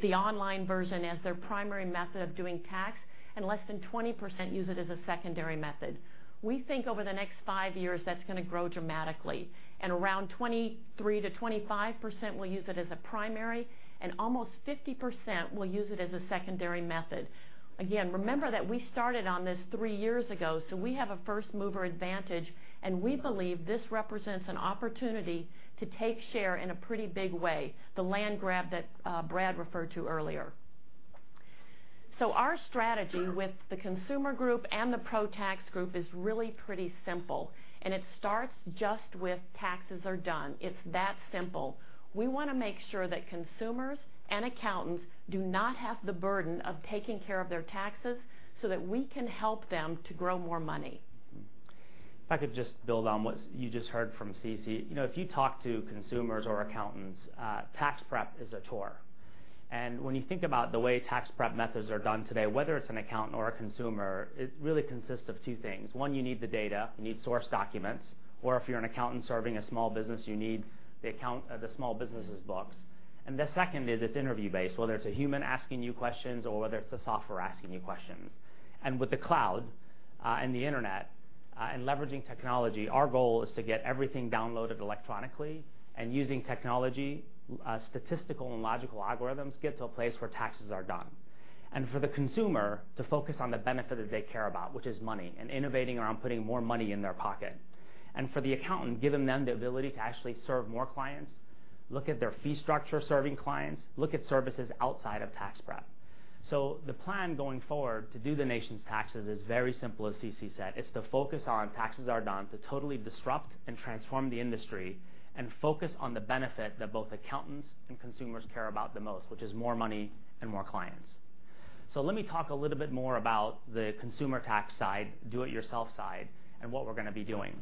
the online version as their primary method of doing tax, and less than 20% use it as a secondary method. We think over the next five years, that's going to grow dramatically, and around 23%-25% will use it as a primary, and almost 50% will use it as a secondary method. Again, remember that we started on this three years ago, so we have a first-mover advantage. We believe this represents an opportunity to take share in a pretty big way, the land grab that Brad referred to earlier. Our strategy with the consumer group and the Pro Tax group is really pretty simple. It starts just with taxes are done. It's that simple. We want to make sure that consumers and accountants do not have the burden of taking care of their taxes so that we can help them to grow more money. If I could just build on what you just heard from CeCe. If you talk to consumers or accountants, tax prep is a chore. When you think about the way tax prep methods are done today, whether it's an accountant or a consumer, it really consists of two things. One, you need the data, you need source documents, or if you're an accountant serving a small business, you need the small business's books. The second is it's interview-based, whether it's a human asking you questions or whether it's a software asking you questions. With the cloud and the internet and leveraging technology, our goal is to get everything downloaded electronically and using technology, statistical and logical algorithms, get to a place where taxes are done. For the consumer to focus on the benefit that they care about, which is money, and innovating around putting more money in their pocket. For the accountant, giving them the ability to actually serve more clients, look at their fee structure, serving clients, look at services outside of tax prep. The plan going forward to do the nation's taxes is very simple, as CeCe said. It's to focus on taxes are done, to totally disrupt and transform the industry, and focus on the benefit that both accountants and consumers care about the most, which is more money and more clients. Let me talk a little bit more about the consumer tax side, do-it-yourself side, and what we're going to be doing.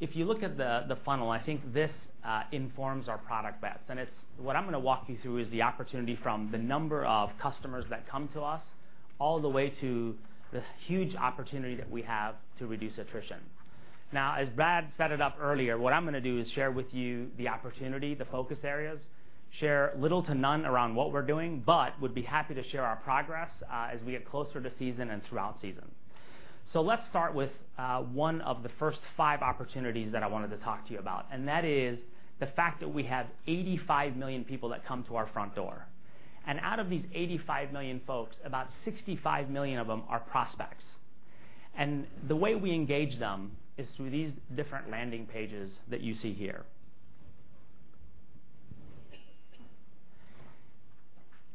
If you look at the funnel, I think this informs our product bets. What I'm going to walk you through is the opportunity from the number of customers that come to us all the way to the huge opportunity that we have to reduce attrition. As Brad set it up earlier, what I'm going to do is share with you the opportunity, the focus areas, share little to none around what we're doing, but would be happy to share our progress as we get closer to season and throughout season. Let's start with one of the first five opportunities that I wanted to talk to you about, and that is the fact that we have 85 million people that come to our front door. Out of these 85 million folks, about 65 million of them are prospects. The way we engage them is through these different landing pages that you see here.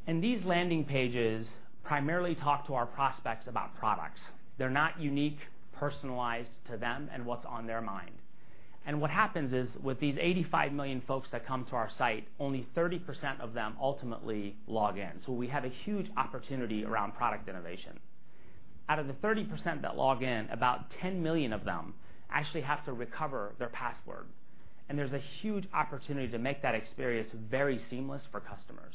These landing pages primarily talk to our prospects about products. They're not unique, personalized to them and what's on their mind. What happens is, with these 85 million folks that come to our site, only 30% of them ultimately log in. We have a huge opportunity around product innovation. Out of the 30% that log in, about 10 million of them actually have to recover their password, and there's a huge opportunity to make that experience very seamless for customers.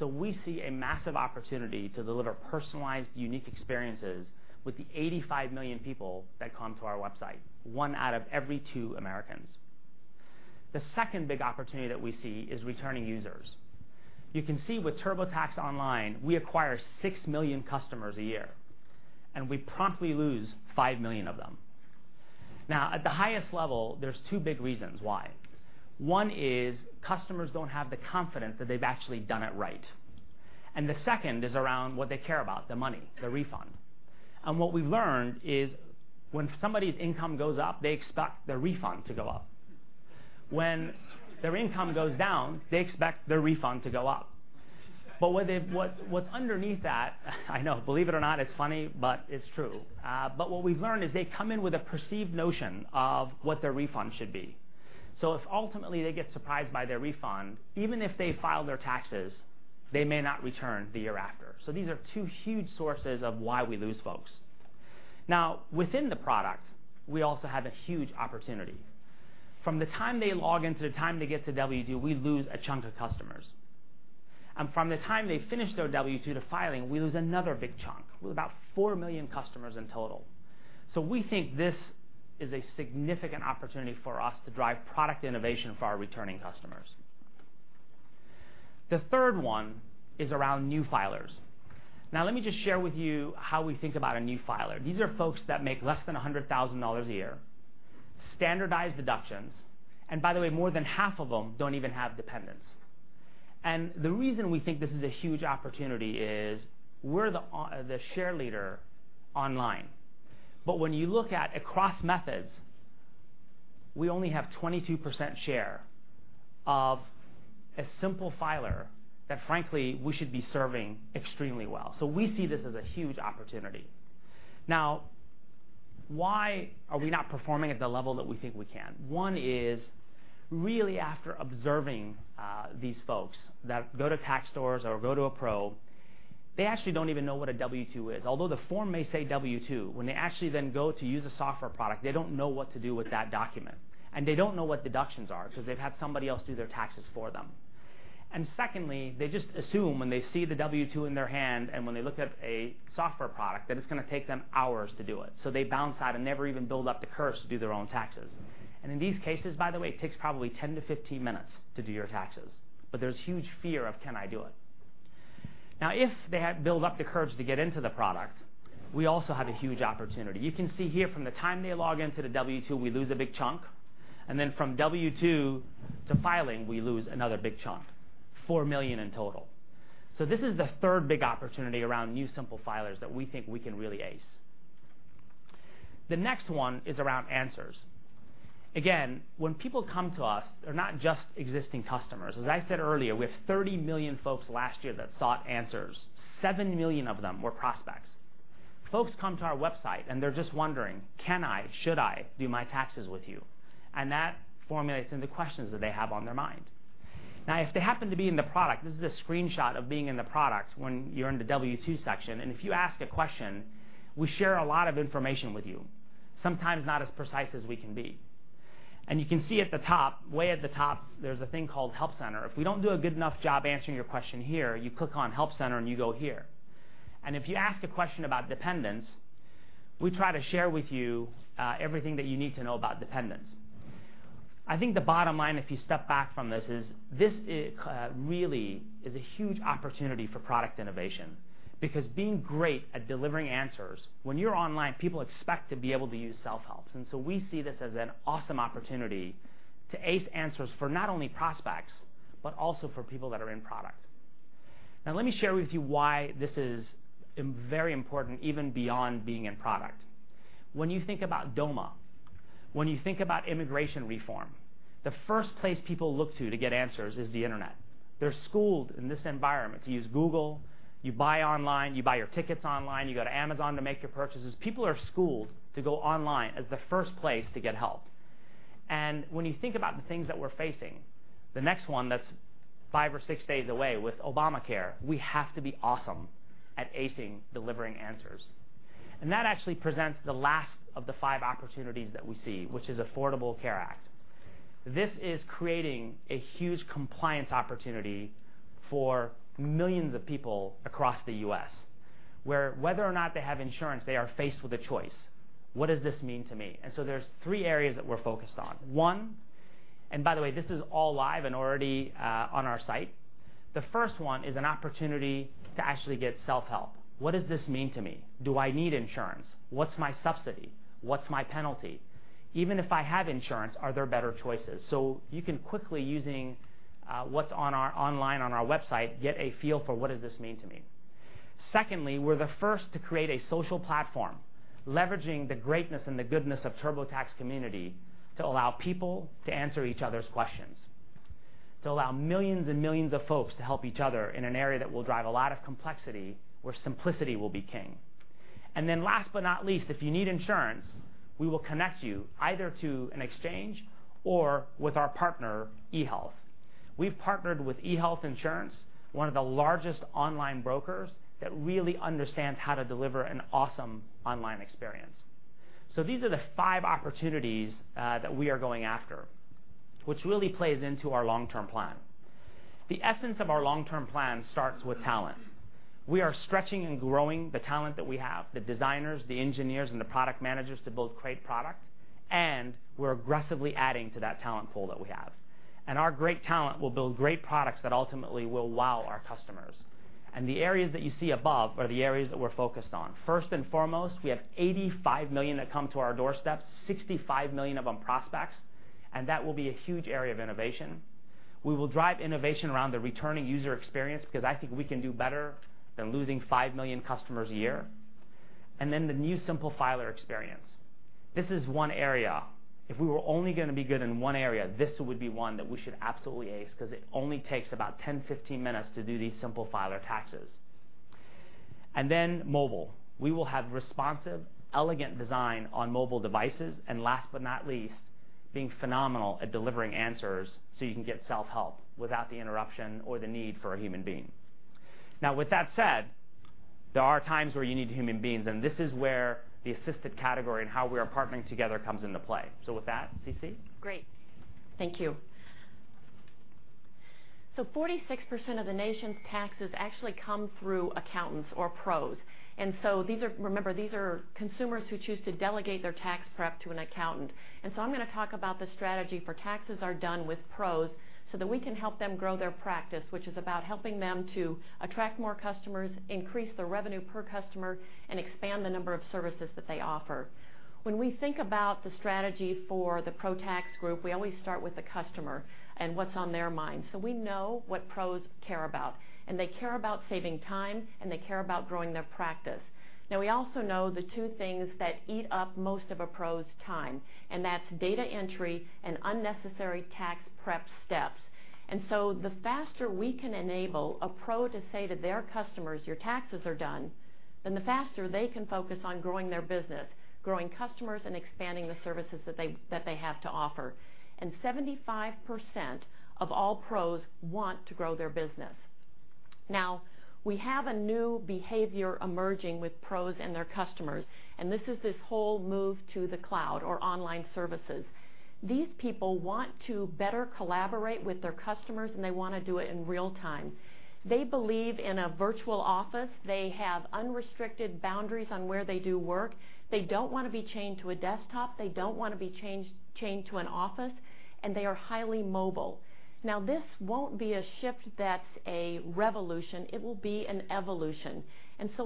We see a massive opportunity to deliver personalized, unique experiences with the 85 million people that come to our website, one out of every two Americans. The second big opportunity that we see is returning users. You can see with TurboTax Online, we acquire 6 million customers a year, and we promptly lose 5 million of them. At the highest level, there's two big reasons why. One is customers don't have the confidence that they've actually done it right, and the second is around what they care about, the money, the refund. What we've learned is when somebody's income goes up, they expect their refund to go up. When their income goes down, they expect their refund to go up. But what's underneath that, I know. Believe it or not, it's funny, but it's true. What we've learned is they come in with a perceived notion of what their refund should be. If ultimately they get surprised by their refund, even if they file their taxes, they may not return the year after. These are two huge sources of why we lose folks. Within the product, we also have a huge opportunity. From the time they log in to the time they get to W2, we lose a chunk of customers. From the time they finish their W2 to filing, we lose another big chunk, with about 4 million customers in total. We think this is a significant opportunity for us to drive product innovation for our returning customers. The third one is around new filers. Let me just share with you how we think about a new filer. These are folks that make less than $100,000 a year, standardized deductions, and by the way, more than half of them don't even have dependents. The reason we think this is a huge opportunity is we're the share leader online. When you look at across methods, we only have 22% share of a simple filer that frankly we should be serving extremely well. We see this as a huge opportunity. Why are we not performing at the level that we think we can? One is, really after observing these folks that go to tax stores or go to a pro, they actually don't even know what a W2 is. Although the form may say W2, when they actually then go to use a software product, they don't know what to do with that document, and they don't know what deductions are because they've had somebody else do their taxes for them. Secondly, they just assume when they see the W2 in their hand and when they look at a software product, that it's going to take them hours to do it. They bounce out and never even build up the courage to do their own taxes. In these cases, by the way, it takes probably 10 to 15 minutes to do your taxes, but there's huge fear of, "Can I do it?" If they build up the courage to get into the product, we also have a huge opportunity. You can see here from the time they log into the W2, we lose a big chunk, then from W2 to filing, we lose another big chunk, 4 million in total. This is the third big opportunity around new simple filers that we think we can really ace. The next one is around answers. When people come to us, they're not just existing customers. As I said earlier, we have 30 million folks last year that sought answers. 7 million of them were prospects. Folks come to our website, and they're just wondering, "Can I? Should I do my taxes with you?" That formulates into questions that they have on their mind. If they happen to be in the product, this is a screenshot of being in the product when you're in the W2 section, and if you ask a question, we share a lot of information with you, sometimes not as precise as we can be. You can see at the top, way at the top, there's a thing called Help Center. If we don't do a good enough job answering your question here, you click on Help Center, and you go here. If you ask a question about dependents, we try to share with you everything that you need to know about dependents. I think the bottom line, if you step back from this, is this really is a huge opportunity for product innovation because being great at delivering answers, when you're online, people expect to be able to use self-help. We see this as an awesome opportunity to ace answers for not only prospects, but also for people that are in product. Now let me share with you why this is very important even beyond being in product. When you think about DOMA, when you think about immigration reform, the first place people look to to get answers is the internet. They're schooled in this environment to use Google. You buy online. You buy your tickets online. You go to Amazon to make your purchases. People are schooled to go online as the first place to get help. When you think about the things that we're facing, the next one that's five or six days away with Obamacare, we have to be awesome at acing delivering answers. That actually presents the last of the five opportunities that we see, which is Affordable Care Act. This is creating a huge compliance opportunity for millions of people across the U.S., where whether or not they have insurance, they are faced with a choice. What does this mean to me? There's three areas that we're focused on. One, and by the way, this is all live and already on our site. The first one is an opportunity to actually get self-help. What does this mean to me? Do I need insurance? What's my subsidy? What's my penalty? Even if I have insurance, are there better choices? You can quickly, using what's online on our website, get a feel for what does this mean to me. Secondly, we're the first to create a social platform leveraging the greatness and the goodness of TurboTax community to allow people to answer each other's questions, to allow millions and millions of folks to help each other in an area that will drive a lot of complexity, where simplicity will be king. Last but not least, if you need insurance, we will connect you either to an exchange or with our partner, eHealth. We've partnered with eHealth Insurance, one of the largest online brokers that really understands how to deliver an awesome online experience. These are the five opportunities that we are going after, which really plays into our long-term plan. The essence of our long-term plan starts with talent. We are stretching and growing the talent that we have, the designers, the engineers, and the product managers to build great product, we're aggressively adding to that talent pool that we have. Our great talent will build great products that ultimately will wow our customers. The areas that you see above are the areas that we're focused on. First and foremost, we have 85 million that come to our doorsteps, 65 million of them prospects, and that will be a huge area of innovation. We will drive innovation around the returning user experience because I think we can do better than losing 5 million customers a year. The new simple filer experience. This is one area. If we were only going to be good in one area, this would be one that we should absolutely ace because it only takes about 10, 15 minutes to do these simple filer taxes. Mobile. We will have responsive, elegant design on mobile devices. Last but not least, being phenomenal at delivering answers so you can get self-help without the interruption or the need for a human being. With that said, there are times where you need human beings, and this is where the assisted category and how we are partnering together comes into play. With that, CeCe. Great. Thank you. 46% of the nation's taxes actually come through accountants or pros. Remember, these are consumers who choose to delegate their tax prep to an accountant. I'm going to talk about the strategy for taxes are done with pros so that we can help them grow their practice, which is about helping them to attract more customers, increase the revenue per customer, and expand the number of services that they offer. When we think about the strategy for the Pro Tax group, we always start with the customer and what's on their minds. We know what pros care about, and they care about saving time, and they care about growing their practice. We also know the two things that eat up most of a pro's time, and that's data entry and unnecessary tax prep steps. The faster we can enable a pro to say to their customers, "Your taxes are done," then the faster they can focus on growing their business, growing customers, and expanding the services that they have to offer. 75% of all pros want to grow their business. We have a new behavior emerging with pros and their customers, and this is this whole move to the cloud or online services. These people want to better collaborate with their customers, and they want to do it in real time. They believe in a Virtual Office. They have unrestricted boundaries on where they do work. They don't want to be chained to a desktop. They don't want to be chained to an office, and they are highly mobile. This won't be a shift that's a revolution. It will be an evolution.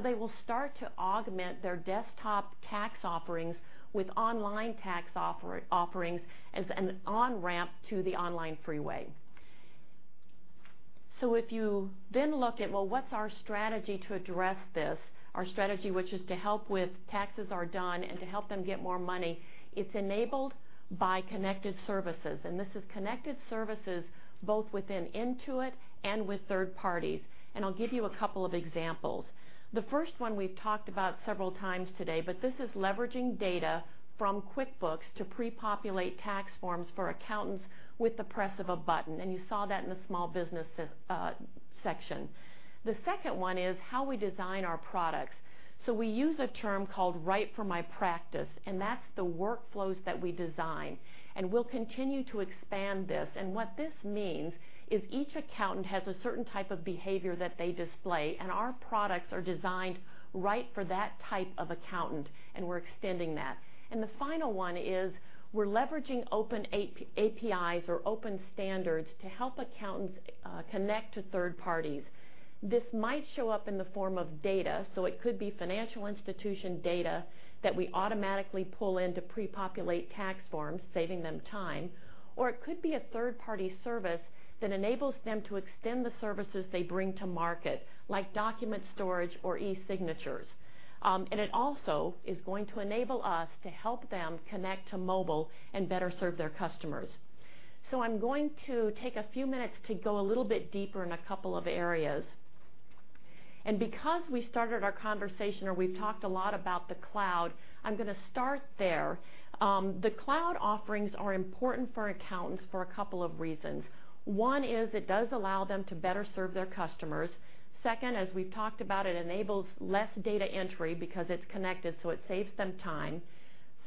They will start to augment their desktop tax offerings with online tax offerings as an on-ramp to the online freeway. If you then look at, well, what's our strategy to address this, our strategy, which is to help with taxes are done and to help them get more money, it's enabled by connected services, and this is connected services both within Intuit and with third parties, and I'll give you a couple of examples. The first one we've talked about several times today, but this is leveraging data from QuickBooks to prepopulate tax forms for accountants with the press of a button, and you saw that in the small business section. The second one is how we design our products. We use a term called Right for My Practice, and that's the workflows that we design, and we'll continue to expand this. What this means is each accountant has a certain type of behavior that they display, and our products are designed right for that type of accountant, and we're extending that. The final one is we're leveraging open APIs or open standards to help accountants connect to third parties. This might show up in the form of data. It could be financial institution data that we automatically pull in to prepopulate tax forms, saving them time, or it could be a third-party service that enables them to extend the services they bring to market, like document storage or e-signatures. It also is going to enable us to help them connect to mobile and better serve their customers. I'm going to take a few minutes to go a little bit deeper in a couple of areas. Because we started our conversation, or we've talked a lot about the cloud, I'm going to start there. The cloud offerings are important for accountants for a couple of reasons. One is it does allow them to better serve their customers. Second, as we've talked about, it enables less data entry because it's connected, so it saves them time.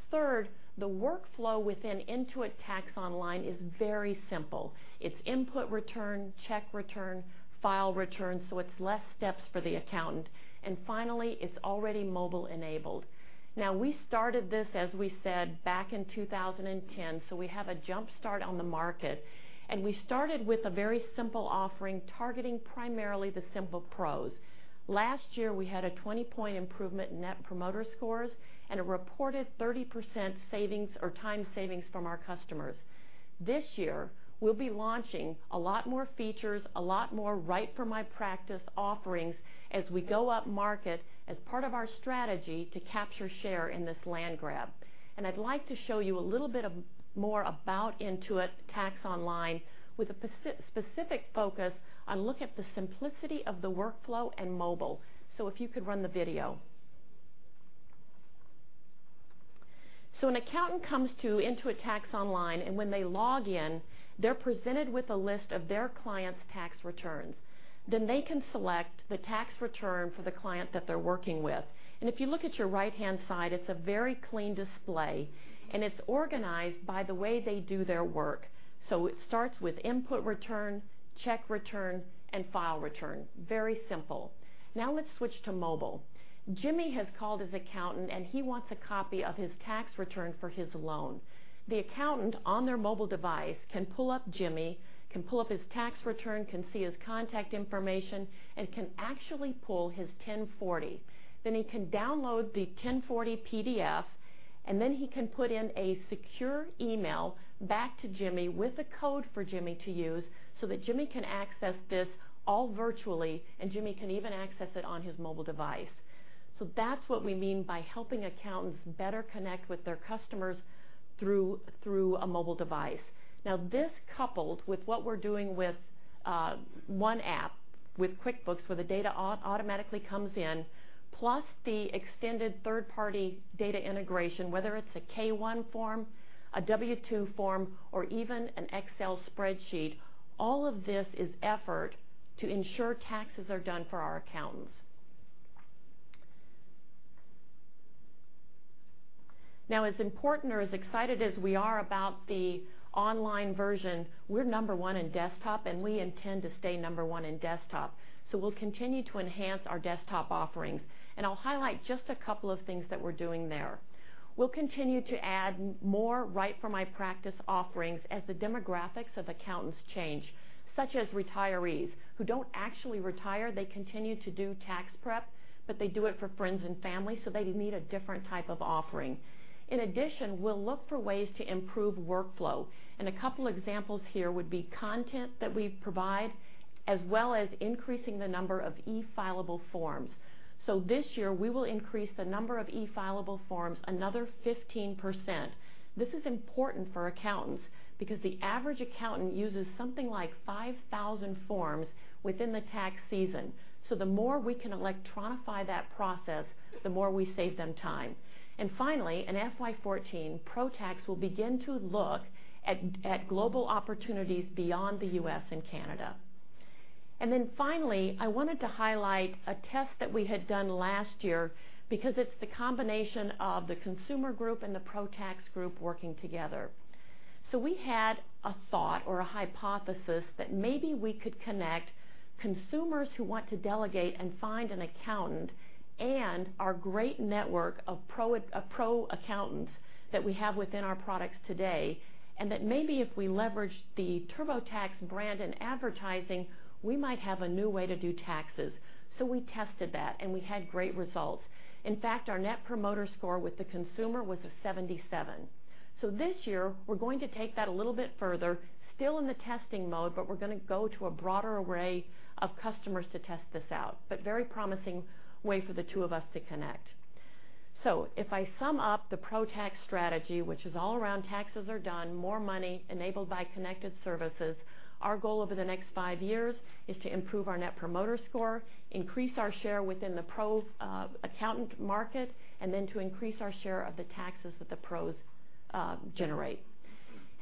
Third, the workflow within Intuit Tax Online is very simple. It's input return, check return, file return, so it's less steps for the accountant. Finally, it's already mobile-enabled. Now, we started this, as we said, back in 2010, so we have a jumpstart on the market, and we started with a very simple offering targeting primarily the simple pros. Last year, we had a 20-point improvement in Net Promoter Scores and a reported 30% time savings from our customers. This year, we'll be launching a lot more features, a lot more Right for My Practice offerings as we go upmarket as part of our strategy to capture share in this land grab. I'd like to show you a little bit more about Intuit Tax Online with a specific focus on looking at the simplicity of the workflow and mobile. If you could run the video. An accountant comes into Intuit Tax Online, and when they log in, they're presented with a list of their clients' tax returns. They can select the tax return for the client that they're working with. If you look at your right-hand side, it's a very clean display, and it's organized by the way they do their work. It starts with input return, check return, and file return. Very simple. Now let's switch to mobile. Jimmy has called his accountant, and he wants a copy of his tax return for his loan. The accountant, on their mobile device, can pull up Jimmy, can pull up his tax return, can see his contact information, and can actually pull his 1040. He can download the 1040 PDF, and then he can put in a secure email back to Jimmy with a code for Jimmy to use so that Jimmy can access this all virtually, and Jimmy can even access it on his mobile device. That's what we mean by helping accountants better connect with their customers through a mobile device. This coupled with what we're doing with one app, with QuickBooks, where the data automatically comes in, plus the extended third-party data integration, whether it's a K-1 form, a W-2 form, or even an Excel spreadsheet, all of this is effort to ensure taxes are done for our accountants. As important or as excited as we are about the online version, we're number one in desktop, and we intend to stay number one in desktop. We'll continue to enhance our desktop offerings. I'll highlight just a couple of things that we're doing there. We'll continue to add more Right for My Practice offerings as the demographics of accountants change, such as retirees who don't actually retire. They continue to do tax prep, but they do it for friends and family, so they need a different type of offering. In addition, we'll look for ways to improve workflow, and a couple examples here would be content that we provide, as well as increasing the number of e-fileable forms. This year, we will increase the number of e-fileable forms another 15%. This is important for accountants because the average accountant uses something like 5,000 forms within the tax season, so the more we can electronify that process, the more we save them time. Finally, in FY 2014, Pro Tax will begin to look at global opportunities beyond the U.S. and Canada. Finally, I wanted to highlight a test that we had done last year because it's the combination of the consumer group and the Pro Tax group working together. We had a thought or a hypothesis that maybe we could connect consumers who want to delegate and find an accountant and our great network of Pro accountants that we have within our products today, and that maybe if we leverage the TurboTax brand and advertising, we might have a new way to do taxes. We tested that, and we had great results. In fact, our Net Promoter Score with the consumer was a 77. This year, we're going to take that a little bit further, still in the testing mode, but we're going to go to a broader array of customers to test this out, but very promising way for the two of us to connect. If I sum up the Pro Tax strategy, which is all around taxes are done, more money enabled by connected services, our goal over the next five years is to improve our Net Promoter Score, increase our share within the Pro accountant market, and then to increase our share of the taxes that the pros generate.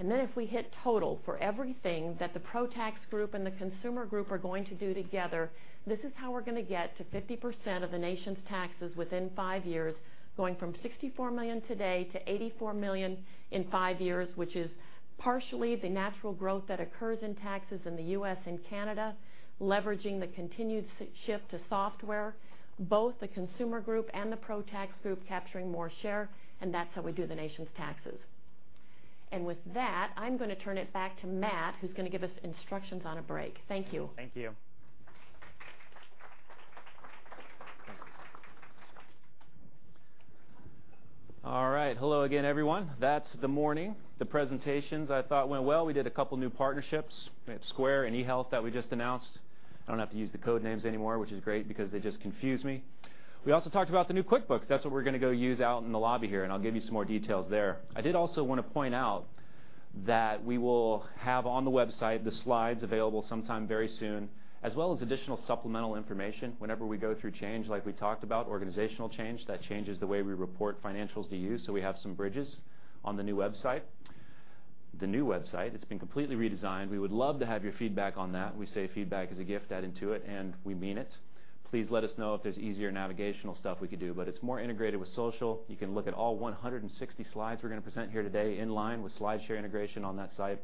If we hit total for everything that the Pro Tax group and the consumer group are going to do together, this is how we're going to get to 50% of the nation's taxes within five years, going from 64 million today to 84 million in five years, which is partially the natural growth that occurs in taxes in the U.S. and Canada, leveraging the continued shift to software, both the consumer group and the Pro Tax group capturing more share, and that's how we do the nation's taxes. With that, I'm going to turn it back to Matt, who's going to give us instructions on a break. Thank you. Thank you. All right. Hello again, everyone. That's the morning. The presentations, I thought, went well. We did a couple new partnerships. We have Square and eHealth that we just announced. I don't have to use the code names anymore, which is great because they just confuse me. We also talked about the new QuickBooks. That's what we're going to go use out in the lobby here, and I'll give you some more details there. I did also want to point out that we will have on the website the slides available sometime very soon, as well as additional supplemental information whenever we go through change, like we talked about, organizational change, that changes the way we report financials to you, so we have some bridges on the new website. The new website, it's been completely redesigned. We would love to have your feedback on that. We say feedback is a gift at Intuit, we mean it. Please let us know if there's easier navigational stuff we could do, it's more integrated with social. You can look at all 160 slides we're going to present here today in line with SlideShare integration on that site,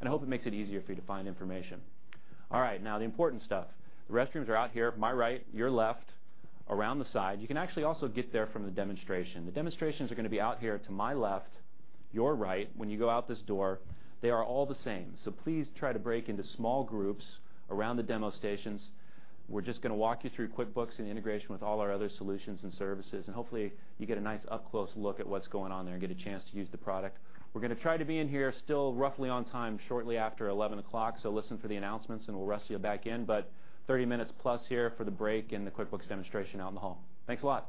I hope it makes it easier for you to find information. All right, now the important stuff. The restrooms are out here, my right, your left, around the side. You can actually also get there from the demonstration. The demonstrations are going to be out here to my left, your right, when you go out this door. They are all the same, please try to break into small groups around the demo stations. We're just going to walk you through QuickBooks and the integration with all our other solutions and services, hopefully, you get a nice up-close look at what's going on there and get a chance to use the product. We're going to try to be in here still roughly on time, shortly after 11 o'clock, listen for the announcements, we'll wrestle you back in. 30 minutes plus here for the break and the QuickBooks demonstration out in the hall. Thanks a lot.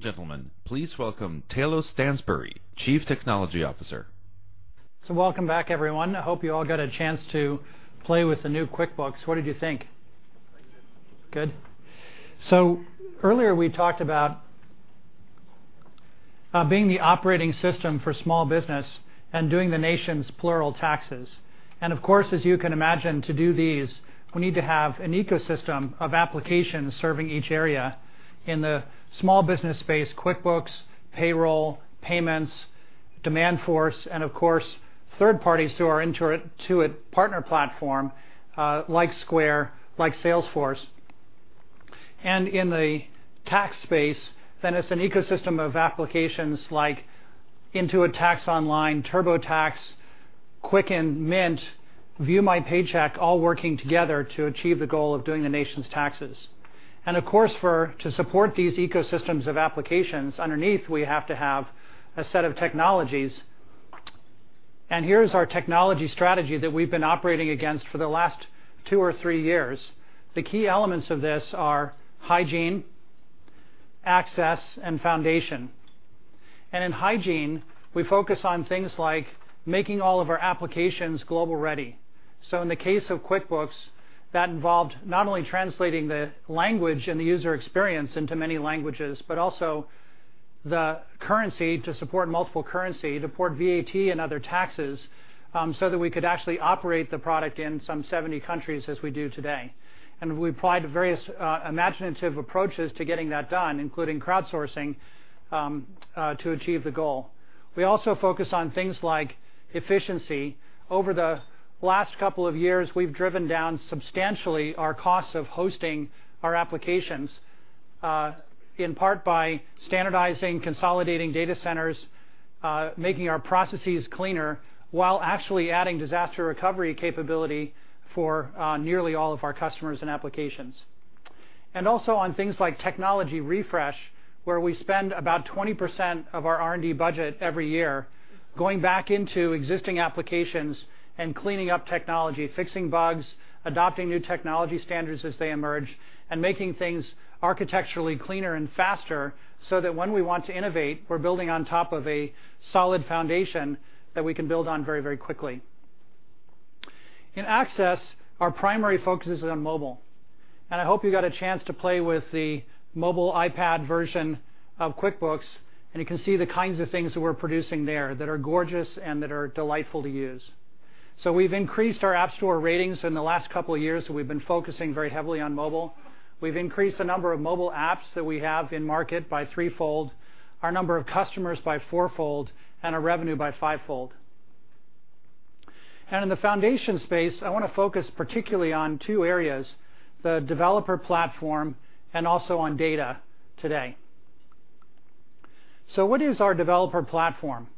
Ladies and gentlemen, please welcome Tayloe Stansbury, Chief Technology Officer. Welcome back, everyone. I hope you all got a chance to play with the new QuickBooks. What did you think? I liked it. Good. Earlier, we talked about being the operating system for small business and doing the nation's plural taxes. Of course, as you can imagine, to do these, we need to have an ecosystem of applications serving each area in the small business space, QuickBooks, payroll, payments, Demandforce, and of course, third parties through our Intuit Partner Platform, like Square, like Salesforce. In the tax space, then it's an ecosystem of applications like Intuit Tax Online, TurboTax, Quicken, Mint, ViewMyPaycheck, all working together to achieve the goal of doing the nation's taxes. Of course, to support these ecosystems of applications, underneath, we have to have a set of technologies. Here's our technology strategy that we've been operating against for the last two or three years. The key elements of this are hygiene, access, and foundation. In hygiene, we focus on things like making all of our applications global-ready. In the case of QuickBooks, that involved not only translating the language and the user experience into many languages, but also the currency to support multiple currency, to port VAT and other taxes, so that we could actually operate the product in some 70 countries as we do today. We applied various imaginative approaches to getting that done, including crowdsourcing, to achieve the goal. We also focus on things like efficiency. Over the last couple of years, we've driven down substantially our cost of hosting our applications, in part, by standardizing, consolidating data centers, making our processes cleaner, while actually adding disaster recovery capability for nearly all of our customers and applications. Also on things like technology refresh, where we spend about 20% of our R&D budget every year, going back into existing applications and cleaning up technology, fixing bugs, adopting new technology standards as they emerge, and making things architecturally cleaner and faster, so that when we want to innovate, we're building on top of a solid foundation that we can build on very, very quickly. In access, our primary focus is on mobile. I hope you got a chance to play with the mobile iPad version of QuickBooks, and you can see the kinds of things that we're producing there that are gorgeous and that are delightful to use. We've increased our App Store ratings in the last couple of years, so we've been focusing very heavily on mobile. We've increased the number of mobile apps that we have in-market by threefold, our number of customers by fourfold, and our revenue by fivefold. In the foundation space, I want to focus particularly on two areas, the developer platform and also on data today. What is our developer platform?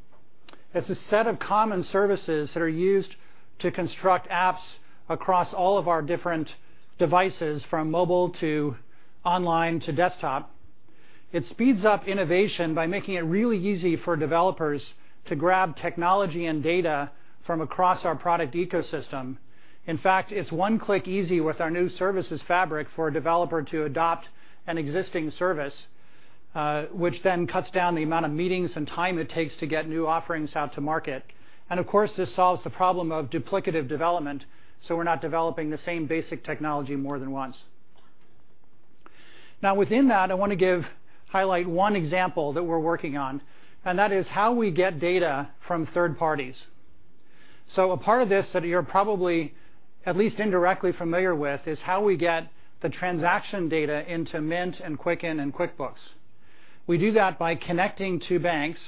It's a set of common services that are used to construct apps across all of our different devices, from mobile to online to desktop. It speeds up innovation by making it really easy for developers to grab technology and data from across our product ecosystem. In fact, it's one-click easy with our new services fabric for a developer to adopt an existing service, which then cuts down the amount of meetings and time it takes to get new offerings out to market. Of course, this solves the problem of duplicative development, so we're not developing the same basic technology more than once. Within that, I want to highlight one example that we're working on, and that is how we get data from third parties. A part of this that you're probably at least indirectly familiar with is how we get the transaction data into Mint and Quicken and QuickBooks. We do that by connecting to banks,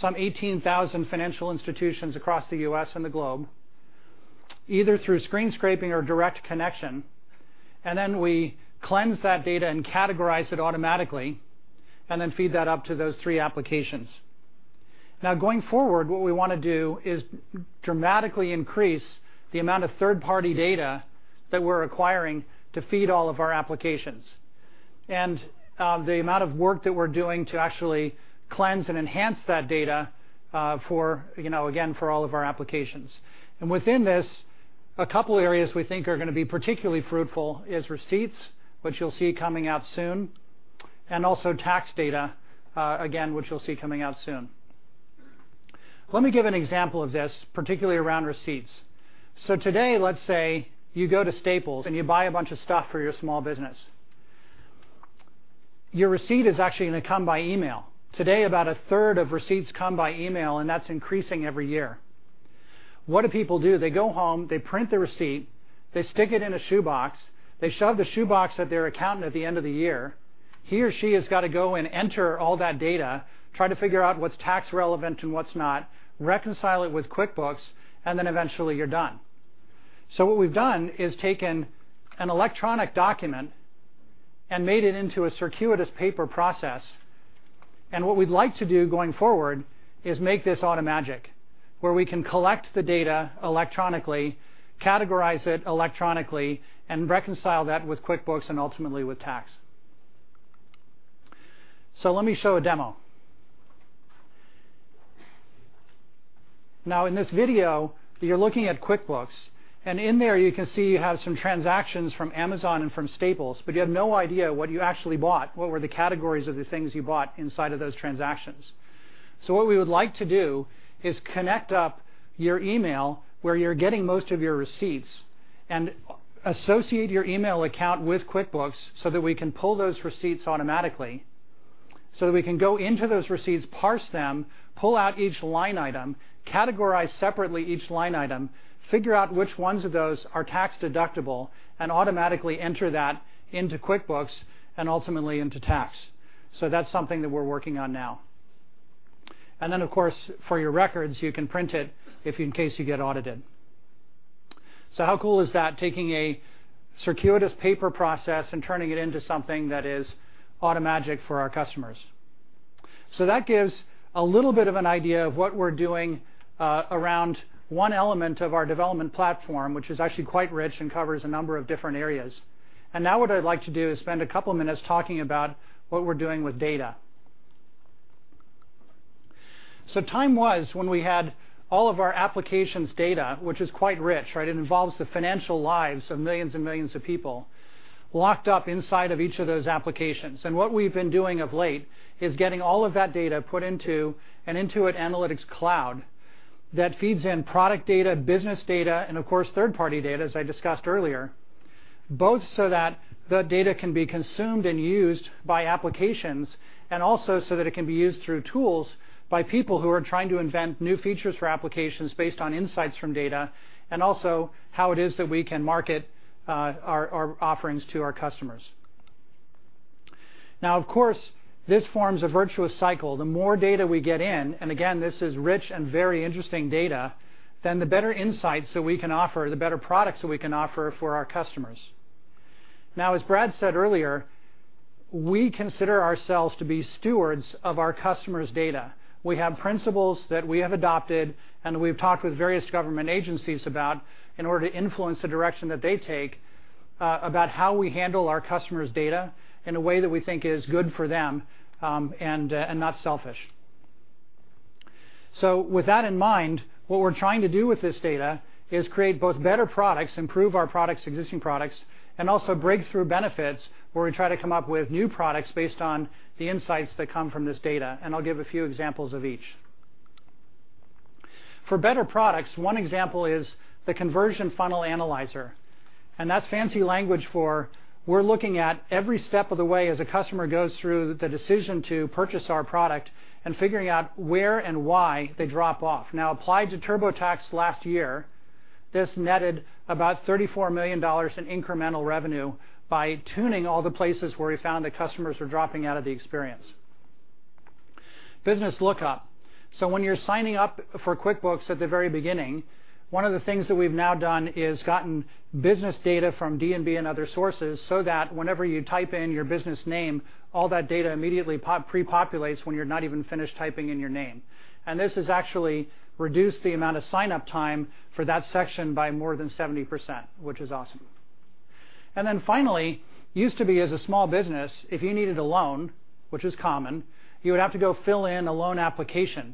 some 18,000 financial institutions across the U.S. and the globe, either through screen scraping or direct connection, and then we cleanse that data and categorize it automatically, and then feed that up to those three applications. Going forward, what we want to do is dramatically increase the amount of third-party data that we're acquiring to feed all of our applications. The amount of work that we're doing to actually cleanse and enhance that data, again, for all of our applications. Within this, a couple areas we think are going to be particularly fruitful is receipts, which you'll see coming out soon, and also tax data, again, which you'll see coming out soon. Let me give an example of this, particularly around receipts. Today, let's say you go to Staples and you buy a bunch of stuff for your small business. Your receipt is actually going to come by email. Today, about a third of receipts come by email, and that's increasing every year. What do people do? They go home, they print the receipt, they stick it in a shoebox, they shove the shoebox at their accountant at the end of the year. He or she has got to go and enter all that data, try to figure out what's tax relevant and what's not, reconcile it with QuickBooks, and eventually you're done. What we've done is taken an electronic document and made it into a circuitous paper process, and what we'd like to do going forward is make this automagic, where we can collect the data electronically, categorize it electronically, and reconcile that with QuickBooks and ultimately with tax. Let me show a demo. In this video, you're looking at QuickBooks, and in there you can see you have some transactions from Amazon and from Staples, but you have no idea what you actually bought, what were the categories of the things you bought inside of those transactions. What we would like to do is connect up your email where you're getting most of your receipts and associate your email account with QuickBooks so that we can pull those receipts automatically, so that we can go into those receipts, parse them, pull out each line item, categorize separately each line item, figure out which ones of those are tax deductible, and automatically enter that into QuickBooks and ultimately into tax. That's something that we're working on now. Then, of course, for your records, you can print it if in case you get audited. How cool is that, taking a circuitous paper process and turning it into something that is automagic for our customers. That gives a little bit of an idea of what we're doing around one element of our development platform, which is actually quite rich and covers a number of different areas. Now what I'd like to do is spend a couple minutes talking about what we're doing with data. Time was when we had all of our applications data, which is quite rich, right? It involves the financial lives of millions and millions of people locked up inside of each of those applications. What we've been doing of late is getting all of that data put into an Intuit Analytics Cloud that feeds in product data, business data, and of course, third-party data, as I discussed earlier, both so that the data can be consumed and used by applications, and also so that it can be used through tools by people who are trying to invent new features for applications based on insights from data, and also how it is that we can market our offerings to our customers. Of course, this forms a virtuous cycle. The more data we get in, and again, this is rich and very interesting data, then the better insights that we can offer, the better products that we can offer for our customers. As Brad said earlier, we consider ourselves to be stewards of our customers' data. We have principles that we have adopted, and we've talked with various government agencies about in order to influence the direction that they take, about how we handle our customers' data in a way that we think is good for them, and not selfish. With that in mind, what we're trying to do with this data is create both better products, improve our existing products, and also breakthrough benefits where we try to come up with new products based on the insights that come from this data, and I'll give a few examples of each. For better products, one example is the conversion funnel analyzer, and that's fancy language for we're looking at every step of the way as a customer goes through the decision to purchase our product and figuring out where and why they drop off. Applied to TurboTax last year, this netted about $34 million in incremental revenue by tuning all the places where we found that customers were dropping out of the experience. Business lookup. When you're signing up for QuickBooks at the very beginning, one of the things that we've now done is gotten business data from D&B and other sources so that whenever you type in your business name, all that data immediately pre-populates when you're not even finished typing in your name. This has actually reduced the amount of sign-up time for that section by more than 70%, which is awesome. Finally, it used to be as a small business, if you needed a loan, which is common, you would have to go fill in a loan application.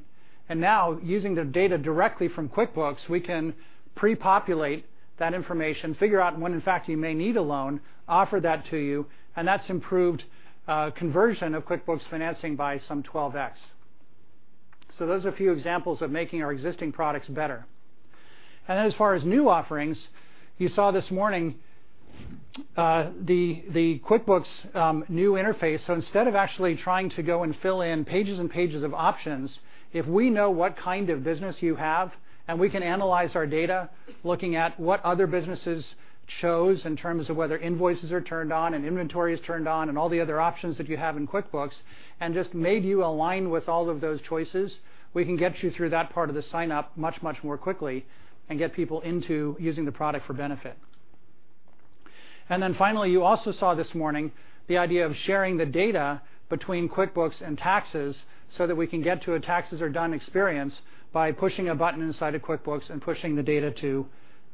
Now, using the data directly from QuickBooks, we can pre-populate that information, figure out when in fact you may need a loan, offer that to you, and that's improved conversion of QuickBooks financing by some 12x. Those are a few examples of making our existing products better. As far as new offerings, you saw this morning The QuickBooks new interface. Instead of actually trying to go and fill in pages and pages of options, if we know what kind of business you have, and we can analyze our data, looking at what other businesses chose in terms of whether invoices are turned on and inventory is turned on, and all the other options that you have in QuickBooks, and just made you align with all of those choices, we can get you through that part of the sign-up much, much more quickly, and get people into using the product for benefit. Finally, you also saw this morning the idea of sharing the data between QuickBooks and taxes so that we can get to a taxes are done experience by pushing a button inside of QuickBooks and pushing the data to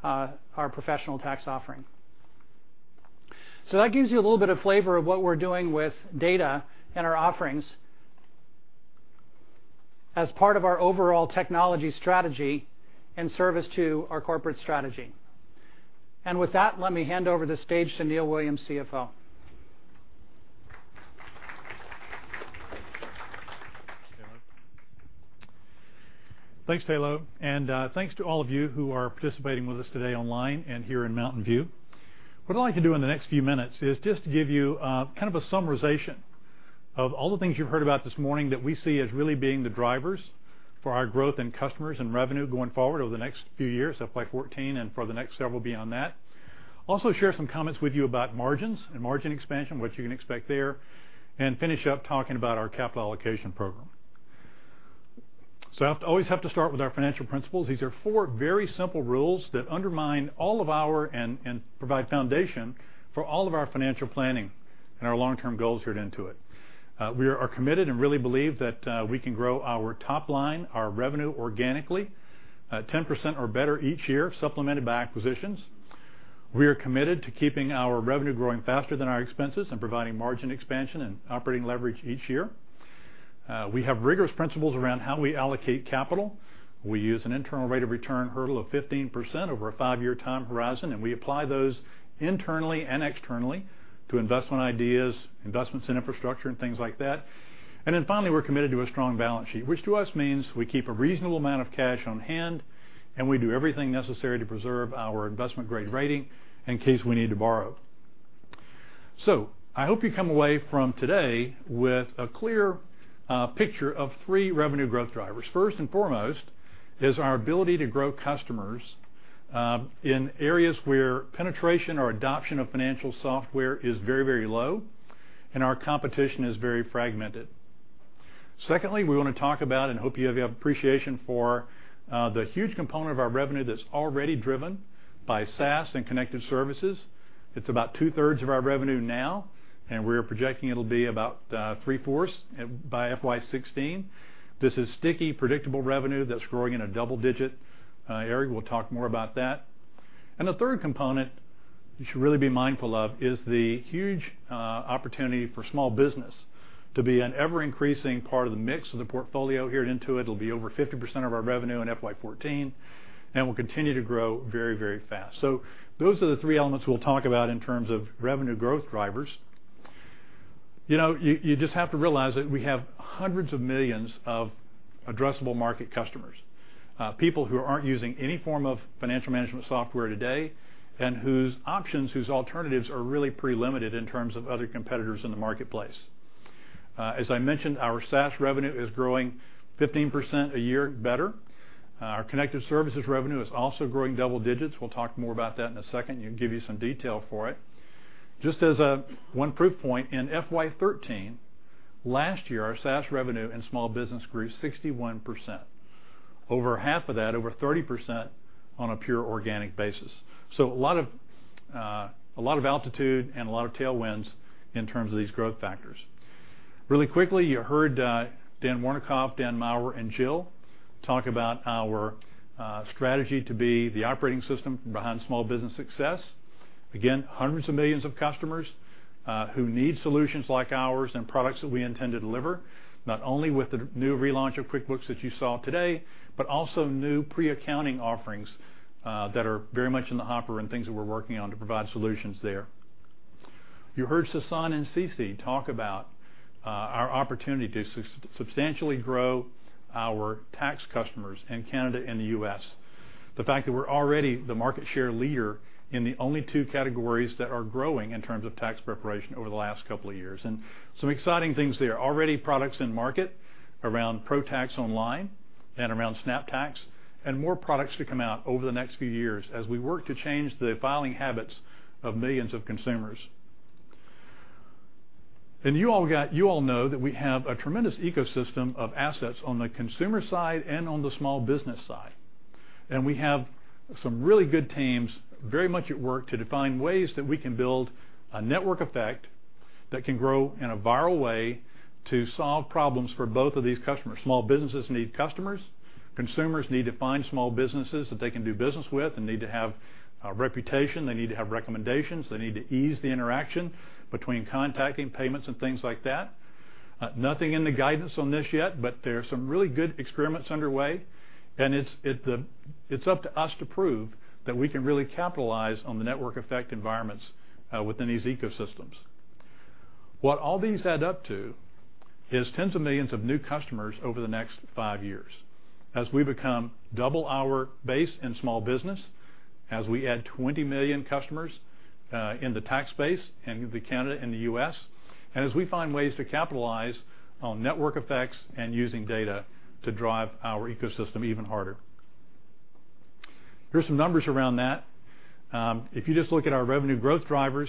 our professional tax offering. That gives you a little bit of flavor of what we're doing with data and our offerings as part of our overall technology strategy and service to our corporate strategy. With that, let me hand over the stage to Neil Williams, CFO. Thanks, Tayloe, and thanks to all of you who are participating with us today online and here in Mountain View. What I'd like to do in the next few minutes is just to give you a summarization of all the things you've heard about this morning that we see as really being the drivers for our growth in customers and revenue going forward over the next few years, FY 2014, and for the next several beyond that. Also share some comments with you about margins and margin expansion, what you can expect there, and finish up talking about our capital allocation program. I always have to start with our financial principles. These are four very simple rules that undermine all of our, and provide foundation for all of our financial planning and our long-term goals here at Intuit. We are committed and really believe that we can grow our top line, our revenue organically, 10% or better each year, supplemented by acquisitions. We are committed to keeping our revenue growing faster than our expenses and providing margin expansion and operating leverage each year. We have rigorous principles around how we allocate capital. We use an internal rate of return hurdle of 15% over a five-year time horizon, and we apply those internally and externally to investment ideas, investments in infrastructure, and things like that. Finally, we're committed to a strong balance sheet, which to us means we keep a reasonable amount of cash on hand, and we do everything necessary to preserve our investment-grade rating in case we need to borrow. I hope you come away from today with a clear picture of three revenue growth drivers. First and foremost is our ability to grow customers in areas where penetration or adoption of financial software is very, very low and our competition is very fragmented. We want to talk about, and hope you have appreciation for, the huge component of our revenue that's already driven by SaaS and connected services. It's about 2/3 of our revenue now, and we're projecting it'll be about 3/4 by FY 2016. This is sticky, predictable revenue that's growing in a double-digit. Ari will talk more about that. The third component you should really be mindful of is the huge opportunity for small business to be an ever-increasing part of the mix of the portfolio here at Intuit. It'll be over 50% of our revenue in FY 2014, and will continue to grow very, very fast. Those are the three elements we'll talk about in terms of revenue growth drivers. You just have to realize that we have hundreds of millions of addressable market customers. People who aren't using any form of financial management software today, and whose options, whose alternatives are really pretty limited in terms of other competitors in the marketplace. As I mentioned, our SaaS revenue is growing 15% a year, better. Our connected services revenue is also growing double digits. We'll talk more about that in a second, and give you some detail for it. Just as one proof point, in FY 2013, last year, our SaaS revenue in small business grew 61%, over half of that, over 30%, on a pure organic basis. A lot of altitude and a lot of tailwinds in terms of these growth factors. Really quickly, you heard Dan Wernikoff, Dan Maurer, and Jill talk about our strategy to be the operating system behind small business success. Again, hundreds of millions of customers who need solutions like ours and products that we intend to deliver, not only with the new relaunch of QuickBooks that you saw today, but also new pre-accounting offerings that are very much in the hopper, and things that we're working on to provide solutions there. You heard Sasan and CeCe talk about our opportunity to substantially grow our tax customers in Canada and the U.S. The fact that we're already the market share leader in the only 2 categories that are growing in terms of tax preparation over the last couple of years. Some exciting things there. Already products in market around ProConnect Tax Online and around SnapTax, and more products to come out over the next few years as we work to change the filing habits of millions of consumers. You all know that we have a tremendous ecosystem of assets on the consumer side and on the small business side. We have some really good teams very much at work to define ways that we can build a network effect that can grow in a viral way to solve problems for both of these customers. Small businesses need customers. Consumers need to find small businesses that they can do business with and need to have a reputation. They need to have recommendations. They need to ease the interaction between contacting, payments, and things like that. Nothing in the guidance on this yet, but there are some really good experiments underway, and it's up to us to prove that we can really capitalize on the network effect environments within these ecosystems. What all these add up to is tens of millions of new customers over the next 5 years. As we become double our base in small business, as we add 20 million customers in the tax base in Canada and the U.S., and as we find ways to capitalize on network effects and using data to drive our ecosystem even harder. Here's some numbers around that. If you just look at our revenue growth drivers,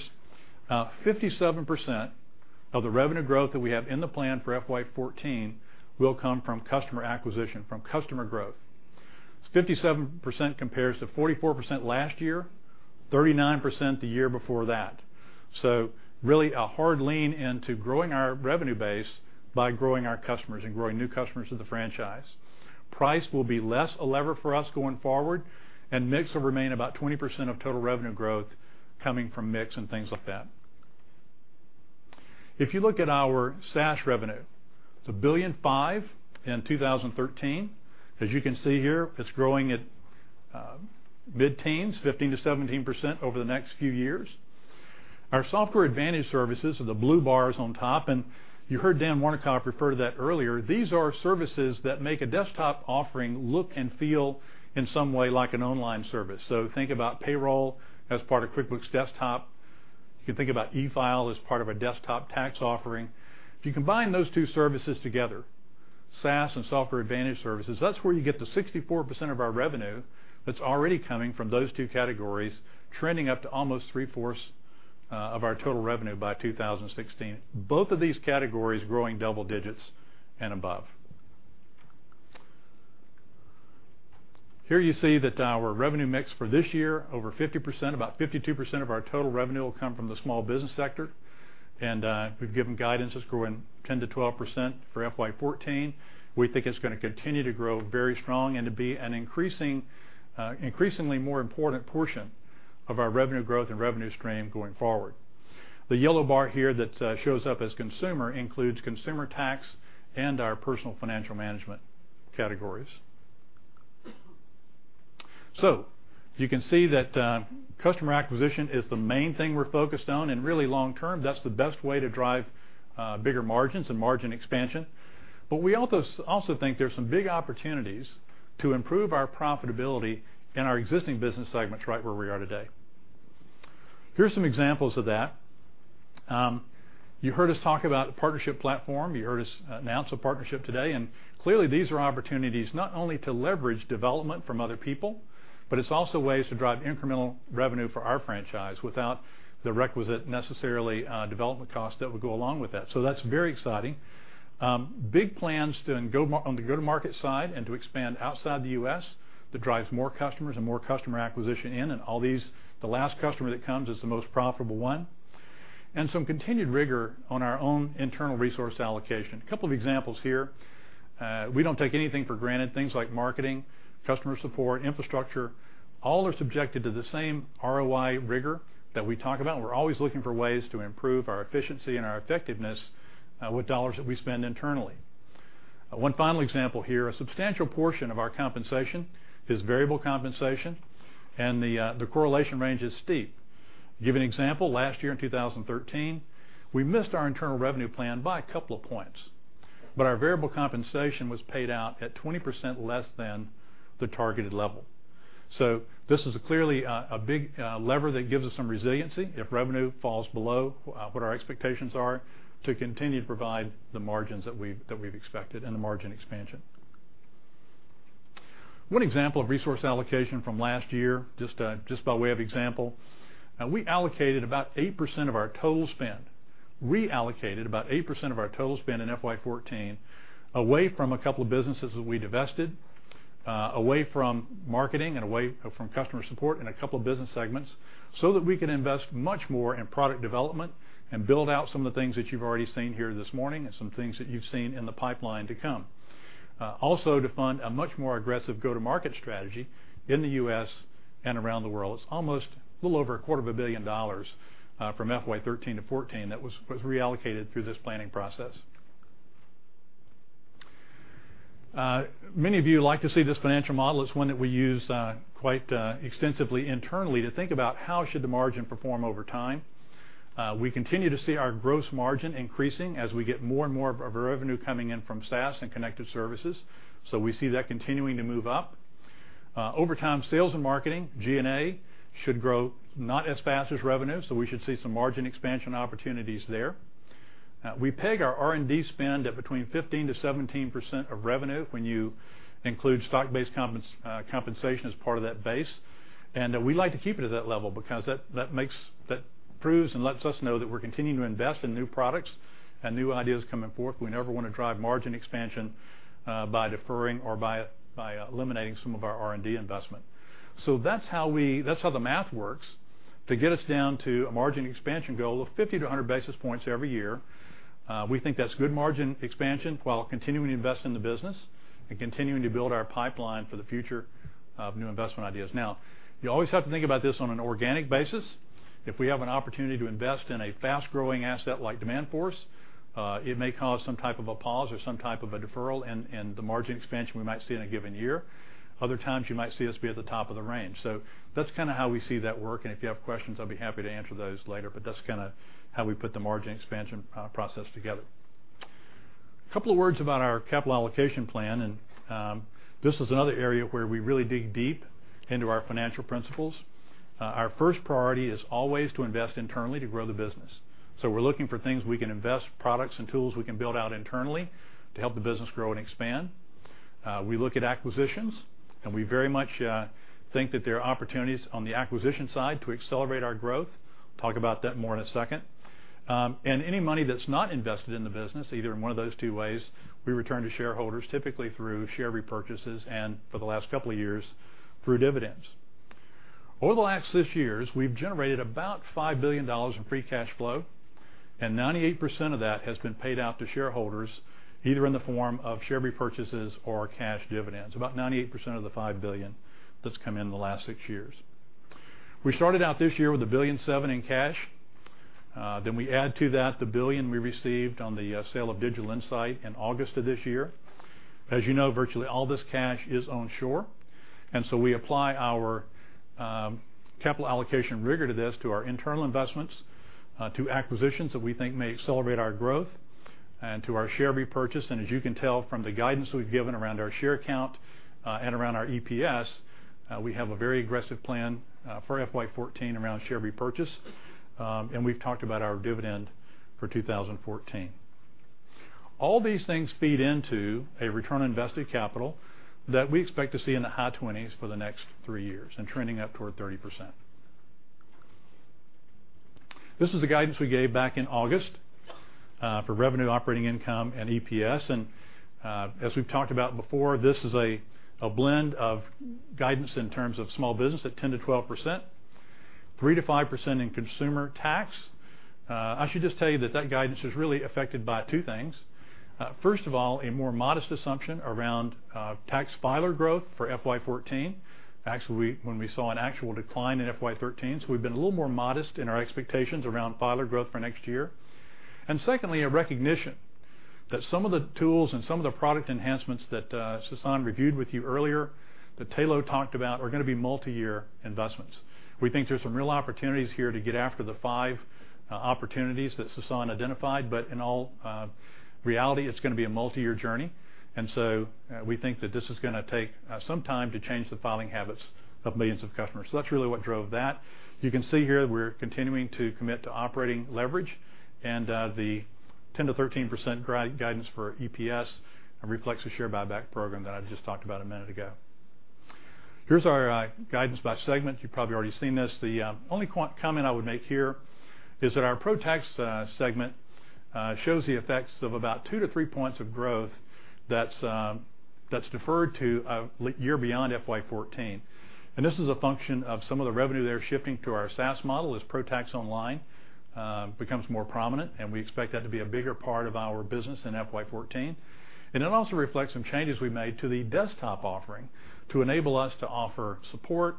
57% of the revenue growth that we have in the plan for FY 2014 will come from customer acquisition, from customer growth. 57% compares to 44% last year, 39% the year before that. Really, a hard lean into growing our revenue base by growing our customers and growing new customers to the franchise. Price will be less a lever for us going forward. Mix will remain about 20% of total revenue growth coming from mix and things like that. If you look at our SaaS revenue, it's $1.5 billion in 2013. As you can see here, it's growing at mid-teens, 15%-17% over the next few years. Our Software Advantage Services are the blue bars on top, and you heard Dan Wernikoff refer to that earlier. These are services that make a desktop offering look and feel in some way like an online service. Think about payroll as part of QuickBooks Desktop. You can think about e-file as part of a desktop tax offering. If you combine those two services together, SaaS and Software Advantage Services, that's where you get to 64% of our revenue that's already coming from those two categories, trending up to almost three-fourths of our total revenue by 2016. Both of these categories growing double digits and above. Here you see that our revenue mix for this year, over 50%, about 52% of our total revenue will come from the small business sector. We've given guidance that's growing 10%-12% for FY 2014. We think it's going to continue to grow very strong and to be an increasingly more important portion of our revenue growth and revenue stream going forward. The yellow bar here that shows up as consumer includes consumer tax and our personal financial management categories. You can see that customer acquisition is the main thing we're focused on. Really long-term, that's the best way to drive bigger margins and margin expansion. We also think there's some big opportunities to improve our profitability in our existing business segments right where we are today. Here's some examples of that. You heard us talk about Partnership Platform. You heard us announce a partnership today. Clearly, these are opportunities not only to leverage development from other people, but it's also ways to drive incremental revenue for our franchise without the requisite, necessarily development cost that would go along with that. That's very exciting. Big plans on the go-to-market side and to expand outside the U.S. that drives more customers and more customer acquisition in. All these, the last customer that comes is the most profitable one. Some continued rigor on our own internal resource allocation. A couple of examples here. We don't take anything for granted. Things like marketing, customer support, infrastructure, all are subjected to the same ROI rigor that we talk about, and we're always looking for ways to improve our efficiency and our effectiveness with dollars that we spend internally. One final example here, a substantial portion of our compensation is variable compensation, and the correlation range is steep. Give an example, last year in 2013, we missed our internal revenue plan by a couple of points. Our variable compensation was paid out at 20% less than the targeted level. This is clearly a big lever that gives us some resiliency if revenue falls below what our expectations are to continue to provide the margins that we've expected and the margin expansion. One example of resource allocation from last year, just by way of example, we allocated about 8% of our total spend, reallocated about 8% of our total spend in FY 2014 away from a couple of businesses that we divested, away from marketing and away from customer support in a couple of business segments so that we could invest much more in product development and build out some of the things that you've already seen here this morning and some things that you've seen in the pipeline to come. Also to fund a much more aggressive go-to-market strategy in the U.S. and around the world. It's almost a little over a quarter of a billion dollars from FY 2013 to 2014 that was reallocated through this planning process. Many of you like to see this financial model. It's one that we use quite extensively internally to think about how should the margin perform over time. We continue to see our gross margin increasing as we get more and more of our revenue coming in from SaaS and connected services. We see that continuing to move up. Over time, sales and marketing, G&A should grow not as fast as revenue, we should see some margin expansion opportunities there. We peg our R&D spend at between 15%-17% of revenue when you include stock-based compensation as part of that base. We like to keep it at that level because that proves and lets us know that we're continuing to invest in new products and new ideas coming forth. We never want to drive margin expansion by deferring or by eliminating some of our R&D investment. That's how the math works to get us down to a margin expansion goal of 50-100 basis points every year. We think that's good margin expansion while continuing to invest in the business and continuing to build our pipeline for the future of new investment ideas. You always have to think about this on an organic basis. If we have an opportunity to invest in a fast-growing asset like Demandforce, it may cause some type of a pause or some type of a deferral in the margin expansion we might see in a given year. Other times you might see us be at the top of the range. That's how we see that work, and if you have questions, I'll be happy to answer those later, but that's how we put the margin expansion process together. A couple of words about our capital allocation plan. This is another area where we really dig deep into our financial principles. Our first priority is always to invest internally to grow the business. We're looking for things we can invest, products and tools we can build out internally to help the business grow and expand. We look at acquisitions. We very much think that there are opportunities on the acquisition side to accelerate our growth. We'll talk about that more in a second. Any money that's not invested in the business, either in one of those two ways, we return to shareholders, typically through share repurchases and for the last couple of years, through dividends. Over the last 6 years, we've generated about $5 billion in free cash flow. 98% of that has been paid out to shareholders, either in the form of share repurchases or cash dividends, about 98% of the $5 billion that's come in the last 6 years. We started out this year with $1.7 billion in cash. We add to that the $1 billion we received on the sale of Digital Insight in August of this year. As you know, virtually all this cash is onshore. We apply our capital allocation rigor to this, to our internal investments, to acquisitions that we think may accelerate our growth, and to our share repurchase. As you can tell from the guidance we've given around our share count, around our EPS, we have a very aggressive plan for FY 2014 around share repurchase. We've talked about our dividend for 2014. All these things feed into a return on invested capital that we expect to see in the high 20s for the next 3 years and trending up toward 30%. This is the guidance we gave back in August for revenue, operating income, and EPS. As we've talked about before, this is a blend of guidance in terms of small business at 10%-12%, 3%-5% in consumer tax. I should just tell you that that guidance is really affected by 2 things. First of all, a more modest assumption around tax filer growth for FY 2014. Actually, when we saw an actual decline in FY 2013, we've been a little more modest in our expectations around filer growth for next year. Secondly, a recognition that some of the tools and some of the product enhancements that Sasan reviewed with you earlier, that Tayloe talked about are going to be multi-year investments. We think there's some real opportunities here to get after the 5 opportunities that Sasan identified. In all reality, it's going to be a multi-year journey. We think that this is going to take some time to change the filing habits of millions of customers. That's really what drove that. You can see here we're continuing to commit to operating leverage and the 10%-13% guidance for EPS reflects a share buyback program that I just talked about a minute ago. Here's our guidance by segment. You've probably already seen this. The only comment I would make here is that our ProTax segment shows the effects of about two to three points of growth that's deferred to a year beyond FY 2014. This is a function of some of the revenue that are shifting to our SaaS model as ProConnect Tax Online becomes more prominent, and we expect that to be a bigger part of our business in FY 2014. It also reflects some changes we made to the desktop offering to enable us to offer support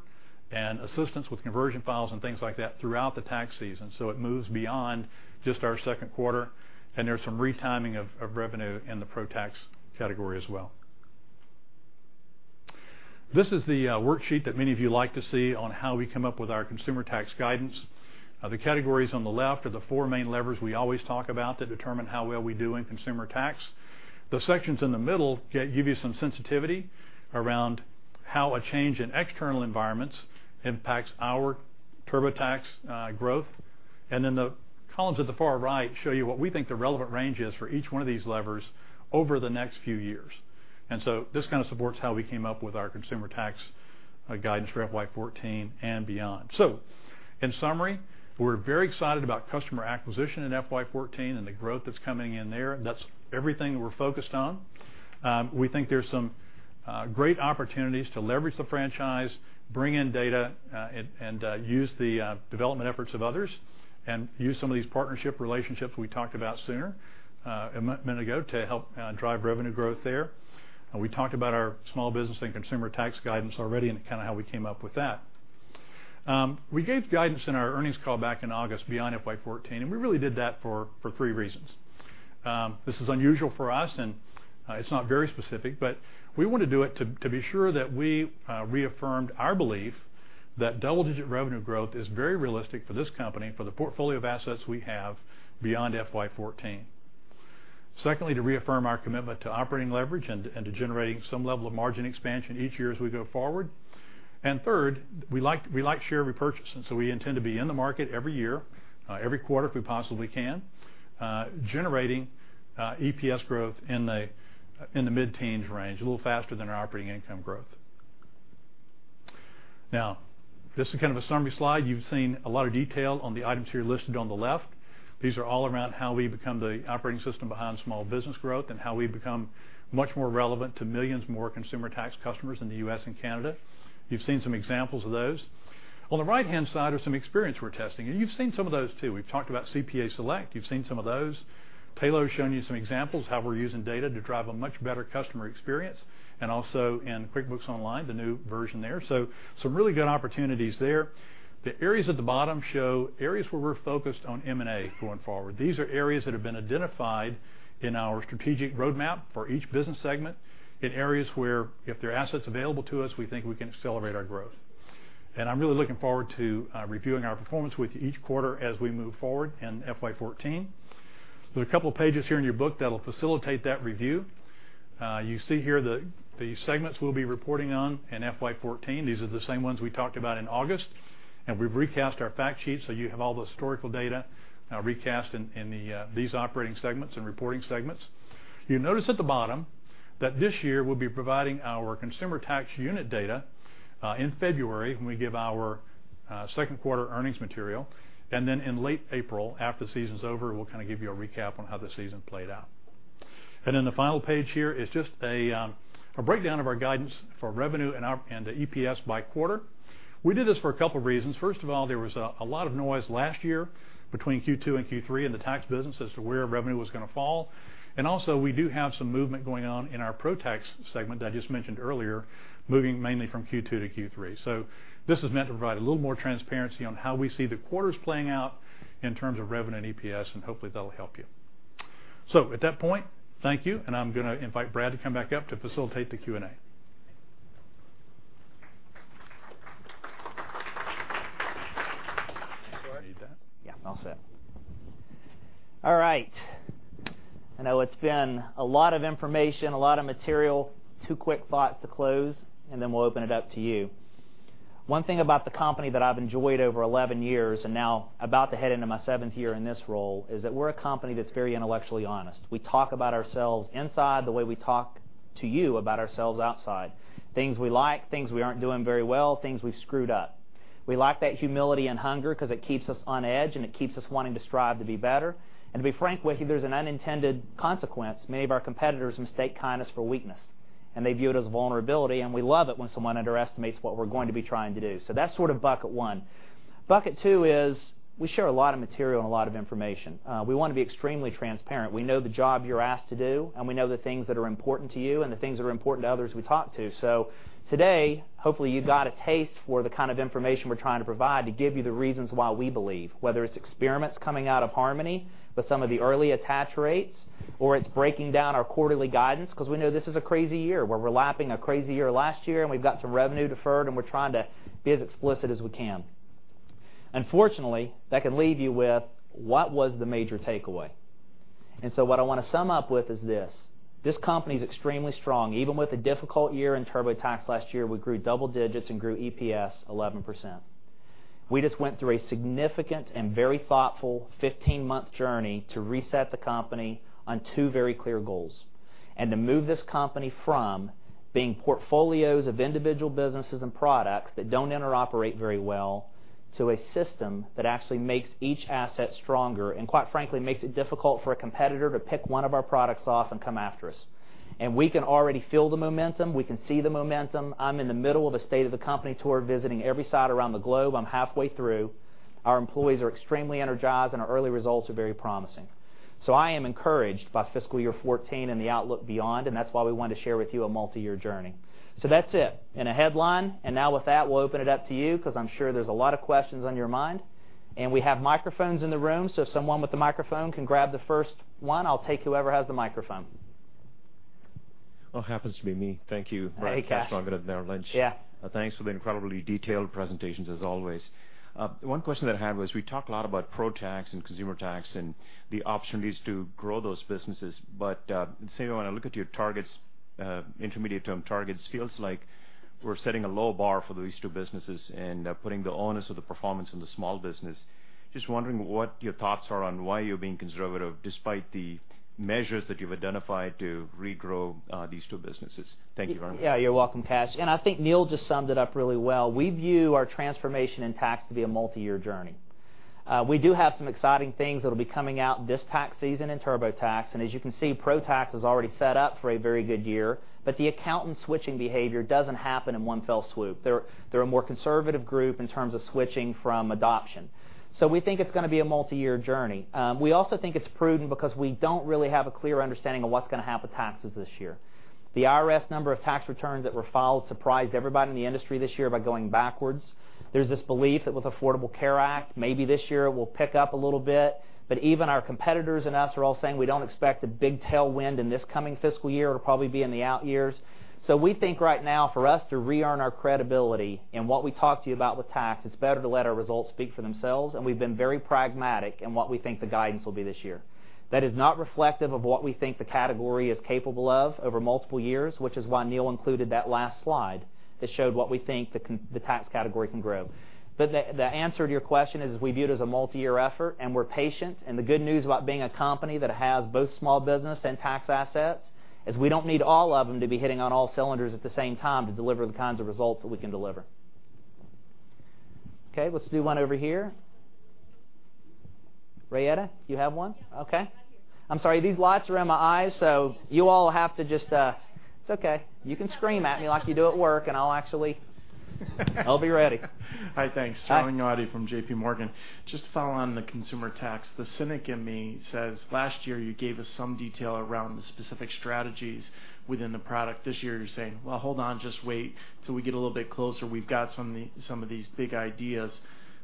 and assistance with conversion files and things like that throughout the tax season. It moves beyond just our second quarter, and there's some retiming of revenue in the ProTax category as well. This is the worksheet that many of you like to see on how we come up with our consumer tax guidance. The categories on the left are the four main levers we always talk about that determine how well we do in consumer tax. The sections in the middle give you some sensitivity around how a change in external environments impacts our TurboTax growth. The columns at the far right show you what we think the relevant range is for each one of these levers over the next few years. This supports how we came up with our consumer tax guidance for FY 2014 and beyond. In summary, we're very excited about customer acquisition in FY 2014 and the growth that's coming in there. That's everything we're focused on. We think there's some great opportunities to leverage the franchise, bring in data, and use the development efforts of others, and use some of these partnership relationships we talked about a minute ago to help drive revenue growth there. We talked about our small business and consumer tax guidance already and how we came up with that. We gave guidance in our earnings call back in August beyond FY 2014, and we really did that for three reasons. This is unusual for us, and it's not very specific, but we want to do it to be sure that we reaffirmed our belief that double-digit revenue growth is very realistic for this company for the portfolio of assets we have beyond FY 2014. Secondly, to reaffirm our commitment to operating leverage and to generating some level of margin expansion each year as we go forward. Third, we like share repurchase, and we intend to be in the market every year, every quarter if we possibly can, generating EPS growth in the mid-teens range, a little faster than our operating income growth. This is a summary slide. You've seen a lot of detail on the items here listed on the left. These are all around how we become the operating system behind small business growth and how we become much more relevant to millions more consumer tax customers in the U.S. and Canada. You've seen some examples of those. On the right-hand side are some experience we're testing, and you've seen some of those too. We've talked about CPA Select. You've seen some of those. Tayloe's shown you some examples how we're using data to drive a much better customer experience, and also in QuickBooks Online, the new version there. Some really good opportunities there. The areas at the bottom show areas where we're focused on M&A going forward. These are areas that have been identified in our strategic roadmap for each business segment in areas where if there are assets available to us, we think we can accelerate our growth. I'm really looking forward to reviewing our performance with you each quarter as we move forward in FY 2014. There's a couple of pages here in your book that'll facilitate that review. You see here the segments we'll be reporting on in FY 2014. These are the same ones we talked about in August, and we've recast our fact sheet so you have all the historical data recast in these operating segments and reporting segments. You notice at the bottom that this year we'll be providing our consumer tax unit data in February when we give our second quarter earnings material. In late April, after the season's over, we'll give you a recap on how the season played out. The final page here is just a breakdown of our guidance for revenue and EPS by quarter. We did this for a couple of reasons. First of all, there was a lot of noise last year between Q2 and Q3 in the tax business as to where revenue was going to fall. We do have some movement going on in our Pro Tax segment that I just mentioned earlier, moving mainly from Q2 to Q3. This is meant to provide a little more transparency on how we see the quarters playing out in terms of revenue and EPS, and hopefully that'll help you. At that point, thank you, and I'm going to invite Brad to come back up to facilitate the Q&A. You need that? Yeah, all set. All right. I know it's been a lot of information, a lot of material. Two quick thoughts to close, and then we'll open it up to you. One thing about the company that I've enjoyed over 11 years, and now about to head into my seventh year in this role, is that we're a company that's very intellectually honest. We talk about ourselves inside the way we talk to you about ourselves outside, things we like, things we aren't doing very well, things we've screwed up. We like that humility and hunger because it keeps us on edge and it keeps us wanting to strive to be better. To be frank with you, there's an unintended consequence. Many of our competitors mistake kindness for weakness, and they view it as vulnerability, and we love it when someone underestimates what we're going to be trying to do. That's bucket one. Bucket two is we share a lot of material and a lot of information. We want to be extremely transparent. We know the job you're asked to do, and we know the things that are important to you and the things that are important to others we talk to. Today, hopefully, you got a taste for the kind of information we're trying to provide to give you the reasons why we believe, whether it's experiments coming out of Harmony with some of the early attach rates, or it's breaking down our quarterly guidance because we know this is a crazy year where we're lapping a crazy year last year, and we've got some revenue deferred, and we're trying to be as explicit as we can. Unfortunately, that could leave you with what was the major takeaway? What I want to sum up with is this: This company is extremely strong. Even with a difficult year in TurboTax last year, we grew double digits and grew EPS 11%. We just went through a significant and very thoughtful 15-month journey to reset the company on two very clear goals, and to move this company from being portfolios of individual businesses and products that don't interoperate very well to a system that actually makes each asset stronger and, quite frankly, makes it difficult for a competitor to pick one of our products off and come after us. We can already feel the momentum. We can see the momentum. I'm in the middle of a state of the company tour, visiting every site around the globe. I'm halfway through. Our employees are extremely energized, and our early results are very promising. I am encouraged by fiscal year 2014 and the outlook beyond, that's why we wanted to share with you a multi-year journey. That's it in a headline. Now with that, we'll open it up to you because I'm sure there's a lot of questions on your mind. We have microphones in the room, so if someone with the microphone can grab the first one, I'll take whoever has the microphone. Happens to be me. Thank you. Hey, Kash. Kash Rangan with Merrill Lynch. Yeah. Thanks for the incredibly detailed presentations, as always. One question that I had was, we talked a lot about Pro Tax and Consumer Tax and the opportunities to grow those businesses. Say when I look at your targets, intermediate-term targets, it feels like we're setting a low bar for these two businesses and putting the onus of the performance on the small business. Just wondering what your thoughts are on why you're being conservative despite the measures that you've identified to regrow these two businesses. Thank you very much. Yeah, you're welcome, Kash. I think Neil just summed it up really well. We view our transformation in tax to be a multi-year journey. We do have some exciting things that'll be coming out this tax season in TurboTax, and as you can see, Pro Tax is already set up for a very good year. The accountant switching behavior doesn't happen in one fell swoop. They're a more conservative group in terms of switching from adoption. We think it's going to be a multi-year journey. We also think it's prudent because we don't really have a clear understanding of what's going to happen with taxes this year. The IRS number of tax returns that were filed surprised everybody in the industry this year by going backwards. There's this belief that with Affordable Care Act, maybe this year it will pick up a little bit, but even our competitors and us are all saying we don't expect a big tailwind in this coming fiscal year. It'll probably be in the out years. We think right now for us to reearn our credibility in what we talk to you about with tax, it's better to let our results speak for themselves, and we've been very pragmatic in what we think the guidance will be this year. That is not reflective of what we think the category is capable of over multiple years, which is why Neil included that last slide that showed what we think the tax category can grow. The answer to your question is we view it as a multi-year effort, and we're patient. The good news about being a company that has both small business and tax assets is we don't need all of them to be hitting on all cylinders at the same time to deliver the kinds of results that we can deliver. Okay, let's do one over here. Rayetta, you have one? Yeah. Okay. I'm here. I'm sorry. These lights are in my eyes, so you all have to just It's okay. You can scream at me like you do at work, and I'll be ready. Hi, thanks. Hi. Sterling Auty from JP Morgan. Just to follow on the Consumer Tax, the cynic in me says last year you gave us some detail around the specific strategies within the product. This year you're saying, "Hold on, just wait till we get a little bit closer. We've got some of these big ideas."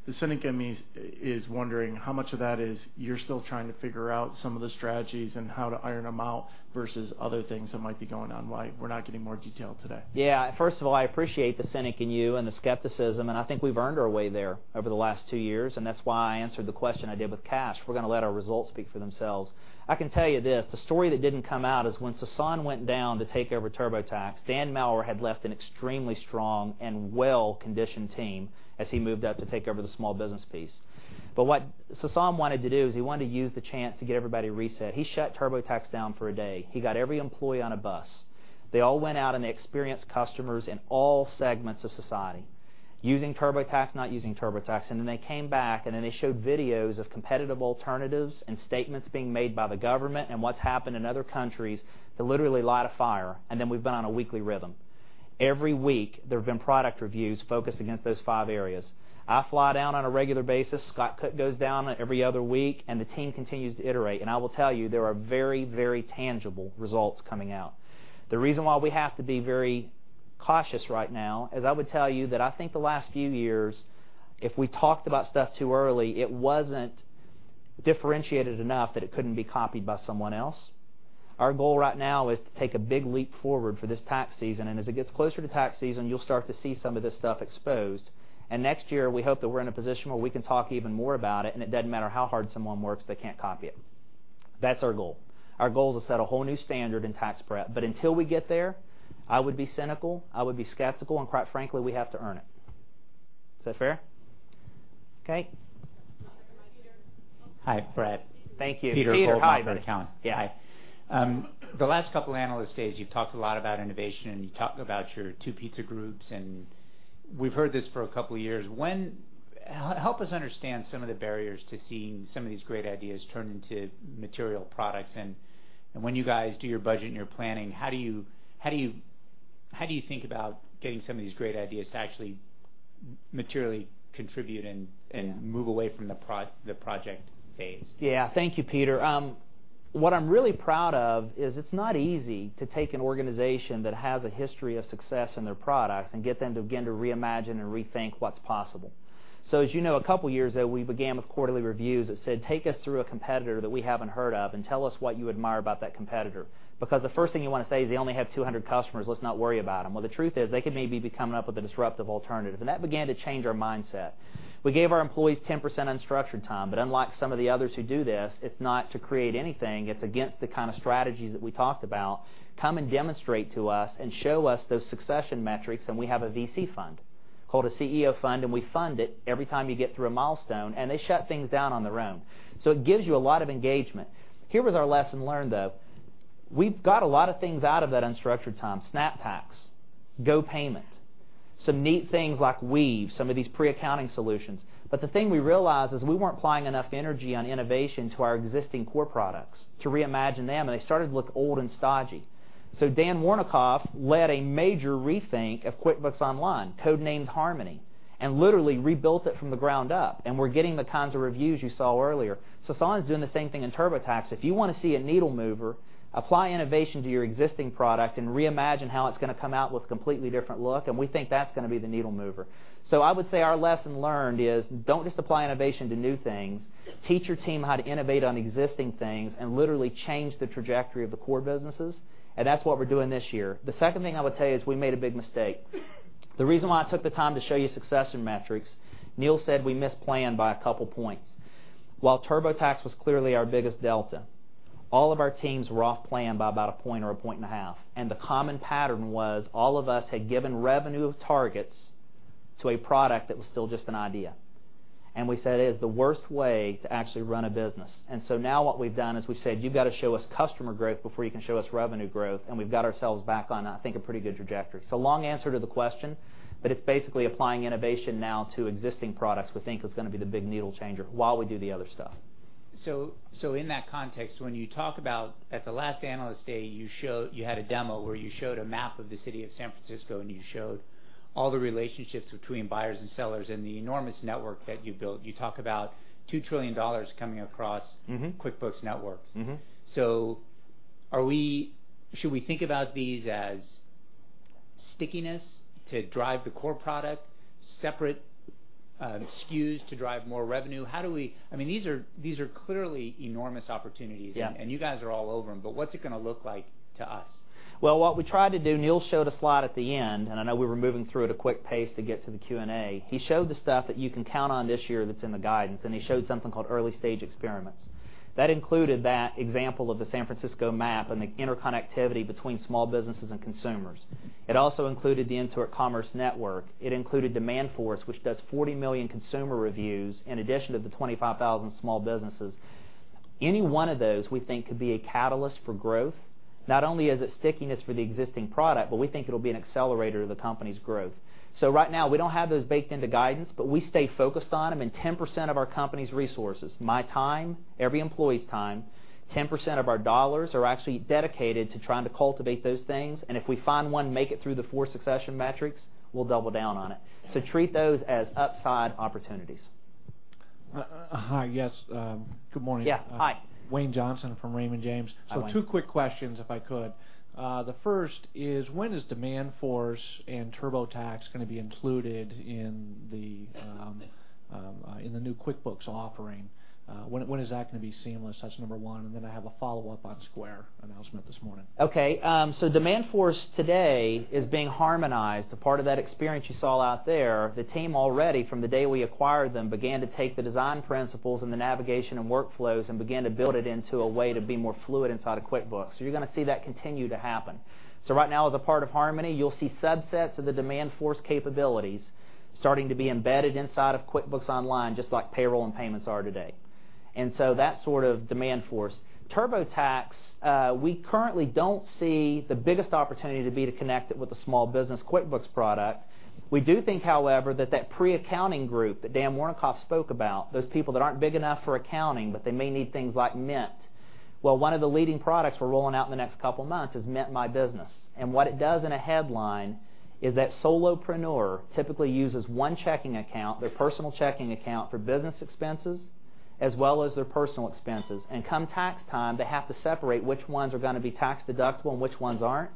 The cynic in me is wondering how much of that is you're still trying to figure out some of the strategies and how to iron them out versus other things that might be going on why we're not getting more detail today. First of all, I appreciate the cynic in you and the skepticism, and I think we've earned our way there over the last two years, and that's why I answered the question I did with Kash. We're going to let our results speak for themselves. I can tell you this, the story that didn't come out is when Sasan went down to take over TurboTax, Dan Maurer had left an extremely strong and well-conditioned team as he moved up to take over the small business piece. What Sasan wanted to do is he wanted to use the chance to get everybody reset. He shut TurboTax down for a day. He got every employee on a bus. They all went out, and they experienced customers in all segments of society using TurboTax, not using TurboTax. They came back, and then they showed videos of competitive alternatives and statements being made by the government and what's happened in other countries to literally light a fire. We've been on a weekly rhythm. Every week, there have been product reviews focused against those five areas. I fly down on a regular basis. Scott Cook goes down every other week, and the team continues to iterate. I will tell you, there are very tangible results coming out. The reason why we have to be very cautious right now is I would tell you that I think the last few years, if we talked about stuff too early, it wasn't differentiated enough that it couldn't be copied by someone else. Our goal right now is to take a big leap forward for this tax season, and as it gets closer to tax season, you'll start to see some of this stuff exposed. Next year, we hope that we're in a position where we can talk even more about it, and it doesn't matter how hard someone works, they can't copy it. That's our goal. Our goal is to set a whole new standard in tax prep. Until we get there, I would be cynical, I would be skeptical, and quite frankly, we have to earn it. Is that fair? Okay. Peter. Hi, Brad. Thank you. Peter, hi from Accounting. Hi. The last couple of Analyst Days, you've talked a lot about innovation, and you talked about your two pizza groups, and we've heard this for a couple of years. Help us understand some of the barriers to seeing some of these great ideas turn into material products. When you guys do your budget and your planning, how do you think about getting some of these great ideas to actually materially contribute and move away from the project phase? Thank you, Peter. What I'm really proud of is it's not easy to take an organization that has a history of success in their products and get them to begin to reimagine and rethink what's possible. As you know, a couple of years ago, we began with quarterly reviews that said, "Take us through a competitor that we haven't heard of and tell us what you admire about that competitor." Because the first thing you want to say is, "They only have 200 customers, let's not worry about them." Well, the truth is, they could maybe be coming up with a disruptive alternative. That began to change our mindset. We gave our employees 10% unstructured time, but unlike some of the others who do this, it's not to create anything. It's against the kind of strategies that we talked about. Come and demonstrate to us and show us those succession metrics, we have a VC fund called a CEO fund, and we fund it every time you get through a milestone, they shut things down on their own. It gives you a lot of engagement. Here was our lesson learned, though. We've got a lot of things out of that unstructured time. SnapTax, GoPayment, some neat things like Weave, some of these pre-accounting solutions. The thing we realized is we weren't applying enough energy on innovation to our existing core products to reimagine them, they started to look old and stodgy. Dan Wernikoff led a major rethink of QuickBooks Online, code-named Harmony, literally rebuilt it from the ground up, we're getting the kinds of reviews you saw earlier. Sasan is doing the same thing in TurboTax. If you want to see a needle mover, apply innovation to your existing product and reimagine how it's going to come out with a completely different look, we think that's going to be the needle mover. I would say our lesson learned is don't just apply innovation to new things. Teach your team how to innovate on existing things literally change the trajectory of the core businesses, that's what we're doing this year. The second thing I would tell you is we made a big mistake. The reason why I took the time to show you succession metrics, Neil said we missed plan by a couple of points. While TurboTax was clearly our biggest delta, all of our teams were off-plan by about a point or a point and a half. The common pattern was all of us had given revenue targets to a product that was still just an idea. We said it is the worst way to actually run a business. Now what we've done is we've said, "You've got to show us customer growth before you can show us revenue growth." We've got ourselves back on, I think, a pretty good trajectory. It's a long answer to the question, it's basically applying innovation now to existing products we think is going to be the big needle changer while we do the other stuff. In that context, when you talk about at the last Analyst Day, you had a demo where you showed a map of the city of San Francisco, you showed all the relationships between buyers and sellers and the enormous network that you built. You talk about $2 trillion coming across QuickBooks networks. Should we think about these as stickiness to drive the core product, separate SKUs to drive more revenue? I mean, these are clearly enormous opportunities. Yeah, you guys are all over them, what's it going to look like to us? Well, what we tried to do, Neil showed a slide at the end, and I know we were moving through at a quick pace to get to the Q&A. He showed the stuff that you can count on this year that's in the guidance, and he showed something called early-stage experiments. That included that example of the San Francisco map and the interconnectivity between small businesses and consumers. It also included the Intuit Commerce Network. It included Demandforce, which does 40 million consumer reviews in addition to the 25,000 small businesses. Any one of those, we think could be a catalyst for growth. Not only is it stickiness for the existing product, but we think it'll be an accelerator to the company's growth. Right now, we don't have those baked into guidance, but we stay focused on them, and 10% of our company's resources, my time, every employee's time, 10% of our dollars are actually dedicated to trying to cultivate those things. If we find one, make it through the 4 succession metrics, we'll double down on it. Treat those as upside opportunities. Hi, yes. Good morning. Yeah. Hi. Wayne Johnson from Raymond James. Hi, Wayne. Two quick questions, if I could. The first is, when does Demandforce and TurboTax going to be included in the new QuickBooks offering? When is that going to be seamless? That's number one. I have a follow-up on Square announcement this morning. Okay. Demandforce today is being harmonized. A part of that experience you saw out there, the team already, from the day we acquired them, began to take the design principles and the navigation and workflows and began to build it into a way to be more fluid inside of QuickBooks. You're going to see that continue to happen. Right now, as a part of Harmony, you'll see subsets of the Demandforce capabilities starting to be embedded inside of QuickBooks Online, just like payroll and payments are today. That's sort of Demandforce. TurboTax, we currently don't see the biggest opportunity to be to connect it with a small business QuickBooks product. We do think, however, that that pre-accounting group that Dan Wernikoff spoke about, those people that aren't big enough for accounting, but they may need things like Mint. Well, one of the leading products we're rolling out in the next couple of months is Mint MyBusiness, and what it does in a headline is that solopreneur typically uses one checking account, their personal checking account for business expenses, as well as their personal expenses. Come tax time, they have to separate which ones are going to be tax-deductible and which ones aren't.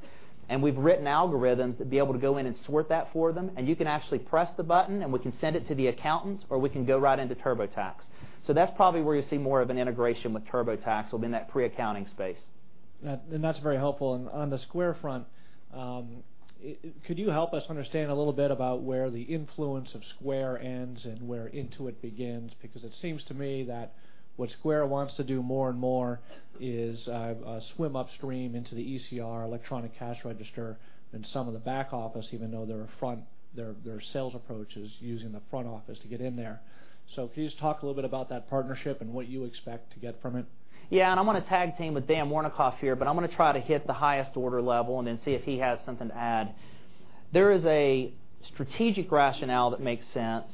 We've written algorithms to be able to go in and sort that for them, and you can actually press the button, and we can send it to the accountant, or we can go right into TurboTax. That's probably where you see more of an integration with TurboTax, within that pre-accounting space. That's very helpful. On the Square front, could you help us understand a little bit about where the influence of Square ends and where Intuit begins? Because it seems to me that what Square wants to do more and more is swim upstream into the ECR, electronic cash register, and some of the back office, even though their sales approach is using the front office to get in there. Can you just talk a little bit about that partnership and what you expect to get from it? Yeah, and I'm going to tag team with Dan Wernikoff here, but I'm going to try to hit the highest order level and then see if he has something to add. There is a strategic rationale that makes sense,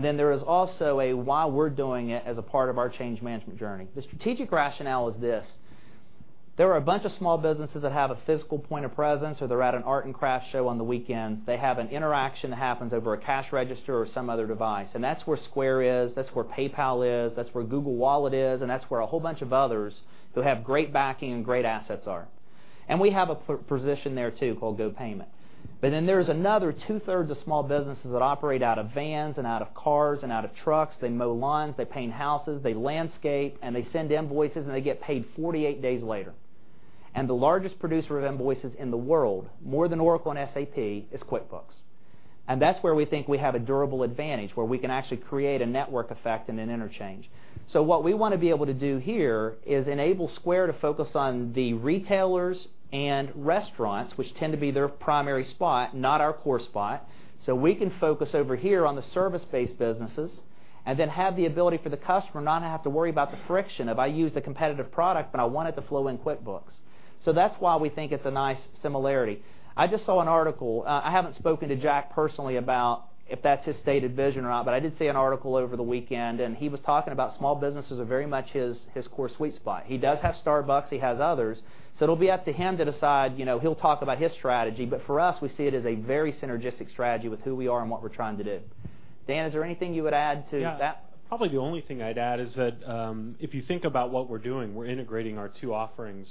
then there is also a why we're doing it as a part of our change management journey. The strategic rationale is this. There are a bunch of small businesses that have a physical point of presence, or they're at an art and craft show on the weekends. They have an interaction that happens over a cash register or some other device, and that's where Square is, that's where PayPal is, that's where Google Wallet is, and that's where a whole bunch of others who have great backing and great assets are. We have a position there, too, called GoPayment. There's another two-thirds of small businesses that operate out of vans and out of cars and out of trucks. They mow lawns, they paint houses, they landscape, and they send invoices, and they get paid 48 days later. The largest producer of invoices in the world, more than Oracle and SAP, is QuickBooks. That's where we think we have a durable advantage, where we can actually create a network effect and an interchange. What we want to be able to do here is enable Square to focus on the retailers and restaurants, which tend to be their primary spot, not our core spot. We can focus over here on the service-based businesses and then have the ability for the customer not to have to worry about the friction of, I used a competitive product, but I want it to flow in QuickBooks. That's why we think it's a nice similarity. I just saw an article. I haven't spoken to Jack personally about if that's his stated vision or not. I did see an article over the weekend. He was talking about small businesses are very much his core sweet spot. He does have Starbucks, he has others. It'll be up to him to decide. He'll talk about his strategy. For us, we see it as a very synergistic strategy with who we are and what we're trying to do. Dan, is there anything you would add to that? Yeah. Probably the only thing I'd add is that, if you think about what we're doing, we're integrating our two offerings.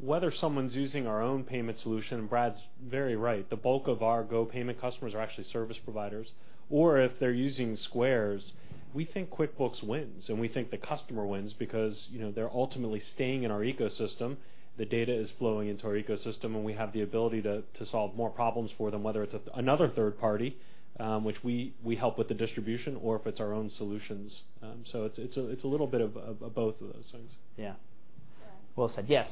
Whether someone's using our own payment solution, and Brad's very right, the bulk of our GoPayment customers are actually service providers, or if they're using Square's, we think QuickBooks wins. We think the customer wins because they're ultimately staying in our ecosystem. The data is flowing into our ecosystem. We have the ability to solve more problems for them, whether it's another third party, which we help with the distribution, or if it's our own solutions. It's a little bit of both of those things. Yeah. Well said. Yes.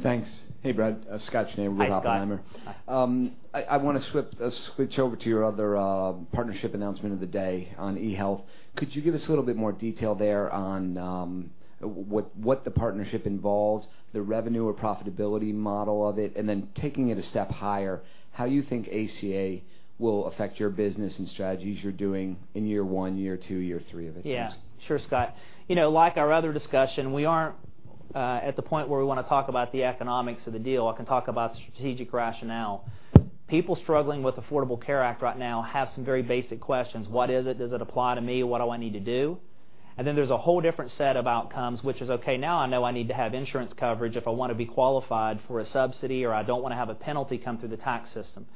Scott. Thanks. Hey, Brad. Scott Hi, Scott. Schneeberger with Oppenheimer. I want to switch over to your other partnership announcement of the day on eHealth. Could you give us a little bit more detail there on what the partnership involves, the revenue or profitability model of it, and then taking it a step higher, how you think ACA will affect your business and strategies you're doing in year one, year two, year three of it? Yeah, sure, Scott. Like our other discussion, we aren't at the point where we want to talk about the economics of the deal. I can talk about strategic rationale. People struggling with Affordable Care Act right now have some very basic questions. What is it? Does it apply to me? What do I need to do? Then there's a whole different set of outcomes, which is, okay, now I know I need to have insurance coverage if I want to be qualified for a subsidy, or I don't want to have a penalty come through the tax system.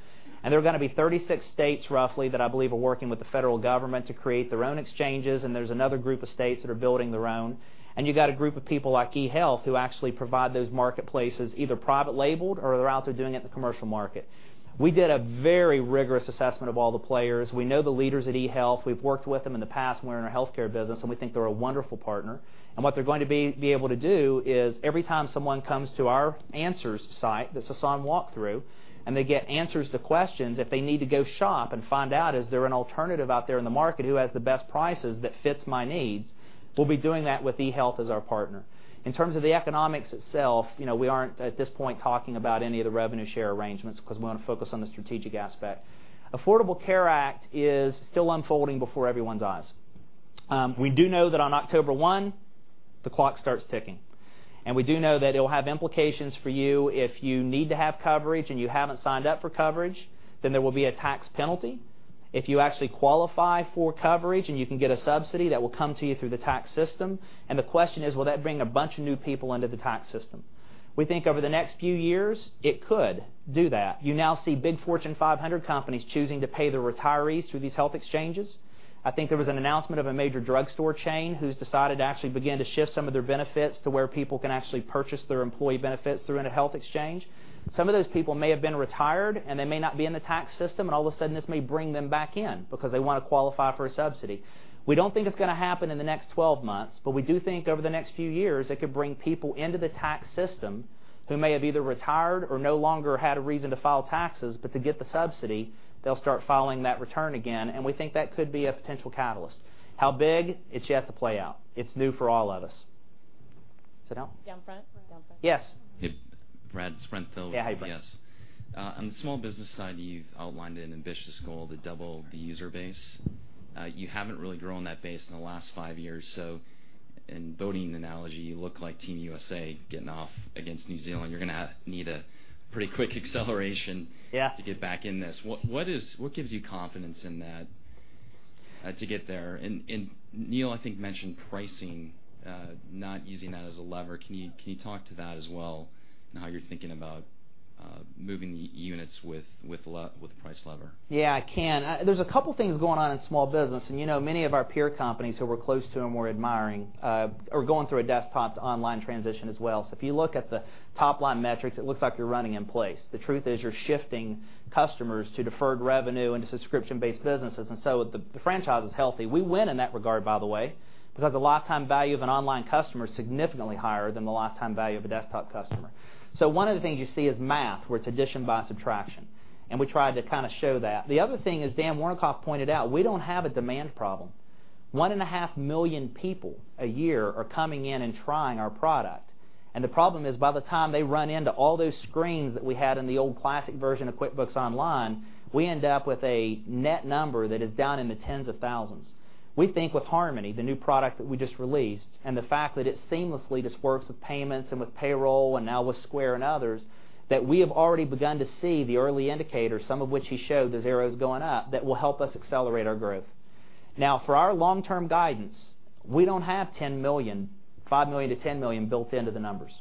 There are going to be 36 states, roughly, that I believe are working with the federal government to create their own exchanges, and there's another group of states that are building their own. You've got a group of people like eHealth who actually provide those marketplaces, either private labeled or they're out there doing it in the commercial market. We did a very rigorous assessment of all the players. We know the leaders at eHealth. We've worked with them in the past when we were in our healthcare business, and we think they're a wonderful partner. What they're going to be able to do is every time someone comes to our answers site that Sasan walked through, and they get answers to questions, if they need to go shop and find out, is there an alternative out there in the market who has the best prices that fits my needs? We'll be doing that with eHealth as our partner. In terms of the economics itself, we aren't at this point talking about any of the revenue share arrangements because we want to focus on the strategic aspect. Affordable Care Act is still unfolding before everyone's eyes. We do know that on October 1, the clock starts ticking. We do know that it will have implications for you if you need to have coverage and you haven't signed up for coverage, then there will be a tax penalty. If you actually qualify for coverage and you can get a subsidy, that will come to you through the tax system. The question is, will that bring a bunch of new people into the tax system? We think over the next few years it could do that. You now see big Fortune 500 companies choosing to pay their retirees through these health exchanges. I think there was an announcement of a major drugstore chain who's decided to actually begin to shift some of their benefits to where people can actually purchase their employee benefits through a health exchange. Some of those people may have been retired, they may not be in the tax system, all of a sudden, this may bring them back in because they want to qualify for a subsidy. We don't think it's going to happen in the next 12 months, but we do think over the next few years, it could bring people into the tax system who may have either retired or no longer had a reason to file taxes. To get the subsidy, they'll start filing that return again, and we think that could be a potential catalyst. How big? It's yet to play out. It's new for all of us. Does that help? Down front. Down front. Yes. Hey, Brad. It's Brent Thill with UBS. Yeah, hi, Brent. On the small business side, you've outlined an ambitious goal to double the user base. You haven't really grown that base in the last 5 years, so in boating analogy, you look like Team USA getting off against New Zealand. You're going to need a pretty quick acceleration. Yeah to get back in this. What gives you confidence in that to get there? Neil, I think, mentioned pricing, not using that as a lever. Can you talk to that as well and how you're thinking about moving units with the price lever? Yeah, I can. There's a couple things going on in small business, many of our peer companies who we're close to and we're admiring, are going through a desktop to online transition as well. If you look at the top-line metrics, it looks like you're running in place. The truth is, you're shifting customers to deferred revenue and to subscription-based businesses. The franchise is healthy. We win in that regard, by the way, because the lifetime value of an online customer is significantly higher than the lifetime value of a desktop customer. One of the things you see is math, where it's addition by subtraction, and we tried to show that. The other thing is, Dan Wernikoff pointed out, we don't have a demand problem. 1.5 million people a year are coming in and trying our product. The problem is, by the time they run into all those screens that we had in the old classic version of QuickBooks Online, we end up with a net number that is down in the tens of thousands. We think with Harmony, the new product that we just released, and the fact that it seamlessly just works with payments and with payroll and now with Square and others, that we have already begun to see the early indicators, some of which he showed, those arrows going up, that will help us accelerate our growth. For our long-term guidance, we don't have $5 million-$10 million built into the numbers.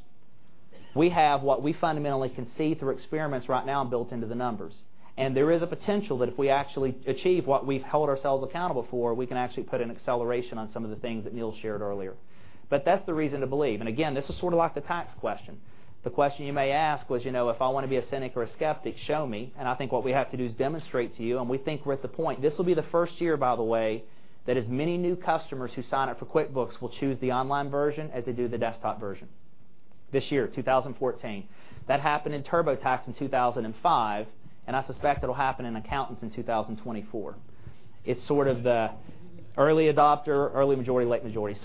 We have what we fundamentally can see through experiments right now built into the numbers. There is a potential that if we actually achieve what we've held ourselves accountable for, we can actually put an acceleration on some of the things that Neil shared earlier. That's the reason to believe. Again, this is sort of like the tax question. The question you may ask was, if I want to be a cynic or a skeptic, show me. I think what we have to do is demonstrate to you, and we think we're at the point. This will be the first year, by the way, that as many new customers who sign up for QuickBooks will choose the online version as they do the desktop version. This year, 2014. That happened in TurboTax in 2005, and I suspect it'll happen in accountants in 2024. It's sort of the early adopter, early majority, late majority.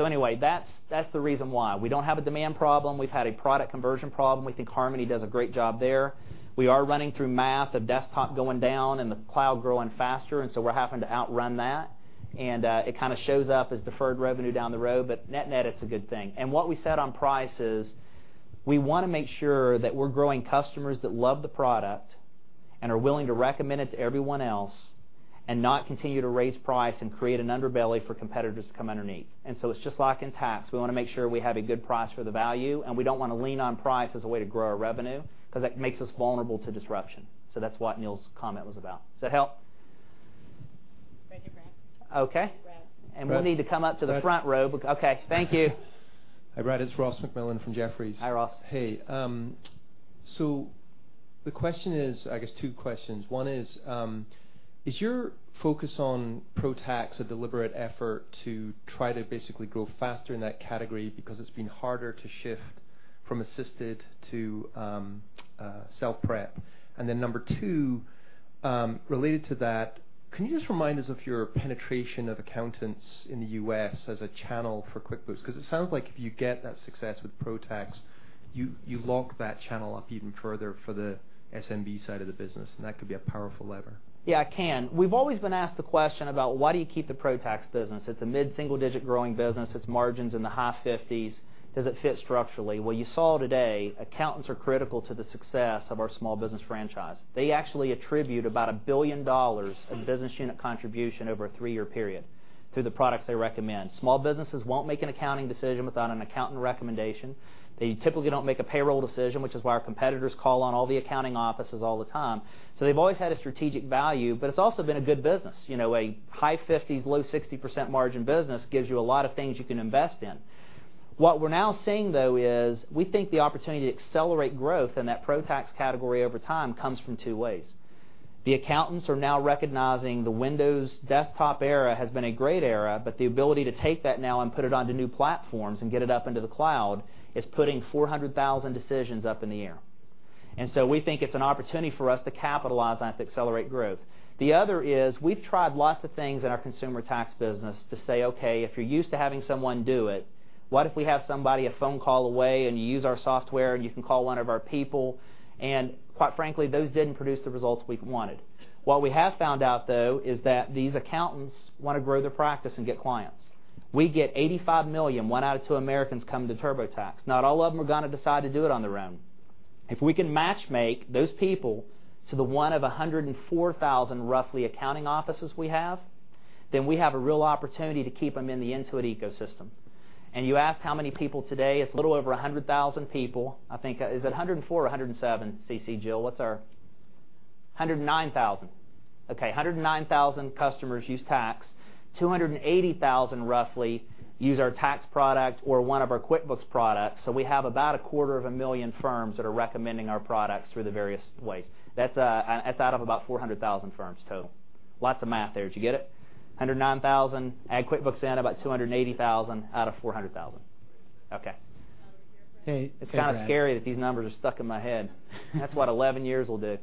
That's the reason why. We don't have a demand problem. We've had a product conversion problem. We think Harmony does a great job there. We are running through math of desktop going down and the cloud growing faster, we're having to outrun that. It kind of shows up as deferred revenue down the road, but net-net, it's a good thing. What we said on price is we want to make sure that we're growing customers that love the product and are willing to recommend it to everyone else and not continue to raise price and create an underbelly for competitors to come underneath. It's just like in tax. We want to make sure we have a good price for the value, and we don't want to lean on price as a way to grow our revenue because that makes us vulnerable to disruption. That's what Neil's comment was about. Does that help? Brad, you're great. Okay. Brad. We'll need to come up to the front row. Okay. Thank you. Hi, Brad. It's Ross MacMillan from Jefferies. Hi, Ross. Hey. The question is, I guess two questions. One is your focus on Pro Tax a deliberate effort to try to basically grow faster in that category because it's been harder to shift from assisted to self-prep? And then number two, related to that, can you just remind us of your penetration of accountants in the U.S. as a channel for QuickBooks? Because it sounds like if you get that success with Pro Tax, you lock that channel up even further for the SMB side of the business, and that could be a powerful lever. Yeah, I can. We've always been asked the question about why do you keep the Pro Tax business? It's a mid-single-digit growing business. Its margin's in the high 50s. Does it fit structurally? What you saw today, accountants are critical to the success of our small business franchise. They actually attribute about $1 billion of business unit contribution over a three-year period through the products they recommend. Small businesses won't make an accounting decision without an accountant recommendation. They typically don't make a payroll decision, which is why our competitors call on all the accounting offices all the time. They've always had a strategic value, but it's also been a good business. A high 50s, low 60% margin business gives you a lot of things you can invest in. What we're now seeing, though, is we think the opportunity to accelerate growth in that Pro Tax category over time comes from two ways. The accountants are now recognizing the Windows desktop era has been a great era, but the ability to take that now and put it onto new platforms and get it up into the cloud is putting 400,000 decisions up in the air. We think it's an opportunity for us to capitalize on it to accelerate growth. The other is we've tried lots of things in our consumer tax business to say, okay, if you're used to having someone do it, what if we have somebody a phone call away and you use our software and you can call one of our people, and quite frankly, those didn't produce the results we wanted. What we have found out, though, is that these accountants want to grow their practice and get clients. We get 85 million, one out of two Americans come to TurboTax. Not all of them are going to decide to do it on their own. If we can match-make those people to the one of 104,000, roughly, accounting offices we have, then we have a real opportunity to keep them in the Intuit ecosystem. You asked how many people today, it's a little over 100,000 people, I think. Is it 104 or 107, CeCe Jill? What's our 109,000? Okay, 109,000 customers use Tax. 280,000, roughly, use our Tax product or one of our QuickBooks products. We have about a quarter of a million firms that are recommending our products through the various ways. That's out of about 400,000 firms total. Lots of math there. Did you get it? 109,000, add QuickBooks in, about 280,000 out of 400,000. Okay. Hey, Brad. It's kind of scary that these numbers are stuck in my head. That's what 11 years will do.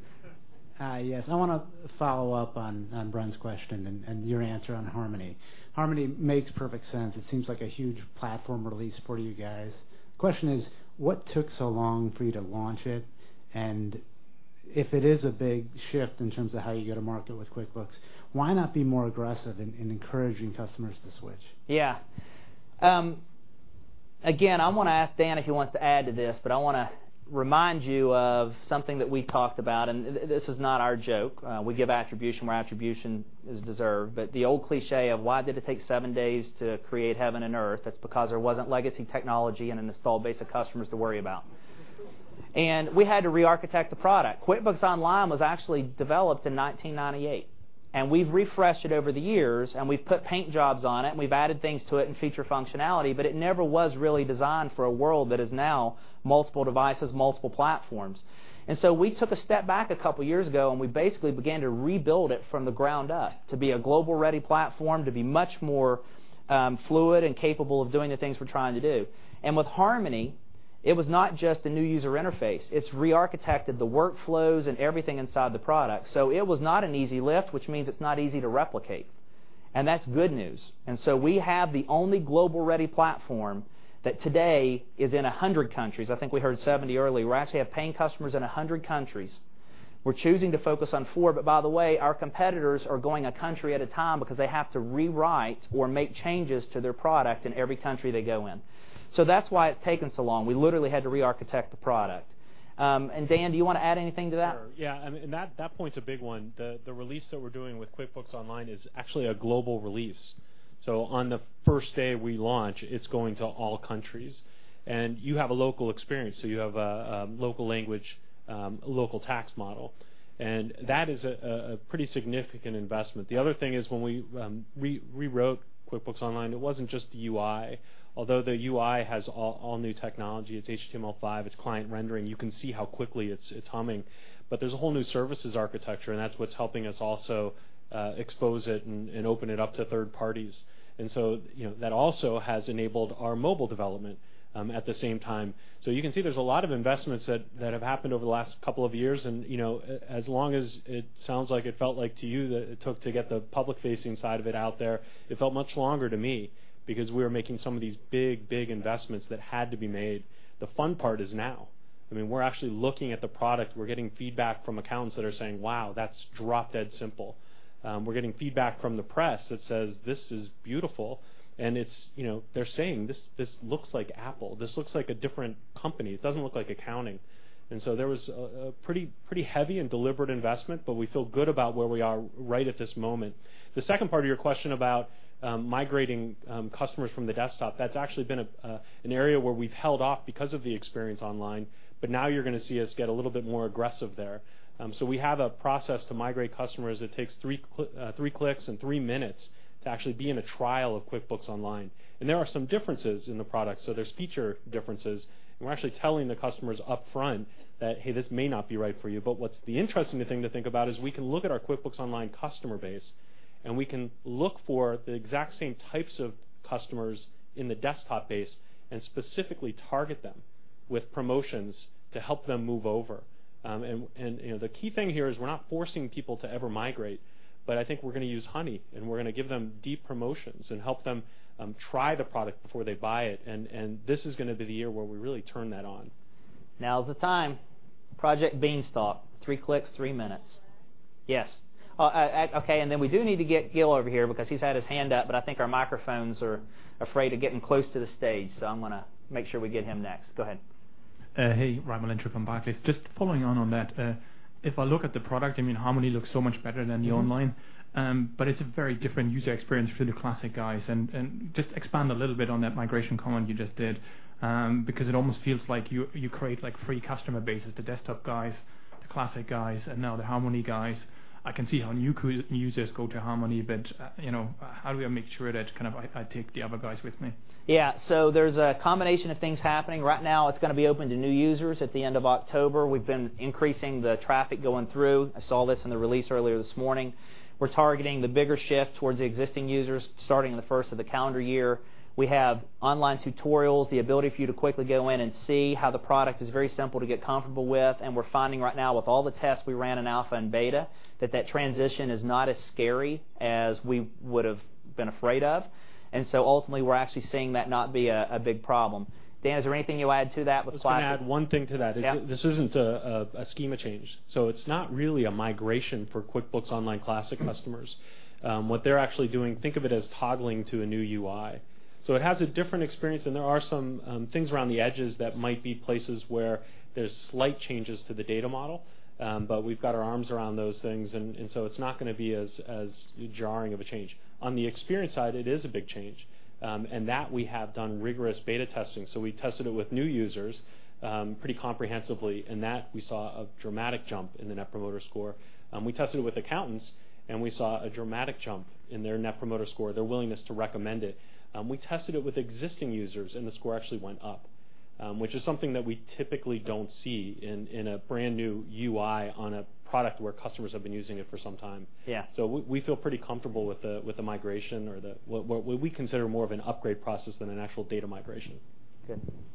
Hi, yes. I want to follow up on Brent's question and your answer on Harmony. Harmony makes perfect sense. It seems like a huge platform release for you guys. Question is, what took so long for you to launch it? If it is a big shift in terms of how you go to market with QuickBooks, why not be more aggressive in encouraging customers to switch? Yeah. Again, I want to ask Dan if he wants to add to this, I want to remind you of something that we talked about. This is not our joke. We give attribution where attribution is deserved. The old cliche of why did it take seven days to create heaven and Earth, that's because there wasn't legacy technology and an installed base of customers to worry about. We had to rearchitect the product. QuickBooks Online was actually developed in 1998. We've refreshed it over the years. We've put paint jobs on it. We've added things to it and feature functionality, but it never was really designed for a world that is now multiple devices, multiple platforms. We took a step back a couple of years ago, we basically began to rebuild it from the ground up to be a global-ready platform, to be much more fluid and capable of doing the things we're trying to do. With Harmony, it was not just a new user interface. It's rearchitected the workflows and everything inside the product. It was not an easy lift, which means it's not easy to replicate. That's good news. We have the only global-ready platform that today is in 100 countries. I think we heard 70 earlier. We actually have paying customers in 100 countries. We're choosing to focus on four. By the way, our competitors are going a country at a time because they have to rewrite or make changes to their product in every country they go in. That's why it's taken so long. We literally had to rearchitect the product. Dan, do you want to add anything to that? Sure. That point's a big one. The release that we're doing with QuickBooks Online is actually a global release. On the first day we launch, it's going to all countries. You have a local experience. You have a local language, local tax model, and that is a pretty significant investment. The other thing is when we rewrote QuickBooks Online, it wasn't just the UI, although the UI has all new technology. It's HTML5. It's client rendering. You can see how quickly it's humming. There's a whole new services architecture, and that's what's helping us also expose it and open it up to third parties. That also has enabled our mobile development at the same time. You can see there's a lot of investments that have happened over the last couple of years. As long as it sounds like it felt like to you that it took to get the public-facing side of it out there, it felt much longer to me because we were making some of these big, big investments that had to be made. The fun part is now. We're actually looking at the product. We're getting feedback from accountants that are saying, "Wow, that's drop-dead simple." We're getting feedback from the press that says, "This is beautiful." They're saying, "This looks like Apple. This looks like a different company. It doesn't look like accounting." There was a pretty heavy and deliberate investment, but we feel good about where we are right at this moment. The second part of your question about migrating customers from the desktop, that's actually been an area where we've held off because of the experience online. Now you're going to see us get a little bit more aggressive there. We have a process to migrate customers. It takes three clicks and three minutes to actually be in a trial of QuickBooks Online. There are some differences in the product. There's feature differences. We're actually telling the customers upfront that, "Hey, this may not be right for you." What's the interesting thing to think about is we can look at our QuickBooks Online customer base, and we can look for the exact same types of customers in the desktop base and specifically target them with promotions to help them move over. The key thing here is we're not forcing people to ever migrate, but I think we're going to use honey, and we're going to give them deep promotions and help them try the product before they buy it. This is going to be the year where we really turn that on. Now's the time. Project Beanstalk, three clicks, three minutes. Yes. We do need to get Gil over here because he's had his hand up, I think our microphones are afraid of getting close to the stage, so I'm going to make sure we get him next. Go ahead. Hey, Raimo Lenschow from Barclays. Just following on on that. If I look at the product, Harmony looks so much better than the Online. It's a very different user experience for the Classic guys. Just expand a little bit on that migration comment you just did, because it almost feels like you create three customer bases, the Desktop guys, the Classic guys, and now the Harmony guys. I can see how new users go to Harmony, but how do I make sure that I take the other guys with me? Yeah. There's a combination of things happening. Right now, it's going to be open to new users at the end of October. We've been increasing the traffic going through. I saw this in the release earlier this morning. We're targeting the bigger shift towards the existing users starting in the first of the calendar year. We have online tutorials, the ability for you to quickly go in and see how the product is very simple to get comfortable with. We're finding right now with all the tests we ran in alpha and beta, that that transition is not as scary as we would've been afraid of. Ultimately, we're actually seeing that not be a big problem. Dan, is there anything you add to that with Classic? I'm just going to add one thing to that. Yeah. This isn't a schema change, so it's not really a migration for QuickBooks Online Classic customers. What they're actually doing, think of it as toggling to a new UI. It has a different experience, and there are some things around the edges that might be places where there's slight changes to the data model. We've got our arms around those things. It's not going to be as jarring of a change. On the experience side, it is a big change. We have done rigorous beta testing. We tested it with new users, pretty comprehensively, and that we saw a dramatic jump in the Net Promoter Score. We tested it with accountants, and we saw a dramatic jump in their Net Promoter Score, their willingness to recommend it. We tested it with existing users. The score actually went up, which is something that we typically don't see in a brand new UI on a product where customers have been using it for some time. Yeah. We feel pretty comfortable with the migration or what we consider more of an upgrade process than an actual data migration. Good. Gil? Gil Luria, Wedbush.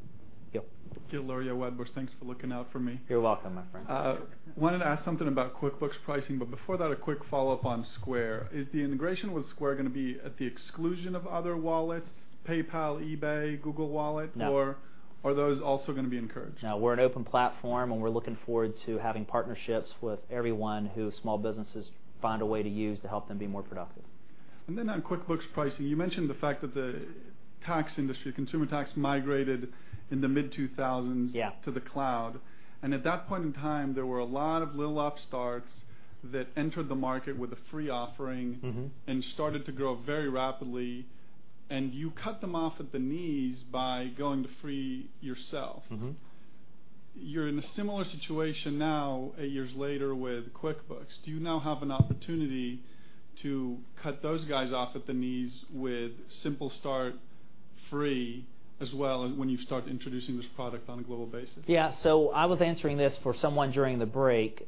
Thanks for looking out for me. You're welcome, my friend. I wanted to ask something about QuickBooks pricing, but before that, a quick follow-up on Square. Is the integration with Square going to be at the exclusion of other wallets, PayPal, eBay, Google Wallet? No. Are those also going to be encouraged? No, we're an open platform, and we're looking forward to having partnerships with everyone who small businesses find a way to use to help them be more productive. On QuickBooks pricing, you mentioned the fact that the tax industry, consumer tax, migrated in the mid-2000s. Yeah To the cloud. At that point in time, there were a lot of little upstarts that entered the market with a free offering. started to grow very rapidly, you cut them off at the knees by going to free yourself. You're in a similar situation now, eight years later with QuickBooks. Do you now have an opportunity to cut those guys off at the knees with QuickBooks Simple Start free as well, when you start introducing this product on a global basis? Yeah. I was answering this for someone during the break.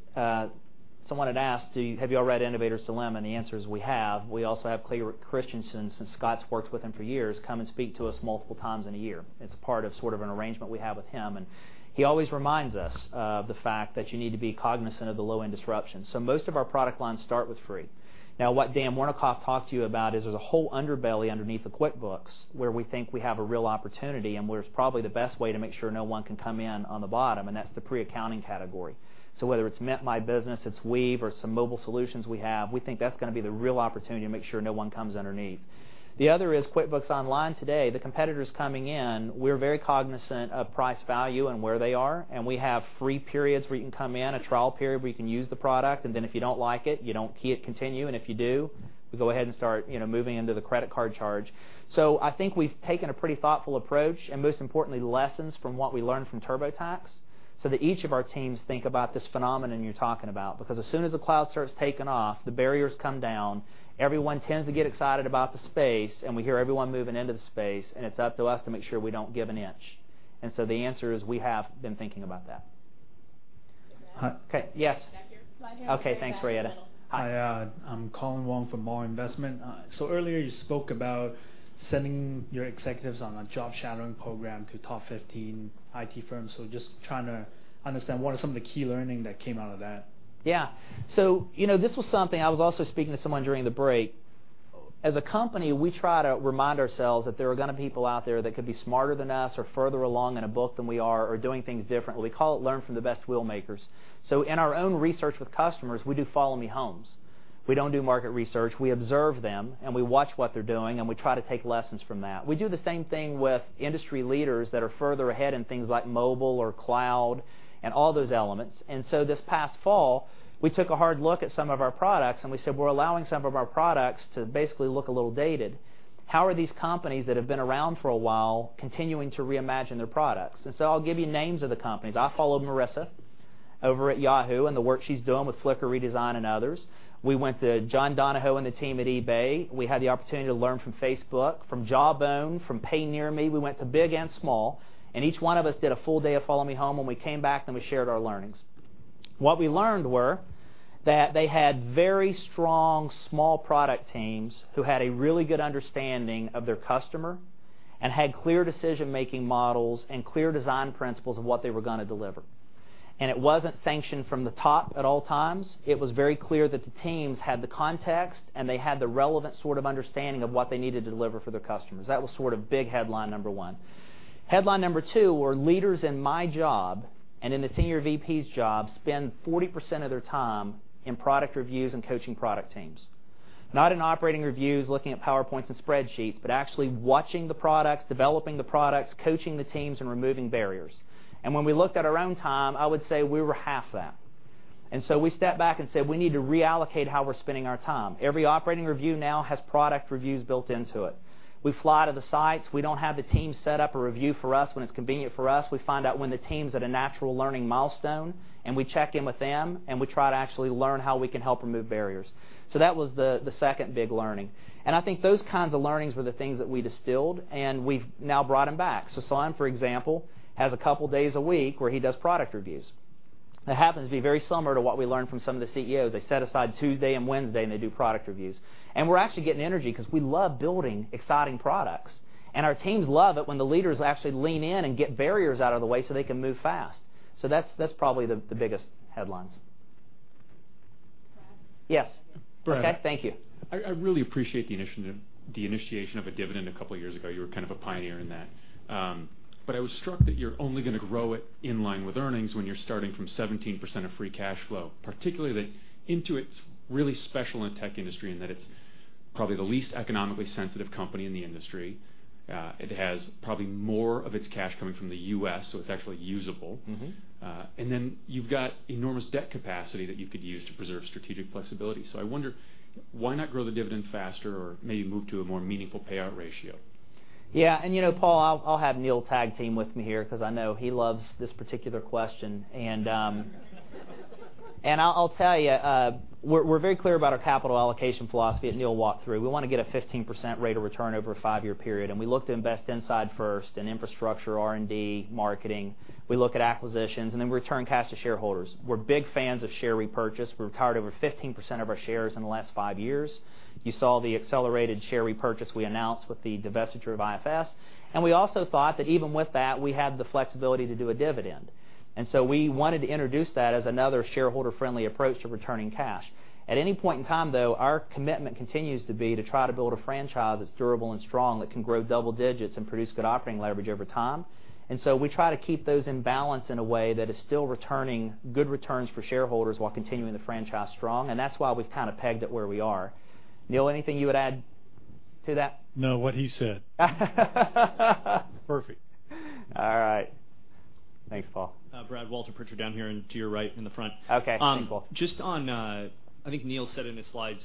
Someone had asked, "Have you all read 'The Innovator's Dilemma?'" The answer is, we have. We also have Clay Christensen, since Scott's worked with him for years, come and speak to us multiple times in a year. It's a part of sort of an arrangement we have with him, he always reminds us of the fact that you need to be cognizant of the low-end disruption. Most of our product lines start with free. Now, what Dan Wernikoff talked to you about is there's a whole underbelly underneath the QuickBooks where we think we have a real opportunity and where it's probably the best way to make sure no one can come in on the bottom, that's the pre-accounting category. Whether it's Mint MyBusiness, it's Weave, or some mobile solutions we have, we think that's going to be the real opportunity to make sure no one comes underneath. The other is QuickBooks Online today, the competitors coming in, we're very cognizant of price value and where they are, we have free periods where you can come in, a trial period where you can use the product, then if you don't like it, you don't hit continue, if you do, we go ahead and start moving into the credit card charge. I think we've taken a pretty thoughtful approach, most importantly, lessons from what we learned from TurboTax, so that each of our teams think about this phenomenon you're talking about. As soon as the cloud starts taking off, the barriers come down, everyone tends to get excited about the space, and we hear everyone moving into the space, and it's up to us to make sure we don't give an inch. The answer is, we have been thinking about that. Brad? Okay. Yes. Back here. Okay, thanks, Rayetta. Hi. Hi. I'm Colin Wong from Mawer Investment Management. Earlier you spoke about sending your executives on a job-shadowing program to top 15 IT firms. Just trying to understand, what are some of the key learning that came out of that? Yeah. This was something, I was also speaking to someone during the break. As a company, we try to remind ourselves that there are going to be people out there that could be smarter than us or further along in a book than we are or doing things differently. We call it learn from the best wheel makers. In our own research with customers, we do follow-me-homes. We don't do market research. We observe them, and we watch what they're doing, and we try to take lessons from that. We do the same thing with industry leaders that are further ahead in things like mobile or cloud and all those elements. This past fall, we took a hard look at some of our products, and we said, "We're allowing some of our products to basically look a little dated. How are these companies that have been around for a while continuing to reimagine their products?" I'll give you names of the companies. I followed Marissa over at Yahoo and the work she's doing with Flickr redesign and others. We went to John Donahoe and the team at eBay. We had the opportunity to learn from Facebook, from Jawbone, from PayNearMe. We went to big and small, and each one of us did a full day of follow-me-home, and we came back, and we shared our learnings. What we learned were that they had very strong small product teams who had a really good understanding of their customer and had clear decision-making models and clear design principles of what they were going to deliver. It wasn't sanctioned from the top at all times. It was very clear that the teams had the context, they had the relevant sort of understanding of what they needed to deliver for their customers. That was sort of big headline number one. Headline number two were leaders in my job and in the senior VP's job spend 40% of their time in product reviews and coaching product teams. Not in operating reviews, looking at PowerPoints and spreadsheets, but actually watching the products, developing the products, coaching the teams, and removing barriers. When we looked at our own time, I would say we were half that. We stepped back and said, "We need to reallocate how we're spending our time." Every operating review now has product reviews built into it. We fly to the sites. We don't have the team set up a review for us when it's convenient for us. We find out when the team's at a natural learning milestone, we check in with them, we try to actually learn how we can help remove barriers. That was the second big learning. I think those kinds of learnings were the things that we distilled, we've now brought them back. Sasan, for example, has a couple of days a week where he does product reviews. That happens to be very similar to what we learned from some of the CEOs. They set aside Tuesday and Wednesday, they do product reviews. We're actually getting energy because we love building exciting products, our teams love it when the leaders actually lean in and get barriers out of the way so they can move fast. That's probably the biggest headlines. Brad? Yes. Brad. Okay. Thank you. I really appreciate the initiation of a dividend a couple of years ago. You were kind of a pioneer in that. I was struck that you're only going to grow it in line with earnings when you're starting from 17% of free cash flow, particularly that Intuit's really special in the tech industry and that it's probably the least economically sensitive company in the industry. It has probably more of its cash coming from the U.S., it's actually usable. You've got enormous debt capacity that you could use to preserve strategic flexibility. I wonder, why not grow the dividend faster or maybe move to a more meaningful payout ratio? Yeah. Paul, I'll have Neil tag team with me here because I know he loves this particular question. I'll tell you, we're very clear about our capital allocation philosophy, Neil walked through. We want to get a 15% rate of return over a five-year period, we look to invest inside first in infrastructure, R&D, marketing. We look at acquisitions, then return cash to shareholders. We're big fans of share repurchase. We retired over 15% of our shares in the last five years. You saw the accelerated share repurchase we announced with the divestiture of IFS. We also thought that even with that, we had the flexibility to do a dividend. We wanted to introduce that as another shareholder-friendly approach to returning cash. At any point in time, though, our commitment continues to be to try to build a franchise that's durable and strong, that can grow double digits and produce good operating leverage over time. We try to keep those in balance in a way that is still returning good returns for shareholders while continuing the franchise strong, that's why we've kind of pegged it where we are. Neil, anything you would add to that? No, what he said. Perfect. All right. Thanks, Paul. Brad Walter Pritchard down here and to your right in the front. Okay. Thanks, Paul. Just on, I think Neil said in his slides,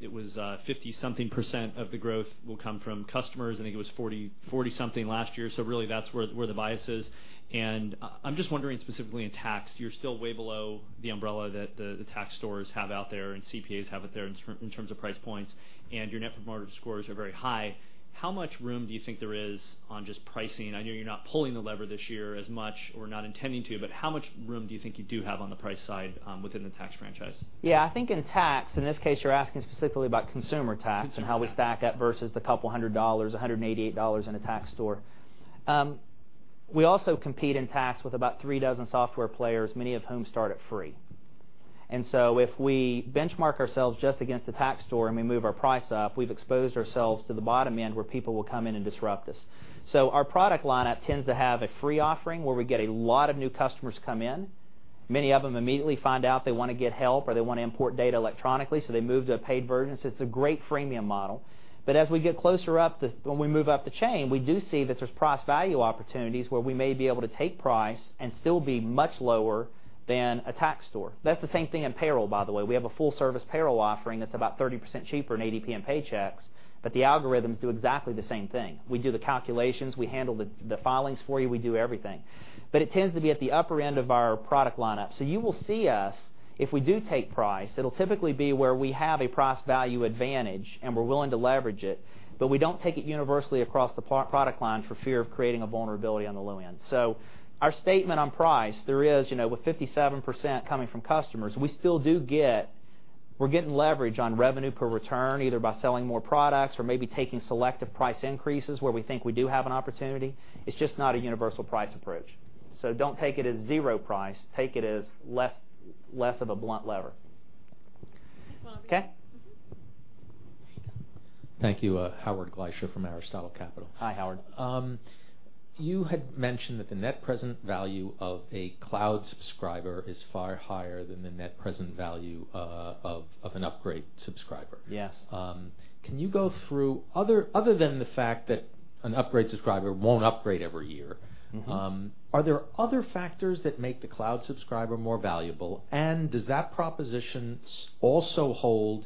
it was 50-something% of the growth will come from customers. I think it was 40-something last year. Really that's where the bias is. I'm just wondering specifically in tax, you're still way below the umbrella that the tax stores have out there and CPAs have out there in terms of price points, and your Net Promoter Scores are very high. How much room do you think there is on just pricing? I know you're not pulling the lever this year as much or not intending to, but how much room do you think you do have on the price side within the tax franchise? Yeah, I think in tax, in this case, you're asking specifically about Consumer Tax. Consumer Tax how we stack up versus the couple hundred dollars, $188 in a tax store. We also compete in tax with about three dozen software players, many of whom start at free. If we benchmark ourselves just against the tax store and we move our price up, we've exposed ourselves to the bottom end where people will come in and disrupt us. Our product lineup tends to have a free offering where we get a lot of new customers come in. Many of them immediately find out they want to get help, or they want to import data electronically, they move to a paid version. It's a great freemium model. As we get closer up, when we move up the chain, we do see that there's price-value opportunities where we may be able to take price and still be much lower than a tax store. That's the same thing in payroll, by the way. We have a full-service payroll offering that's about 30% cheaper than ADP and Paychex, the algorithms do exactly the same thing. We do the calculations. We handle the filings for you. We do everything. It tends to be at the upper end of our product lineup. You will see us, if we do take price, it'll typically be where we have a price-value advantage and we're willing to leverage it, we don't take it universally across the product line for fear of creating a vulnerability on the low end. Our statement on price, there is with 57% coming from customers, we're getting leverage on revenue per return, either by selling more products or maybe taking selective price increases where we think we do have an opportunity. It's just not a universal price approach. Don't take it as zero price. Take it as less of a blunt lever. Okay? Thank you. Howard Gleicher from Aristotle Capital. Hi, Howard. You had mentioned that the net present value of a cloud subscriber is far higher than the net present value of an upgrade subscriber. Yes. Can you go through, other than the fact that an upgrade subscriber won't upgrade every year? Are there other factors that make the cloud subscriber more valuable? Does that proposition also hold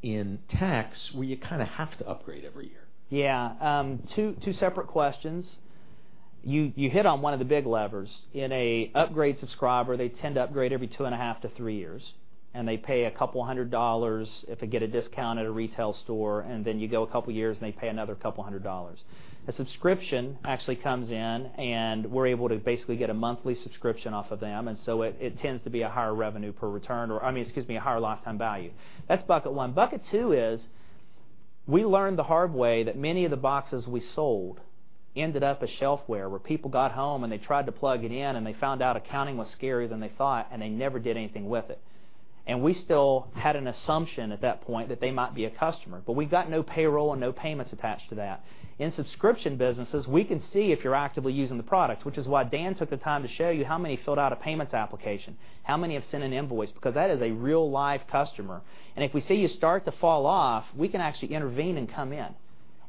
in tax, where you kind of have to upgrade every year? Yeah. Two separate questions. You hit on one of the big levers. In a upgrade subscriber, they tend to upgrade every two and a half to three years, and they pay a couple hundred dollars if they get a discount at a retail store, and then you go a couple of years, and they pay another couple hundred dollars. A subscription actually comes in, and we're able to basically get a monthly subscription off of them, it tends to be a higher revenue per return, or, excuse me, a higher lifetime value. That's bucket one. Bucket two is we learned the hard way that many of the boxes we sold ended up as shelfware, where people got home, and they tried to plug it in, and they found out accounting was scarier than they thought, and they never did anything with it. We still had an assumption at that point that they might be a customer. We got no payroll and no payments attached to that. In subscription businesses, we can see if you're actively using the product, which is why Dan took the time to show you how many filled out a payments application, how many have sent an invoice, because that is a real live customer. If we see you start to fall off, we can actually intervene and come in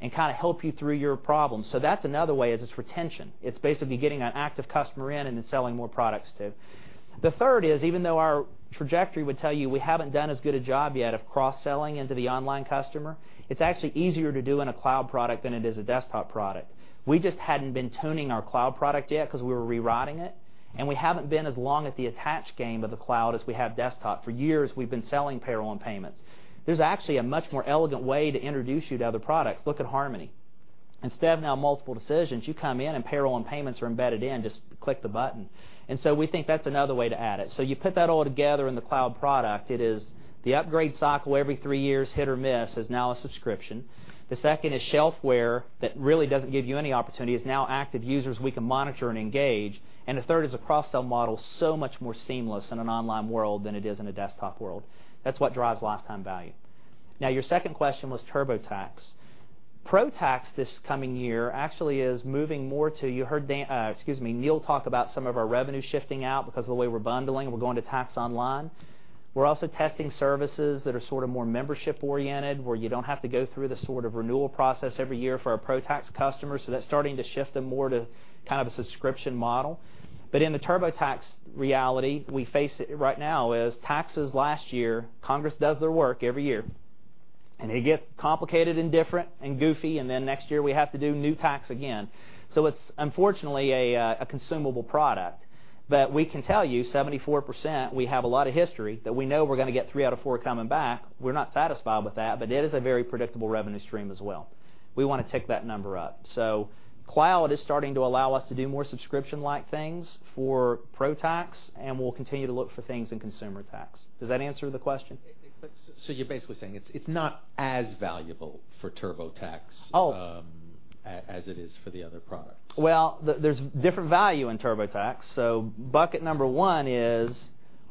and kind of help you through your problem. That's another way, is it's retention. It's basically getting an active customer in and then selling more products, too. The third is, even though our trajectory would tell you we haven't done as good a job yet of cross-selling into the online customer, it's actually easier to do in a cloud product than it is a desktop product. We just hadn't been tuning our cloud product yet because we were rewriting it, and we haven't been as long at the attach game of the cloud as we have desktop. For years, we've been selling payroll and payments. There's actually a much more elegant way to introduce you to other products. Look at Harmony. Instead of now multiple decisions, you come in and payroll and payments are embedded in. Just click the button. We think that's another way to add it. You put that all together in the cloud product, it is the upgrade cycle every three years, hit or miss, is now a subscription. The second is shelfware that really doesn't give you any opportunity is now active users we can monitor and engage. The third is a cross-sell model so much more seamless in an online world than it is in a desktop world. That's what drives lifetime value. Now, your second question was TurboTax Pro Tax this coming year actually is moving more to, you heard Neil talk about some of our revenue shifting out because of the way we're bundling, we're going to Tax Online. We're also testing services that are sort of more membership-oriented, where you don't have to go through the sort of renewal process every year for our Pro Tax customers, that's starting to shift them more to kind of a subscription model. In the TurboTax reality, we face it right now as taxes last year, Congress does their work every year. It gets complicated and different and goofy, then next year we have to do new tax again. It's unfortunately a consumable product. We can tell you, 74%, we have a lot of history that we know we're going to get three out of four coming back. We're not satisfied with that, but it is a very predictable revenue stream as well. We want to tick that number up. Cloud is starting to allow us to do more subscription-like things for Pro Tax, and we'll continue to look for things in Consumer Tax. Does that answer the question? You're basically saying it's not as valuable for TurboTax. Oh as it is for the other products? Well, there's different value in TurboTax. Bucket number one is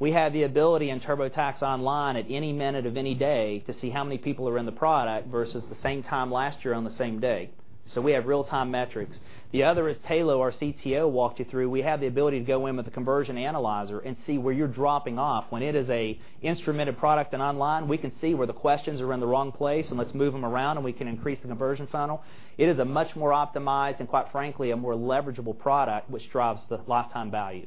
we have the ability in TurboTax Online at any minute of any day to see how many people are in the product versus the same time last year on the same day. We have real-time metrics. The other is Tayloe, our CTO, walked you through. We have the ability to go in with a conversion analyzer and see where you're dropping off. When it is an instrumented product in online, we can see where the questions are in the wrong place, and let's move them around, and we can increase the conversion funnel. It is a much more optimized and, quite frankly, a more leverageable product which drives the lifetime value.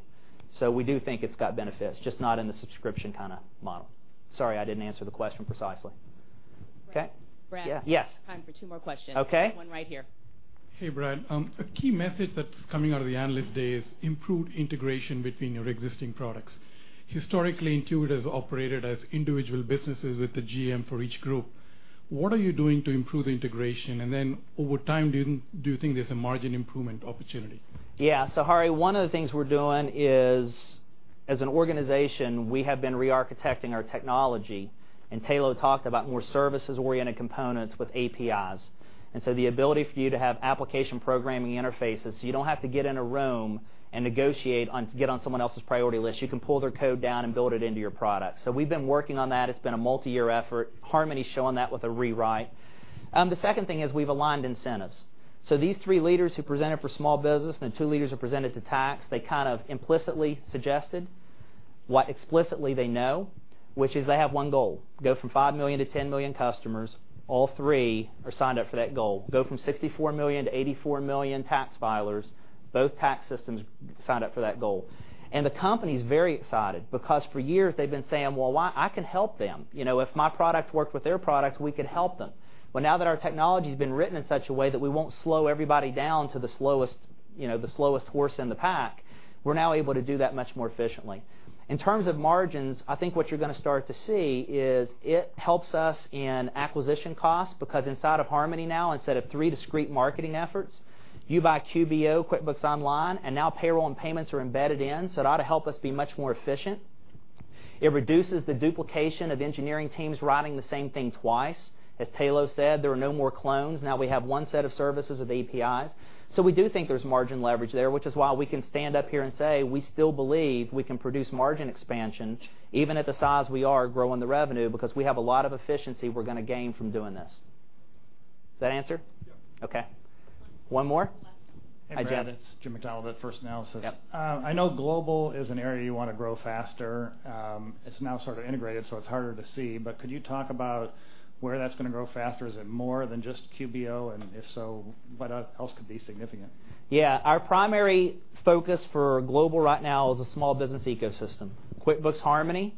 We do think it's got benefits, just not in the subscription kind of model. Sorry, I didn't answer the question precisely. Okay. Brad? Yeah. Yes. Time for two more questions. Okay. One right here. Hey, Brad. A key method that's coming out of the analyst day is improved integration between your existing products. Historically, Intuit has operated as individual businesses with a GM for each group. What are you doing to improve the integration? Over time, do you think there's a margin improvement opportunity? Yeah. Hari, one of the things we're doing is, as an organization, we have been re-architecting our technology, Tayloe talked about more services-oriented components with APIs. The ability for you to have application programming interfaces, so you don't have to get in a room and negotiate to get on someone else's priority list. You can pull their code down and build it into your product. We've been working on that. It's been a multi-year effort. Harmony's showing that with a rewrite. The second thing is we've aligned incentives. These three leaders who presented for small business and the two leaders who presented to tax, they kind of implicitly suggested what explicitly they know, which is they have one goal, go from 5 million to 10 million customers. All three are signed up for that goal. Go from 64 million to 84 million tax filers. Both tax systems signed up for that goal. The company's very excited because for years they've been saying, "Well, why? I can help them. If my product worked with their product, we could help them." Now that our technology's been written in such a way that we won't slow everybody down to the slowest horse in the pack, we're now able to do that much more efficiently. In terms of margins, I think what you're going to start to see is it helps us in acquisition costs because inside of Harmony now, instead of 3 discrete marketing efforts, you buy QBO, QuickBooks Online, and now payroll and payments are embedded in, it ought to help us be much more efficient. It reduces the duplication of engineering teams writing the same thing twice. As Tayloe said, there are no more clones. Now we have one set of services with APIs. We do think there's margin leverage there, which is why we can stand up here and say we still believe we can produce margin expansion, even at the size we are growing the revenue, because we have a lot of efficiency we're going to gain from doing this. Does that answer? Yeah. Okay. One more? Last one. Hi, Jeff. Hey, Brad. It's Jeff MacDonald with First Analysis. Yep. I know global is an area you want to grow faster. It's now sort of integrated, so it's harder to see, but could you talk about where that's going to grow faster? Is it more than just QBO? If so, what else could be significant? Yeah. Our primary focus for global right now is a small business ecosystem. QuickBooks Harmony,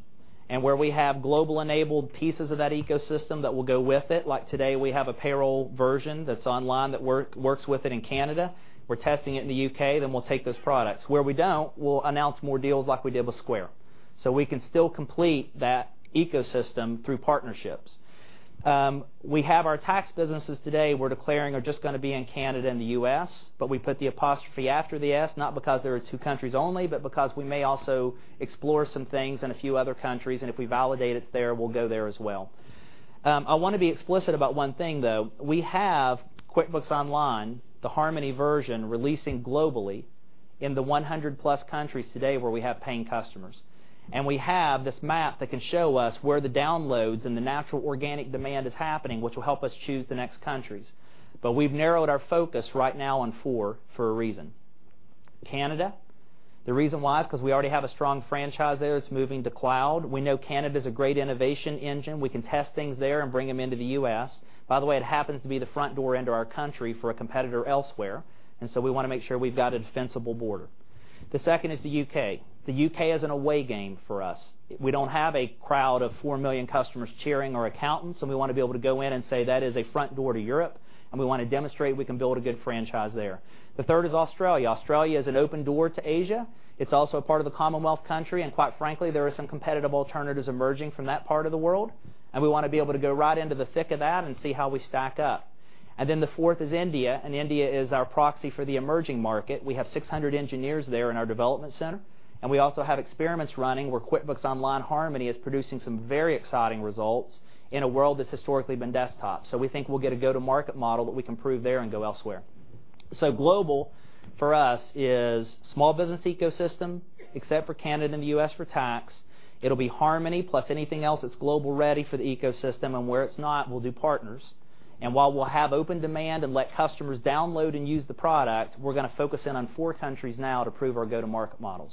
where we have global-enabled pieces of that ecosystem that will go with it, like today we have a payroll version that's online that works with it in Canada. We're testing it in the U.K., then we'll take those products. Where we don't, we'll announce more deals like we did with Square. We can still complete that ecosystem through partnerships. We have our tax businesses today we're declaring are just going to be in Canada and the U.S., but we put the apostrophe after the S, not because there are two countries only, but because we may also explore some things in a few other countries, if we validate it there, we'll go there as well. I want to be explicit about one thing, though. We have QuickBooks Online, the Harmony version, releasing globally in the 100-plus countries today where we have paying customers. We have this map that can show us where the downloads and the natural organic demand is happening, which will help us choose the next countries. We've narrowed our focus right now on four for a reason. Canada, the reason why is because we already have a strong franchise there that's moving to cloud. We know Canada's a great innovation engine. We can test things there and bring them into the U.S. By the way, it happens to be the front door into our country for a competitor elsewhere, we want to make sure we've got a defensible border. The second is the U.K. The U.K. is an away game for us. We don't have a crowd of 4 million customers cheering or accountants. We want to be able to go in and say that is a front door to Europe, and we want to demonstrate we can build a good franchise there. The third is Australia. Australia is an open door to Asia. It's also a part of the Commonwealth country, and quite frankly, there are some competitive alternatives emerging from that part of the world, and we want to be able to go right into the thick of that and see how we stack up. The fourth is India, and India is our proxy for the emerging market. We have 600 engineers there in our development center, and we also have experiments running where QuickBooks Online Harmony is producing some very exciting results in a world that's historically been desktop. We think we'll get a go-to-market model that we can prove there and go elsewhere. Global for us is small business ecosystem, except for Canada and the U.S. for tax. It'll be Harmony plus anything else that's global ready for the ecosystem, and where it's not, we'll do partners. While we'll have open demand and let customers download and use the product, we're going to focus in on four countries now to prove our go-to-market models.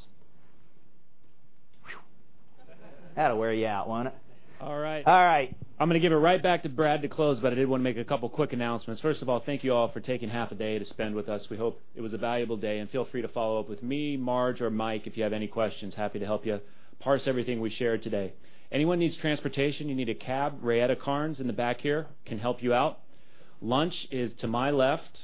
That'll wear you out, won't it? All right. All right. I'm going to give it right back to Brad to close, but I did want to make a couple quick announcements. First of all, thank you all for taking half a day to spend with us. We hope it was a valuable day, and feel free to follow up with me, Marge, or Mike if you have any questions. Happy to help you parse everything we shared today. Anyone needs transportation, you need a cab, Rayetta Karnes in the back here can help you out. Lunch is to my left,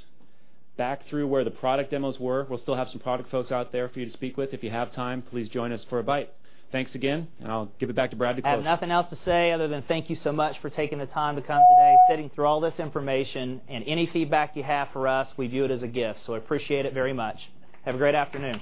back through where the product demos were. We'll still have some product folks out there for you to speak with if you have time. Please join us for a bite. Thanks again, and I'll give it back to Brad to close. I have nothing else to say other than thank you so much for taking the time to come today, sitting through all this information, and any feedback you have for us, we view it as a gift, so I appreciate it very much. Have a great afternoon.